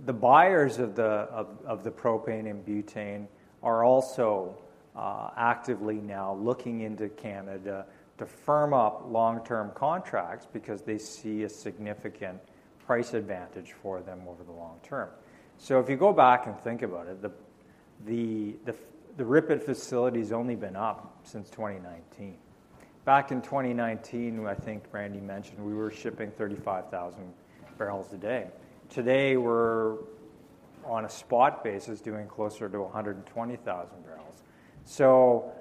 the buyers of the propane and butane are also actively now looking into Canada to firm up long-term contracts because they see a significant price advantage for them over the long term. So if you go back and think about it, the Ridley facility's only been up since 2019. Back in 2019, I think Randy mentioned, we were shipping 35,000 barrels a day. Today, we're on a spot basis, doing closer to 120,000 barrels. So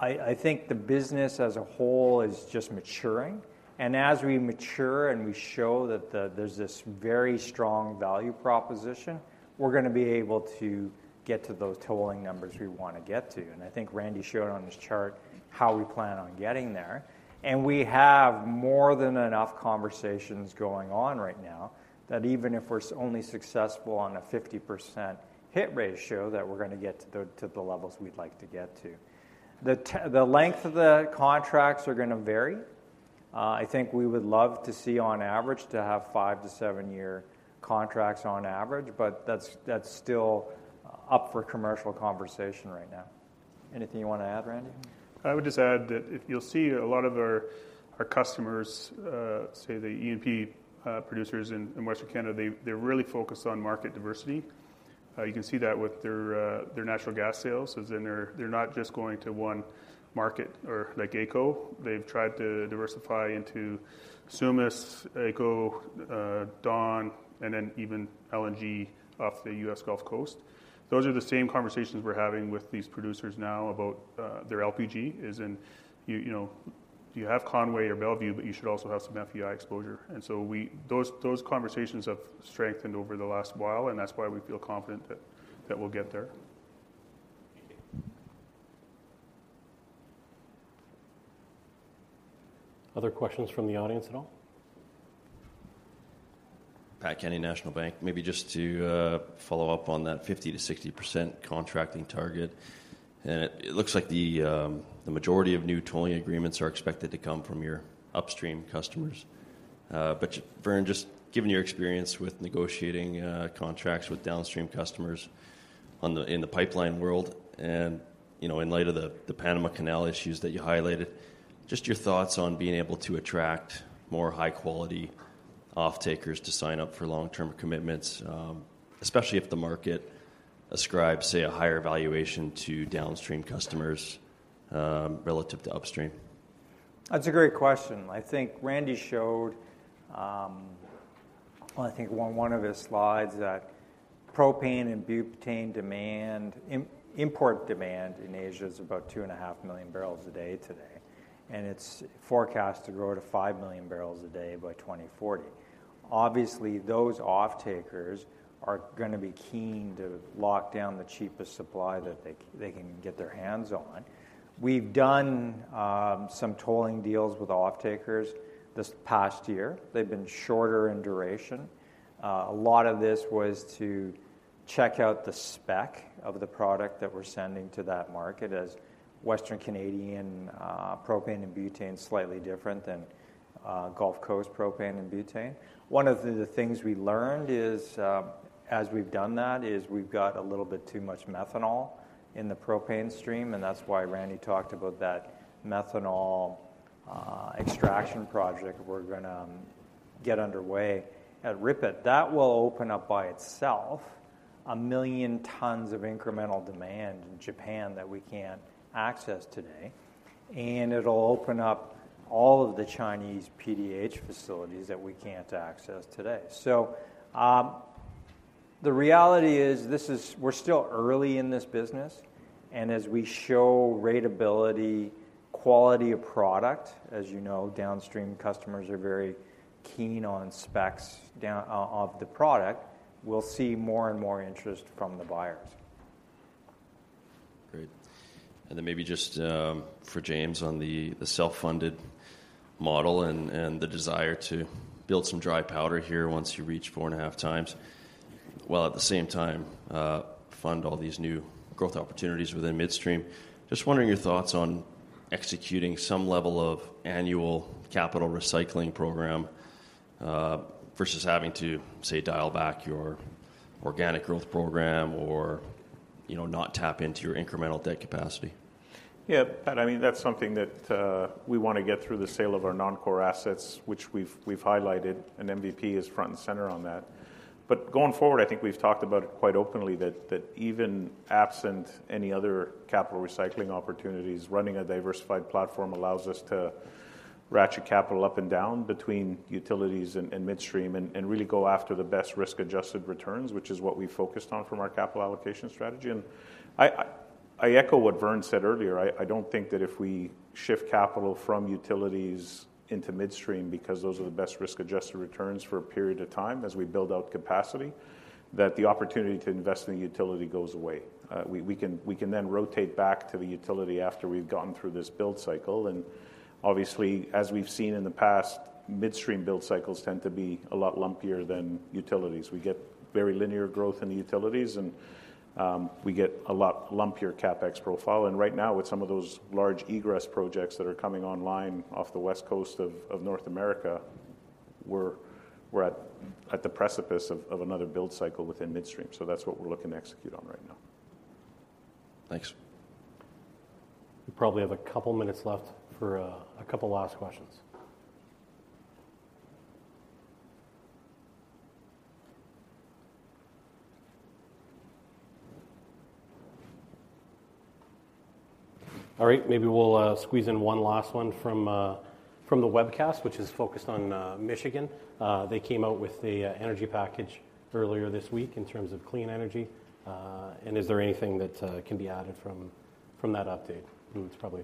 I think the business as a whole is just maturing. And as we mature and we show that there's this very strong value proposition, we're gonna be able to get to those tolling numbers we wanna get to. And I think Randy showed on his chart how we plan on getting there. And we have more than enough conversations going on right now that even if we're only successful on a 50% hit ratio, that we're gonna get to the levels we'd like to get to. The length of the contracts are gonna vary. I think we would love to see, on average, 5-7-year contracts on average, but that's still up for commercial conversation right now. Anything you wanna add, Randy? I would just add that if... You'll see a lot of our, our customers, say, the E&P producers in, in Western Canada, they, they're really focused on market diversity. You can see that with their, their natural gas sales, as in they're, they're not just going to one market or like AECO. They've tried to diversify into Sumas, AECO, Dawn, and then even LNG off the U.S. Gulf Coast. Those are the same conversations we're having with these producers now about, their LPG, as in, you, you know, you have Conway or Belvieu, but you should also have some FEI exposure. And so we... Those, those conversations have strengthened over the last while, and that's why we feel confident that, that we'll get there. Other questions from the audience at all? Pat Kenny, National Bank. Maybe just to follow up on that 50%-60% contracting target. It looks like the majority of new tolling agreements are expected to come from your upstream customers. But Vern, just given your experience with negotiating contracts with downstream customers on the-- in the pipeline world and, you know, in light of the Panama Canal issues that you highlighted, just your thoughts on being able to attract more high-quality off-takers to sign up for long-term commitments, especially if the market ascribes, say, a higher valuation to downstream customers relative to upstream? That's a great question. I think Randy showed, I think on one of his slides, that propane and butane demand, import demand in Asia is about 2.5 million barrels a day today, and it's forecast to grow to 5 million barrels a day by 2040. Obviously, those off-takers are gonna be keen to lock down the cheapest supply that they can get their hands on. We've done some tolling deals with off-takers this past year. They've been shorter in duration. A lot of this was to check out the spec of the product that we're sending to that market as Western Canadian propane and butane is slightly different than Gulf Coast propane and butane. One of the things we learned is, as we've done that, is we've got a little bit too much methanol in the propane stream, and that's why Randy talked about that methanol extraction project we're gonna get underway at Ridley. That will open up by itself 1 million tons of incremental demand in Japan that we can't access today, and it'll open up all of the Chinese PDH facilities that we can't access today. So, the reality is, this is, we're still early in this business, and as we show ratability, quality of product, as you know, downstream customers are very keen on specs down of the product, we'll see more and more interest from the buyers. Great. And then maybe just for James, on the self-funded model and the desire to build some dry powder here once you reach 4.5 times, while at the same time fund all these new growth opportunities within Midstream. Just wondering your thoughts on executing some level of annual capital recycling program versus having to, say, dial back your organic growth program or you know, not tap into your incremental debt capacity? Yeah, Pat, I mean, that's something that we wanna get through the sale of our non-core assets, which we've highlighted, and MVP is front and center on that. But going forward, I think we've talked about it quite openly that even absent any other capital recycling opportunities, running a diversified platform allows us to ratchet capital up and down between Utilities and Midstream, and really go after the best risk-adjusted returns, which is what we focused on from our capital allocation strategy. And I echo what Vern said earlier. I don't think that if we shift capital from Utilities into Midstream because those are the best risk-adjusted returns for a period of time as we build out capacity, that the opportunity to invest in the utility goes away. We can then rotate back to the utility after we've gotten through this build cycle. And obviously, as we've seen in the past, Midstream build cycles tend to be a lot lumpier than Utilities. We get very linear growth in the Utilities, and we get a lot lumpier CapEx profile. And right now, with some of those large egress projects that are coming online off the west coast of North America, we're at the precipice of another build cycle within Midstream. So that's what we're looking to execute on right now. Thanks. We probably have a couple minutes left for a couple last questions. All right, maybe we'll squeeze in one last one from the webcast, which is focused on Michigan. They came out with the energy package earlier this week in terms of clean energy. And is there anything that can be added from that update? It's probably.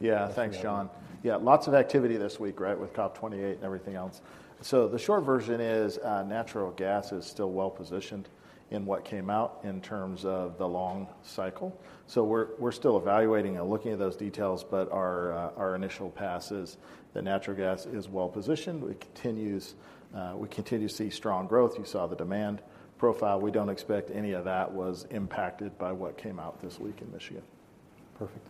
Yeah, thanks, Jon. Yeah, lots of activity this week, right? With COP 28 and everything else. So the short version is, natural gas is still well-positioned in what came out in terms of the long cycle. So we're, we're still evaluating and looking at those details, but our, our initial pass is that natural gas is well-positioned. We continue to see strong growth. You saw the demand profile. We don't expect any of that was impacted by what came out this week in Michigan. Perfect.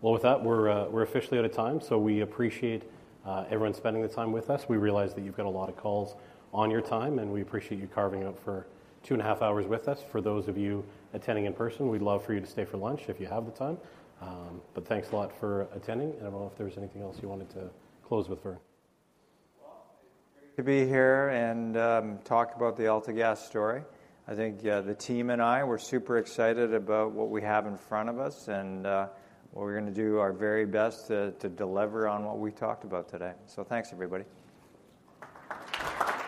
Well, with that, we're officially out of time, so we appreciate everyone spending the time with us. We realize that you've got a lot of calls on your time, and we appreciate you carving out for two and a half hours with us. For those of you attending in person, we'd love for you to stay for lunch if you have the time. But thanks a lot for attending. And I don't know if there's anything else you wanted to close with, Vern. Well, it's great to be here and talk about the AltaGas story. I think, yeah, the team and I, we're super excited about what we have in front of us, and we're gonna do our very best to deliver on what we talked about today. So thanks, everybody.